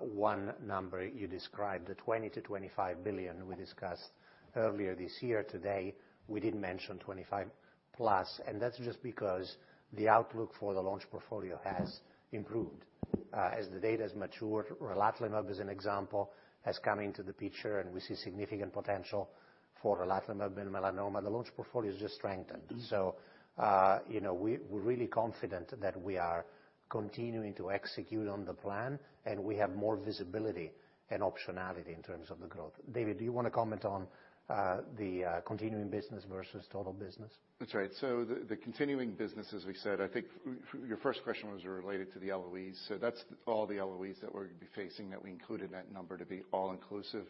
one number you described, the $20 billion-$25 billion we discussed earlier this year. Today, we didn't mention 25+, and that's just because the outlook for the launch portfolio has improved. As the data has matured, relatlimab, as an example, has come into the picture, and we see significant potential for relatlimab in melanoma. The launch portfolio has just strengthened. You know, we're really confident that we are continuing to execute on the plan, and we have more visibility and optionality in terms of the growth. David, do you wanna comment on the continuing business versus total business? That's right. The continuing business, as we said, I think your first question was related to the LOEs. That's all the LOEs that we're gonna be facing that we include in that number to be all inclusive.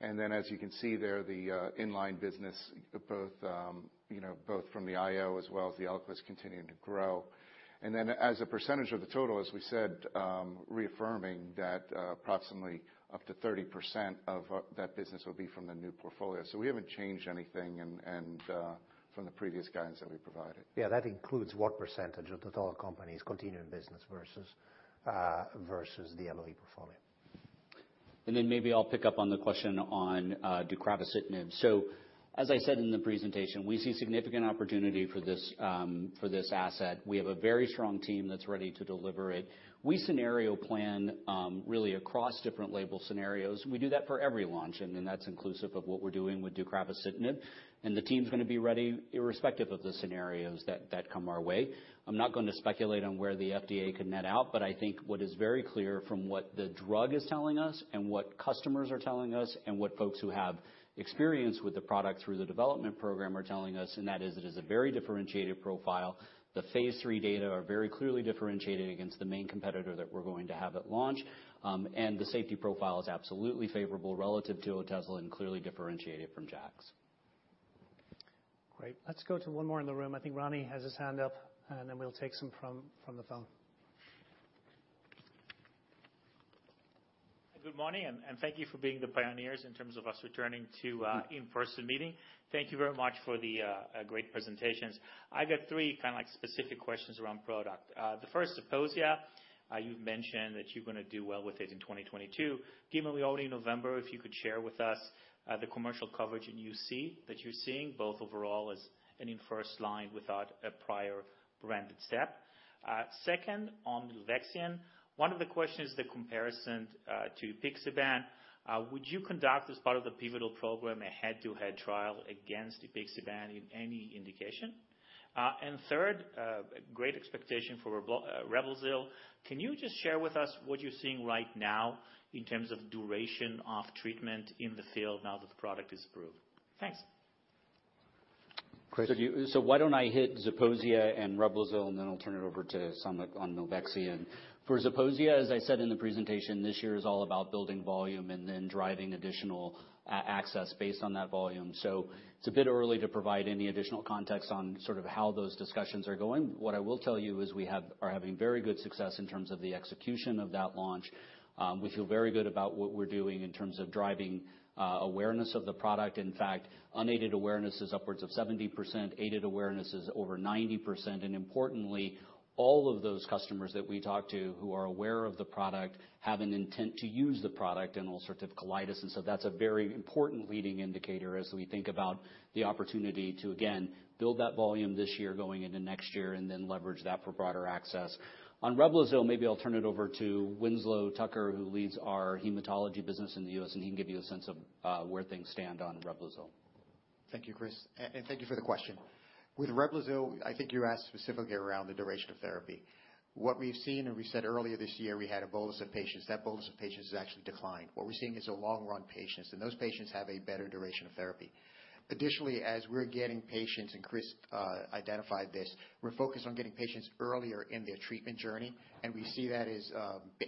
Then as you can see there, the inline business, both from the IO as well as the hematology is continuing to grow. As a percentage of the total, as we said, reaffirming that, approximately up to 30% of that business will be from the new portfolio. We haven't changed anything and from the previous guidance that we provided. Yeah, that includes what percentage of the total company's continuing business versus the LOE portfolio. Maybe I'll pick up on the question on deucravacitinib. As I said in the presentation, we see significant opportunity for this for this asset. We have a very strong team that's ready to deliver it. We scenario plan really across different label scenarios. We do that for every launch, and then that's inclusive of what we're doing with deucravacitinib. The team's gonna be ready irrespective of the scenarios that come our way. I'm not going to speculate on where the FDA could net out, but I think what is very clear from what the drug is telling us and what customers are telling us and what folks who have experience with the product through the development program are telling us, and that is it is a very differentiated profile. The phase III data are very clearly differentiated against the main competitor that we're going to have at launch, and the safety profile is absolutely favorable relative to Otezla and clearly differentiated from JAKs. Great. Let's go to one more in the room. I think Ronnie has his hand up, and then we'll take some from the phone. Good morning, and thank you for being the pioneers in terms of us returning to in-person meeting. Thank you very much for the great presentations. I've got three kinda like specific questions around product. The first, Zeposia. You've mentioned that you're gonna do well with it in 2022. Given we're already in November, if you could share with us the commercial coverage in UC that you're seeing, both overall and in first line without a prior branded step. Second, on milvexian, one of the questions, the comparison to apixaban. Would you conduct as part of the pivotal program a head-to-head trial against the apixaban in any indication? Third, great expectation for Reblozyl. Can you just share with us what you're seeing right now in terms of duration of treatment in the field now that the product is approved? Thanks. Chris, why don't I hit Zeposia and Reblozyl, and then I'll turn it over to Samit on milvexian. For Zeposia, as I said in the presentation, this year is all about building volume and then driving additional access based on that volume. It's a bit early to provide any additional context on sort of how those discussions are going. What I will tell you is we are having very good success in terms of the execution of that launch. We feel very good about what we're doing in terms of driving awareness of the product. In fact, unaided awareness is upwards of 70%, aided awareness is over 90%, and importantly, all of those customers that we talk to who are aware of the product have an intent to use the product in ulcerative colitis. That's a very important leading indicator as we think about the opportunity to, again, build that volume this year going into next year and then leverage that for broader access. On Reblozyl, maybe I'll turn it over to Winslow Tucker, who leads our hematology business in the U.S., and he can give you a sense of where things stand on Reblozyl. Thank you, Chris, and thank you for the question. With Reblozyl, I think you asked specifically around the duration of therapy. What we've seen, and we said earlier this year, we had a bolus of patients. That bolus of patients has actually declined. What we're seeing is long-run patients, and those patients have a better duration of therapy. Additionally, as we're getting patients, and Chris identified this, we're focused on getting patients earlier in their treatment journey, and we see that as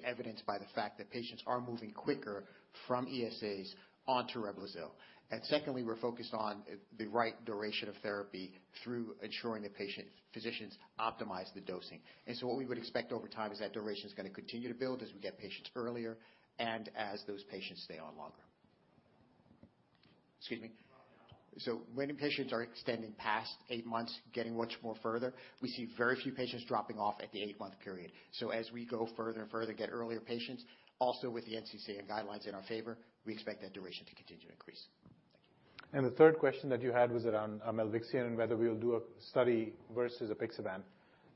evidenced by the fact that patients are moving quicker from ESAs onto Reblozyl. Secondly, we're focused on the right duration of therapy through ensuring the patient physicians optimize the dosing. What we would expect over time is that duration is gonna continue to build as we get patients earlier and as those patients stay on longer. Excuse me. When patients are extending past eight months, getting much more further, we see very few patients dropping off at the eight-month period. As we go further and further, get earlier patients, also with the NCCN guidelines in our favor, we expect that duration to continue to increase. Thank you. The third question that you had was around milvexian, and whether we'll do a study versus apixaban.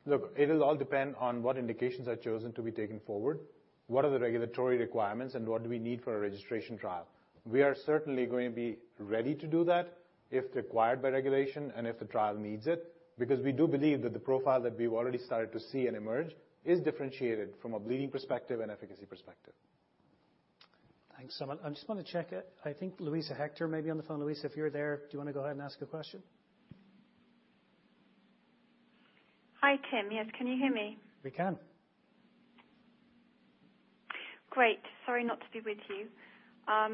Look, it'll all depend on what indications are chosen to be taken forward, what are the regulatory requirements, and what do we need for a registration trial. We are certainly going to be ready to do that if required by regulation, and if the trial needs it, because we do believe that the profile that we've already started to see and emerge is differentiated from a bleeding perspective and efficacy perspective. Thanks so much. I just wanna check. I think Luisa Hector may be on the phone. Luisa, if you're there, do you wanna go ahead and ask a question? Hi, Tim. Yes. Can you hear me? We can. Great. Sorry not to be with you. I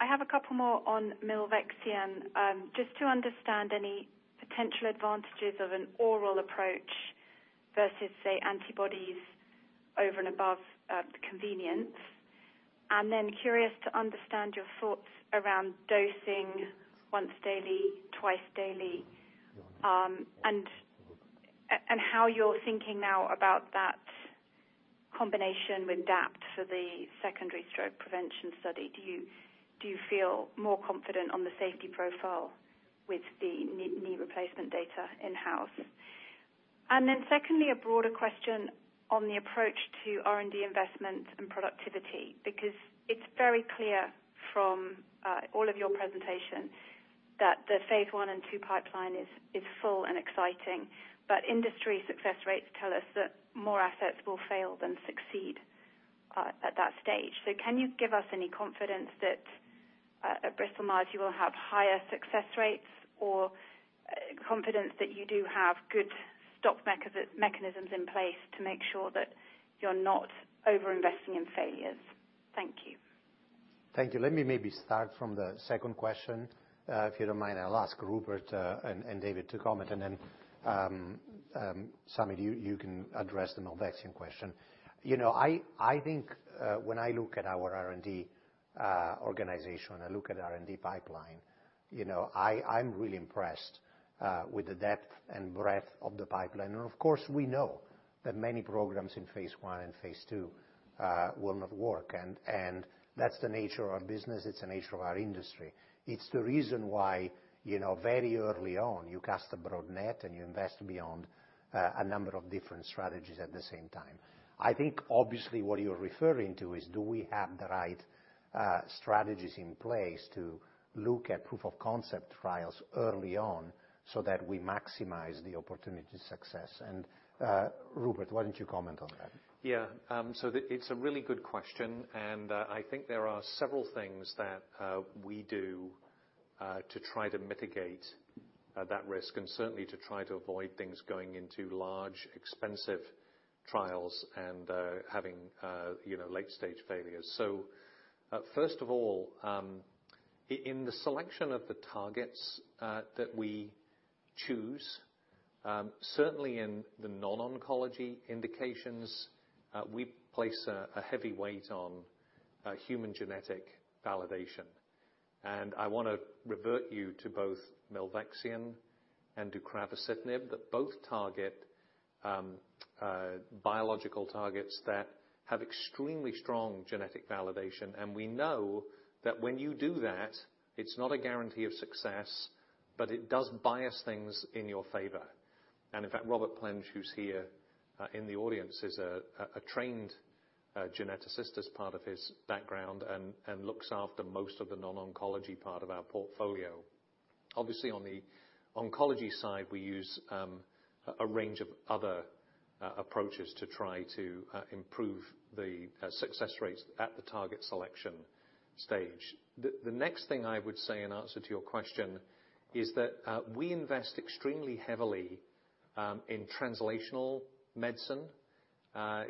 have a couple more on milvexian. Just to understand any potential advantages of an oral approach versus, say, antibodies over and above the convenience. Curious to understand your thoughts around dosing once daily, twice daily, and how you're thinking now about that combination with DAPT for the secondary stroke prevention study. Do you feel more confident on the safety profile with the knee replacement data in-house? Secondly, a broader question on the approach to R&D investment and productivity, because it's very clear from all of your presentation that the phase I and II pipeline is full and exciting. Industry success rates tell us that more assets will fail than succeed at that stage. Can you give us any confidence that, at Bristol-Myers, you will have higher success rates or confidence that you do have good stop mechanisms in place to make sure that you're not over-investing in failures? Thank you. Thank you. Let me maybe start from the second question. If you don't mind, I'll ask Rupert and David to comment. Then, Samit, you can address the milvexian question. You know, I think when I look at our R&D organization, I look at R&D pipeline, you know, I'm really impressed with the depth and breadth of the pipeline. Of course, we know that many programs in phase I and phase II will not work. That's the nature of our business. It's the nature of our industry. It's the reason why, you know, very early on, you cast a broad net and you invest beyond a number of different strategies at the same time. I think obviously what you're referring to is, do we have the right strategies in place to look at proof of concept trials early on, so that we maximize the opportunity to success. Rupert, why don't you comment on that? Yeah. It's a really good question, and I think there are several things that we do to try to mitigate that risk, and certainly to try to avoid things going into large, expensive trials and having, you know, late-stage failures. First of all, in the selection of the targets that we choose, certainly in the non-oncology indications, we place a heavy weight on human genetic validation. I wanna refer you to both milvexian and to deucravacitinib, that both target biological targets that have extremely strong genetic validation. We know that when you do that, it's not a guarantee of success, but it does bias things in your favor. In fact, Robert Plenge, who's here in the audience, is a trained geneticist as part of his background and looks after most of the non-oncology part of our portfolio. Obviously, on the oncology side, we use a range of other approaches to try to improve the success rates at the target selection stage. The next thing I would say in answer to your question is that we invest extremely heavily in translational medicine.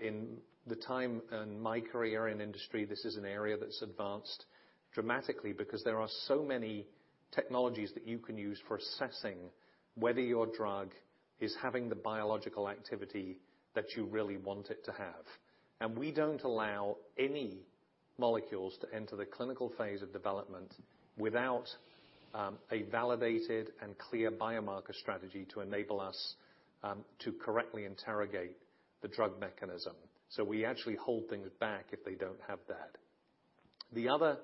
In the time in my career in industry, this is an area that's advanced dramatically because there are so many technologies that you can use for assessing whether your drug is having the biological activity that you really want it to have. We don't allow any molecules to enter the clinical phase of development without a validated and clear biomarker strategy to enable us to correctly interrogate the drug mechanism. We actually hold things back if they don't have that. The other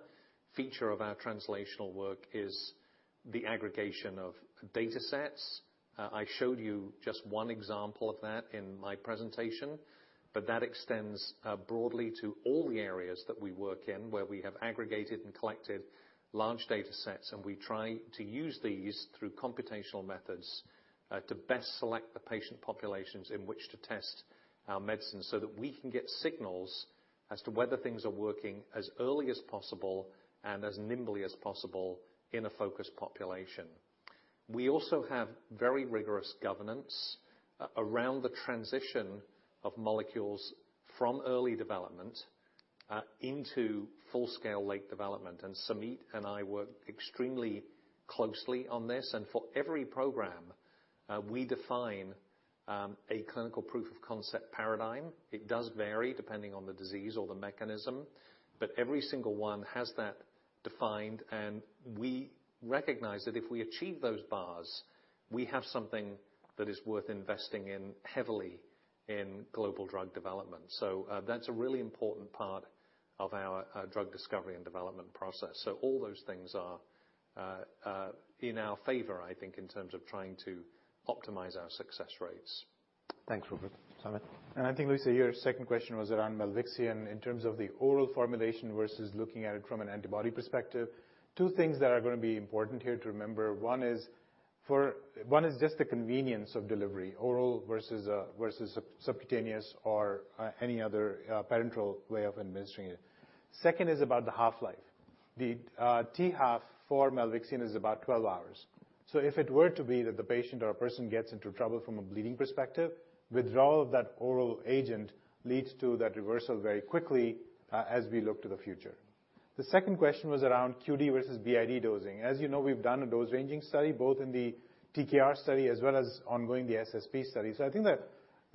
feature of our translational work is the aggregation of datasets. I showed you just one example of that in my presentation, but that extends broadly to all the areas that we work in, where we have aggregated and collected large datasets, and we try to use these through computational methods to best select the patient populations in which to test our medicines. So that we can get signals as to whether things are working as early as possible and as nimbly as possible in a focused population. We also have very rigorous governance around the transition of molecules from early development into full scale late development. Samit and I work extremely closely on this. For every program- We define a clinical proof of concept paradigm. It does vary depending on the disease or the mechanism, but every single one has that defined, and we recognize that if we achieve those bars, we have something that is worth investing in heavily in global drug development. That's a really important part of our drug discovery and development process. All those things are in our favor, I think, in terms of trying to optimize our success rates. Thanks, Rupert. I think, Lisa, your second question was around milvexian in terms of the oral formulation versus looking at it from an antibody perspective. Two things that are gonna be important here to remember. One is just the convenience of delivery, oral versus subcutaneous or any other parenteral way of administering it. Second is about the half-life. The T-half for milvexian is about 12 hours. So if it were to be that the patient or a person gets into trouble from a bleeding perspective, withdrawal of that oral agent leads to that reversal very quickly as we look to the future. The second question was around QD versus BID dosing. As you know, we've done a dose-ranging study, both in the TKR study as well as ongoing the SSP study. I think that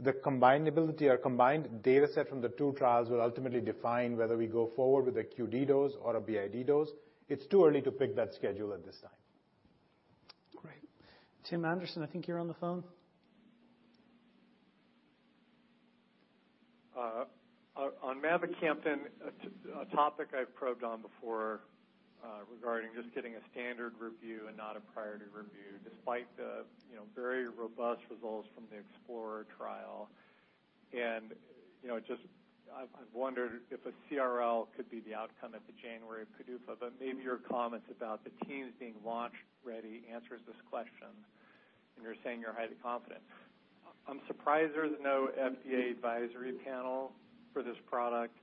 the combinability or combined dataset from the two trials will ultimately define whether we go forward with a QD dose or a BID dose. It's too early to pick that schedule at this time. Great. Tim Anderson, I think you're on the phone. On mavacamten, a topic I've probed on before, regarding just getting a standard review and not a priority review, despite you know very robust results from the Explorer trial. You know, I wondered if a CRL could be the outcome at the January PDUFA, but maybe your comments about the teams being launch-ready answers this question, and you're saying you're highly confident. I'm surprised there's no FDA advisory panel for this product,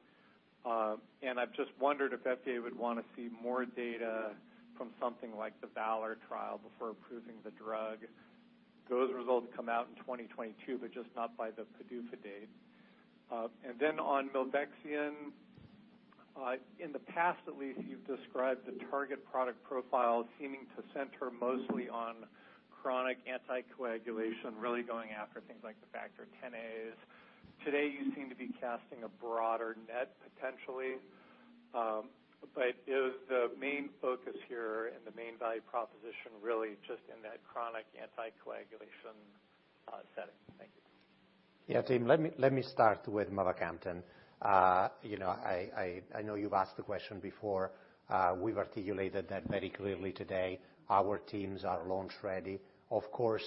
and I've just wondered if FDA would wanna see more data from something like the VALOR trial before approving the drug. Those results come out in 2022, but just not by the PDUFA date. On milvexian, in the past at least, you've described the target product profile seeming to center mostly on chronic anticoagulation, really going after things like the factor Xa. Today, you seem to be casting a broader net potentially, but is the main focus here and the main value proposition really just in that chronic anticoagulation setting? Thank you. Yeah, Tim, let me start with mavacamten. You know, I know you've asked the question before. We've articulated that very clearly today. Our teams are launch ready. Of course,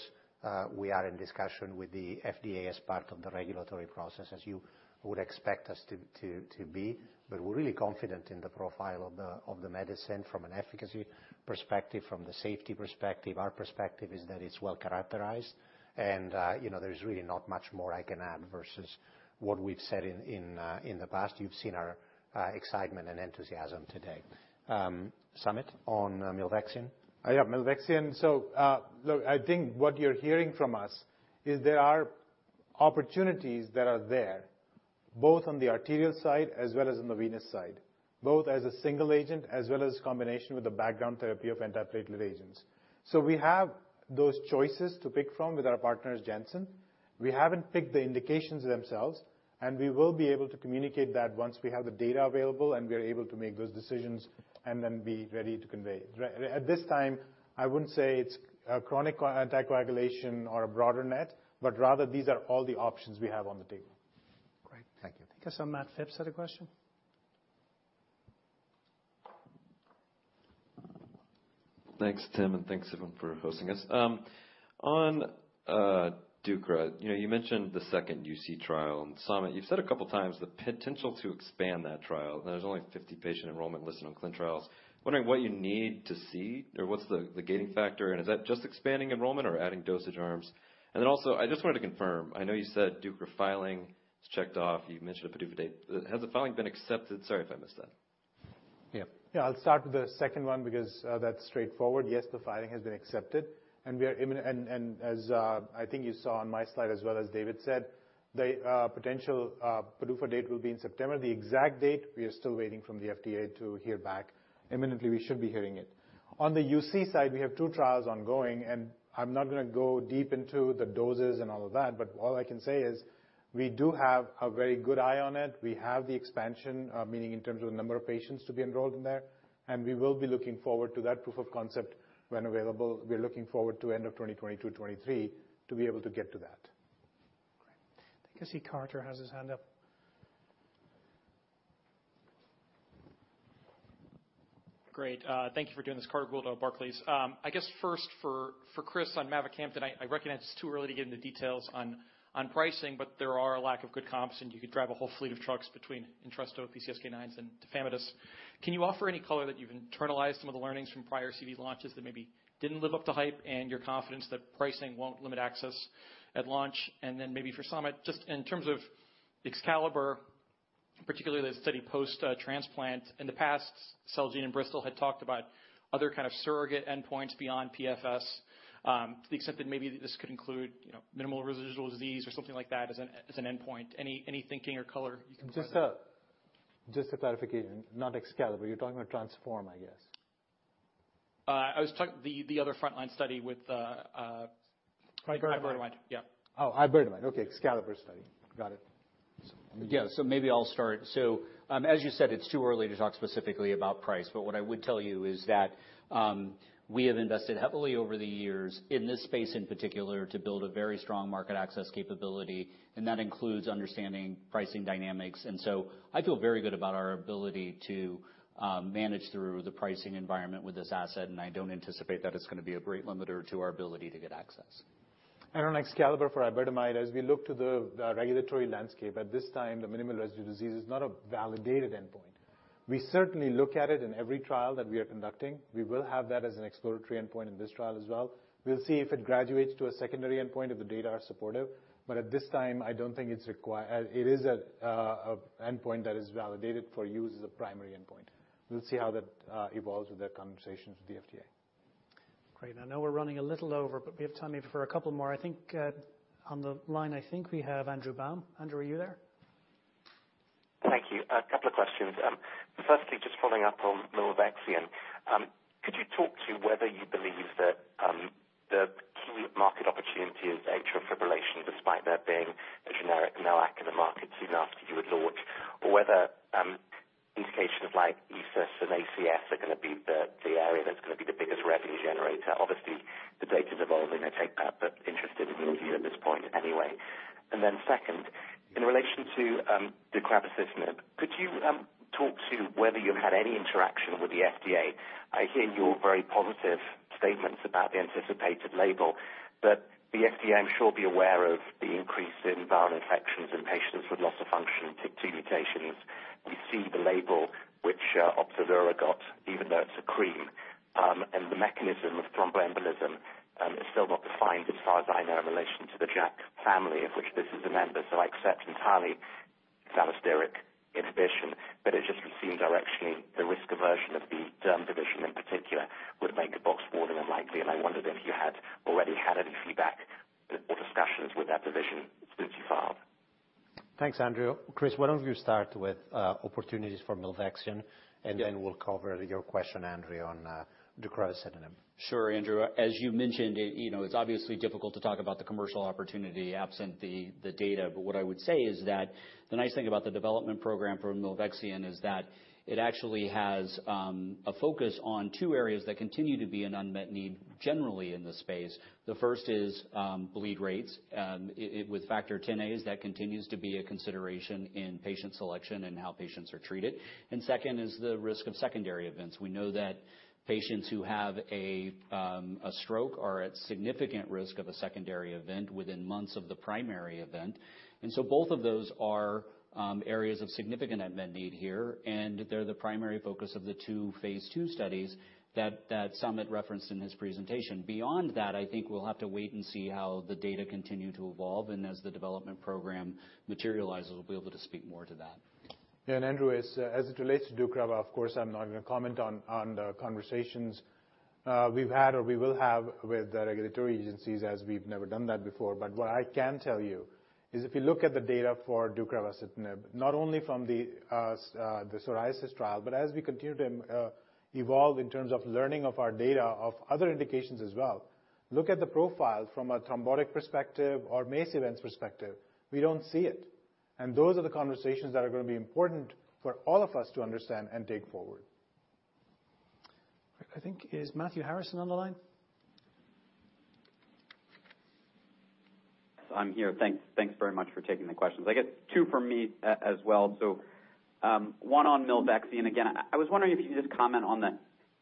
we are in discussion with the FDA as part of the regulatory process, as you would expect us to be. But we're really confident in the profile of the medicine from an efficacy perspective, from the safety perspective. Our perspective is that it's well-characterized and, you know, there is really not much more I can add versus what we've said in the past. You've seen our excitement and enthusiasm today. Samit, on milvexian? Yeah, milvexian. Look, I think what you're hearing from us is there are opportunities that are there, both on the arterial side as well as on the venous side, both as a single agent as well as combination with the background therapy of antiplatelet agents. We have those choices to pick from with our partners, Janssen. We haven't picked the indications themselves, and we will be able to communicate that once we have the data available, and we are able to make those decisions and then be ready to convey. At this time, I wouldn't say it's a chronic anticoagulation or a broader net, but rather these are all the options we have on the table. Great. Thank you. I guess, Matt Phipps had a question. Thanks, Tim, and thanks, everyone, for hosting us. On deucravacitinib, you know, you mentioned the second UC trial. Samit, you've said a couple times the potential to expand that trial. Now, there's only 50 patient enrollment listed on ClinicalTrials.gov. Wondering what you need to see or what's the gating factor, and is that just expanding enrollment or adding dosage arms? Then also, I just wanted to confirm, I know you said deucravacitinib filing is checked off. You mentioned a PDUFA date. Has the filing been accepted? Sorry if I missed that. Yeah. Yeah, I'll start with the second one because that's straightforward. Yes, the filing has been accepted, and as I think you saw on my slide as well as David said, the potential PDUFA date will be in September. The exact date, we are still waiting to hear back from the FDA. Imminently, we should be hearing it. On the UC side, we have two trials ongoing, and I'm not gonna go deep into the doses and all of that, but all I can say is we do have a very good eye on it. We have the expansion, meaning in terms of the number of patients to be enrolled in there, and we will be looking forward to that proof of concept when available. We're looking forward to end of 2022, 2023 to be able to get to that. Great. I think I see Carter has his hand up. Great. Thank you for doing this. Carter Gould with Barclays. I guess first for Chris on mavacamten. I recognize it's too early to get into details on pricing, but there are a lack of good comps, and you could drive a whole fleet of trucks between Entresto, PCSK9s, and Tafamidis. Can you offer any color that you've internalized some of the learnings from prior CV launches that maybe didn't live up to hype and your confidence that pricing won't limit access at launch? Then maybe for Samit, just in terms of EXCALIBER, particularly the study post transplant, in the past Celgene and Bristol had talked about other kind of surrogate endpoints beyond PFS, to the extent that maybe this could include, you know, minimal residual disease or something like that as an endpoint. Any thinking or color you can provide there? Just a clarification, not EXCALIBER. You're talking about TRANSFORM, I guess. the other frontline study with iberdomide. iberdomide, yeah. Oh, iberdomide. Okay. EXCALIBER study. Got it. Yeah. Maybe I'll start. As you said, it's too early to talk specifically about price, but what I would tell you is that we have invested heavily over the years in this space, in particular, to build a very strong market access capability, and that includes understanding pricing dynamics. I feel very good about our ability to manage through the pricing environment with this asset, and I don't anticipate that it's gonna be a great limiter to our ability to get access. On EXCALIBER for iberdomide, as we look to the regulatory landscape, at this time, the minimal residual disease is not a validated endpoint. We certainly look at it in every trial that we are conducting. We will have that as an exploratory endpoint in this trial as well. We'll see if it graduates to a secondary endpoint if the data are supportive. At this time, I don't think it's an endpoint that is validated for use as a primary endpoint. We'll see how that evolves with the conversations with the FDA. Great. I know we're running a little over, but we have time maybe for a couple more. I think, on the line, I think we have Andrew Baum. Andrew, are you there? Thank you. A couple of questions. Firstly, just following up on milvexian. Could you talk to whether you believe that the key market opportunity is atrial fibrillation, despite there being a generic NOAC in the market even after you would launch, or whether indications like ESUS and ACS are gonna be the area that's gonna be the biggest revenue generator? Obviously, the data's evolving, I take that, but interested in your view at this point anyway. Second, in relation to deucravacitinib, could you talk to whether you had any interaction with the FDA? I hear your very positive statements about the anticipated label, but the FDA, I'm sure, will be aware of the increase in viral infections in patients with loss of function TYK2 mutations. You see the label which Opdivo got, even though it's a cream. The mechanism of thromboembolism is still not defined as far as I know, in relation to the JAK family, of which this is a member. I accept entirely allosteric inhibition, but it just would seem directionally the risk aversion of the derm division in particular would make a boxed warning more than likely, and I wondered if you had already had any feedback or discussions with that division since you filed? Thanks, Andrew. Chris, why don't you start with opportunities for milvexian, and then we'll cover your question, Andrew, on deucravacitinib. Sure, Andrew. As you mentioned, you know, it's obviously difficult to talk about the commercial opportunity absent the data. What I would say is that the nice thing about the development program for milvexian is that it actually has a focus on two areas that continue to be an unmet need generally in the space. The first is bleed rates. With Factor Xa, that continues to be a consideration in patient selection and how patients are treated. Second is the risk of secondary events. We know that patients who have a stroke are at significant risk of a secondary event within months of the primary event. Both of those are areas of significant unmet need here, and they're the primary focus of the two phase II studies that Samit referenced in his presentation. Beyond that, I think we'll have to wait and see how the data continue to evolve, and as the development program materializes, we'll be able to speak more to that. Yeah. Andrew, as it relates to deucravacitinib, of course, I'm not gonna comment on the conversations we've had or we will have with the regulatory agencies, as we've never done that before. What I can tell you is if you look at the data for deucravacitinib, not only from the psoriasis trial, but as we continue to evolve in terms of learning from our data of other indications as well, look at the profile from a thrombotic perspective or MACE events perspective, we don't see it. Those are the conversations that are gonna be important for all of us to understand and take forward. I think this is Matthew Harrison on the line? I'm here. Thanks. Thanks very much for taking the questions. I guess two from me as well. One on milvexian. Again, I was wondering if you could just comment on the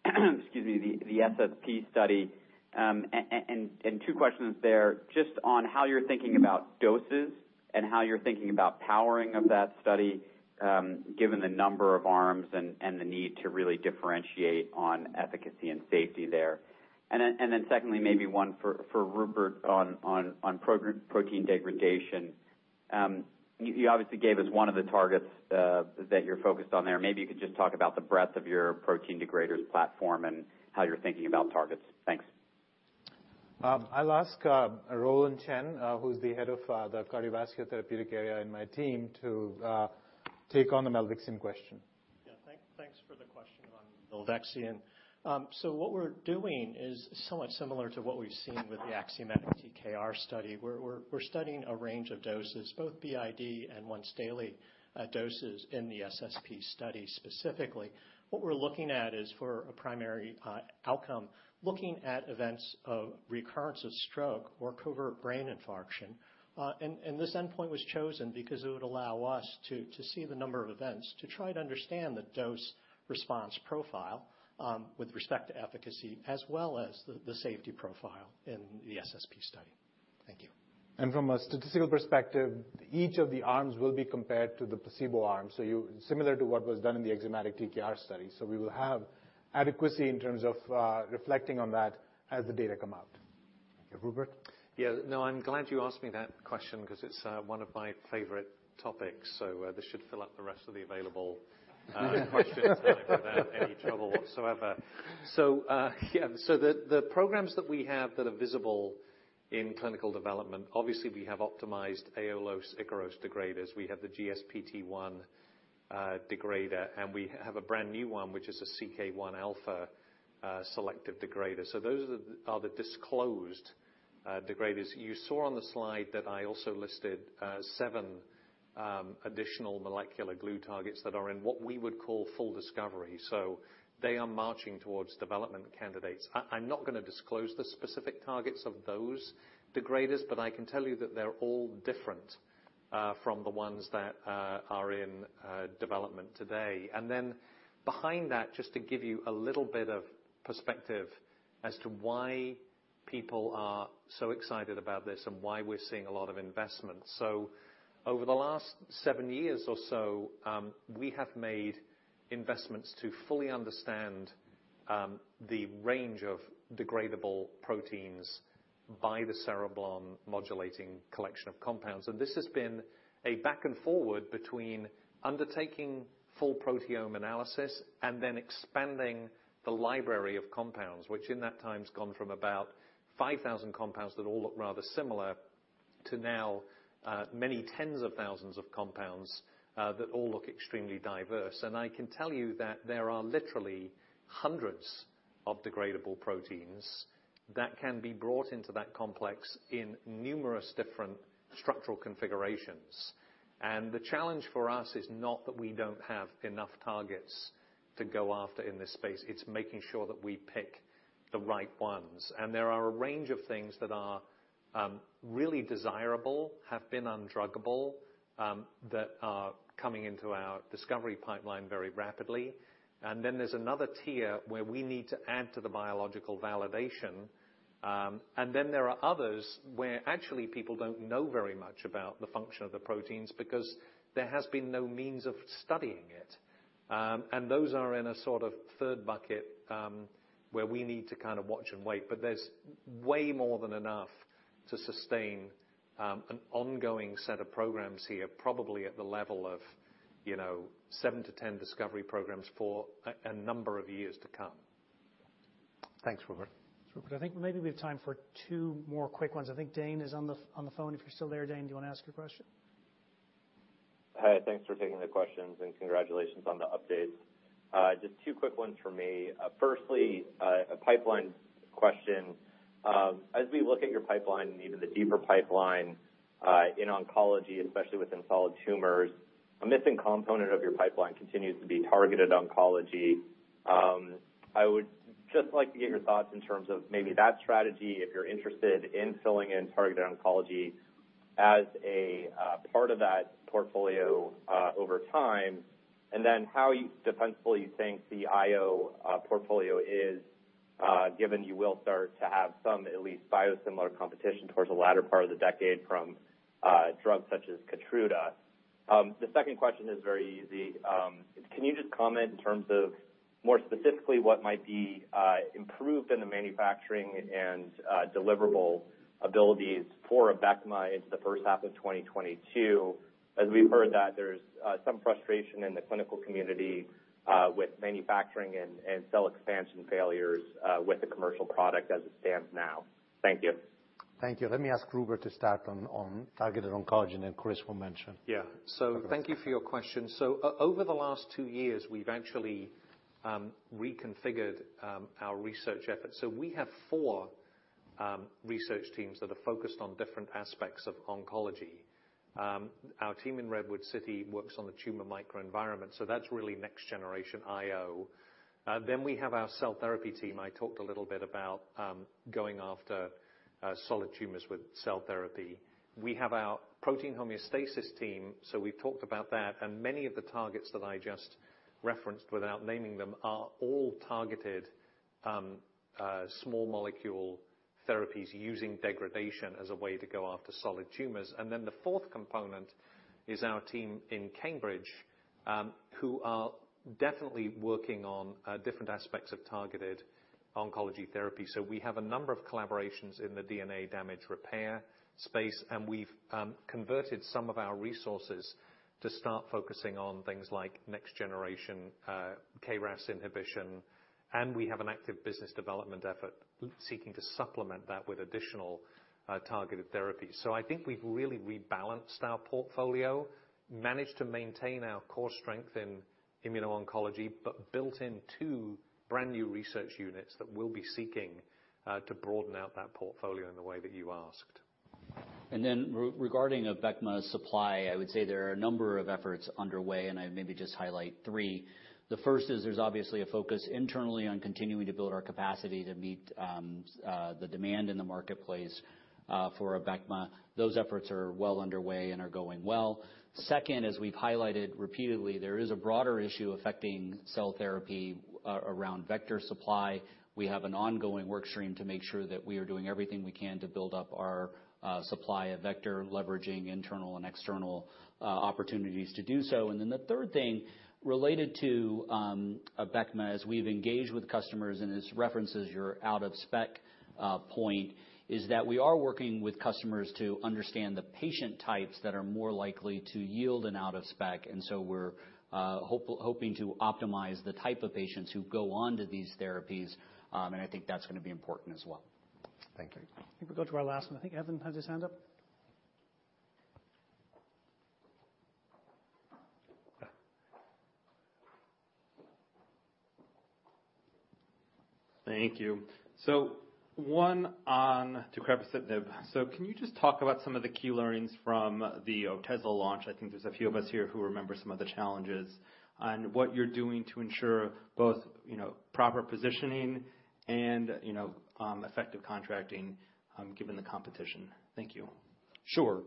SSP study. Excuse me, the SSP study. And two questions there, just on how you're thinking about doses and how you're thinking about powering of that study, given the number of arms and the need to really differentiate on efficacy and safety there. And then secondly, maybe one for Rupert on protein degradation. You obviously gave us one of the targets that you're focused on there. Maybe you could just talk about the breadth of your protein degraders platform and how you're thinking about targets. Thanks. I'll ask Roland Chen, who's the head of the cardiovascular therapeutic area in my team to take on the milvexian question. Thanks for the question on milvexian. So what we're doing is somewhat similar to what we've seen with the AXIOMATIC-TKR study. We're studying a range of doses, both BID and once daily doses in the SSP study specifically. What we're looking at is for a primary outcome, looking at events of recurrence of stroke or covert brain infarction. This endpoint was chosen because it would allow us to see the number of events to try to understand the dose-response profile with respect to efficacy as well as the safety profile in the SSP study. Thank you. From a statistical perspective, each of the arms will be compared to the placebo arm, similar to what was done in the AXIOMATIC-TKR study. We will have adequacy in terms of reflecting on that as the data come out. Rupert? Yeah. No, I'm glad you asked me that question 'cause it's one of my favorite topics, so this should fill up the rest of the available questions without any trouble whatsoever. The programs that we have that are visible in clinical development, obviously we have optimized Aiolos, Ikaros degraders. We have the GSPT1 degrader, and we have a brand new one, which is a CK1α selective degrader. Those are the disclosed degraders. You saw on the slide that I also listed seven additional molecular glue targets that are in what we would call full discovery. They are marching towards development candidates. I'm not gonna disclose the specific targets of those degraders, but I can tell you that they're all different from the ones that are in development today. Behind that, just to give you a little bit of perspective as to why people are so excited about this and why we're seeing a lot of investment. Over the last seven years or so, we have made investments to fully understand the range of degradable proteins by the Cereblon modulating collection of compounds. This has been a back and forward between undertaking full proteome analysis and then expanding the library of compounds, which in that time has gone from about 5,000 compounds that all look rather similar, to now, many tens of thousands of compounds that all look extremely diverse. I can tell you that there are literally hundreds of degradable proteins that can be brought into that complex in numerous different structural configurations. The challenge for us is not that we don't have enough targets to go after in this space, it's making sure that we pick the right ones. There are a range of things that are really desirable, have been undruggable, that are coming into our discovery pipeline very rapidly. Then there's another tier where we need to add to the biological validation. Then there are others where actually people don't know very much about the function of the proteins because there has been no means of studying it. Those are in a sort of third bucket, where we need to kind of watch and wait. There's way more than enough to sustain an ongoing set of programs here, probably at the level of, you know, 7-10 discovery programs for a number of years to come. Thanks, Rupert. Rupert, I think maybe we have time for two more quick ones. I think Dane is on the phone. If you're still there, Dane, do you wanna ask your question? Hi, thanks for taking the questions and congratulations on the updates. Just two quick ones from me. Firstly, a pipeline question. As we look at your pipeline and even the deeper pipeline, in oncology, especially within solid tumors, a missing component of your pipeline continues to be targeted oncology. I would just like to get your thoughts in terms of maybe that strategy, if you're interested in filling in targeted oncology as a part of that portfolio, over time. Then how defensible you think the IO portfolio is, given you will start to have some at least biosimilar competition towards the latter part of the decade from drugs such as Keytruda. The second question is very easy. Can you just comment in terms of more specifically what might be improved in the manufacturing and deliverable abilities for Abecma into the first half of 2022? As we've heard that there's some frustration in the clinical community with manufacturing and cell expansion failures with the commercial product as it stands now. Thank you. Thank you. Let me ask Rupert to start on targeted oncology, and then Chris will mention. Yeah. Thank you for your question. Over the last two years, we've actually reconfigured our research efforts. We have four research teams that are focused on different aspects of oncology. Our team in Redwood City works on the tumor microenvironment, so that's really next generation IO. We have our cell therapy team. I talked a little bit about going after solid tumors with cell therapy. We have our protein homeostasis team, so we've talked about that. Many of the targets that I just referenced without naming them are all targeted small molecule therapies using degradation as a way to go after solid tumors. Then the fourth component is our team in Cambridge, who are definitely working on different aspects of targeted oncology therapy. We have a number of collaborations in the DNA damage repair space, and we've converted some of our resources to start focusing on things like next generation KRAS inhibition. We have an active business development effort seeking to supplement that with additional targeted therapy. I think we've really rebalanced our portfolio, managed to maintain our core strength in immuno-oncology, but built in two brand new research units that we'll be seeking to broaden out that portfolio in the way that you asked. Regarding Abecma supply, I would say there are a number of efforts underway, and I'd maybe just highlight three. The first is there's obviously a focus internally on continuing to build our capacity to meet the demand in the marketplace for Abecma. Those efforts are well underway and are going well. Second, as we've highlighted repeatedly, there is a broader issue affecting cell therapy around vector supply. We have an ongoing work stream to make sure that we are doing everything we can to build up our supply of vector, leveraging internal and external opportunities to do so. The third thing related to Abecma, as we've engaged with customers and as referenced your out-of-spec point, is that we are working with customers to understand the patient types that are more likely to yield an out-of-spec. We're hoping to optimize the type of patients who go on to these therapies. I think that's gonna be important as well. Thank you. I think we'll go to our last one. I think Evan has his hand up. Thank you. One on deucravacitinib. Can you just talk about some of the key learnings from the Otezla launch? I think there's a few of us here who remember some of the challenges on what you're doing to ensure both, you know, proper positioning and, you know, effective contracting, given the competition. Thank you. Sure.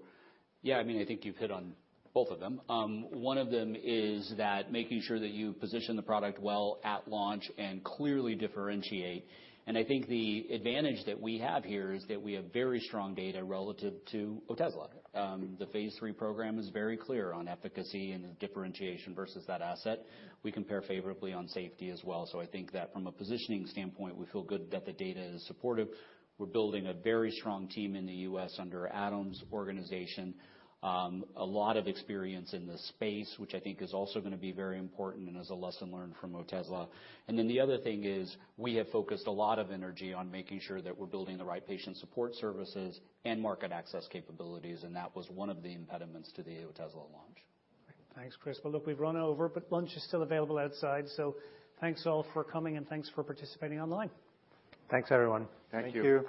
Yeah. I mean, I think you've hit on both of them. One of them is that making sure that you position the product well at launch and clearly differentiate. I think the advantage that we have here is that we have very strong data relative to Otezla. The phase III program is very clear on efficacy and differentiation versus that asset. We compare favorably on safety as well. I think that from a positioning standpoint, we feel good that the data is supportive. We're building a very strong team in the U.S. under Adam's organization. A lot of experience in this space, which I think is also gonna be very important and is a lesson learned from Otezla. The other thing is, we have focused a lot of energy on making sure that we're building the right patient support services and market access capabilities, and that was one of the impediments to the Otezla launch. Thanks, Chris. Well, look, we've run over, but lunch is still available outside. Thanks, all, for coming and thanks for participating online. Thanks, everyone. Thank you. Thank you.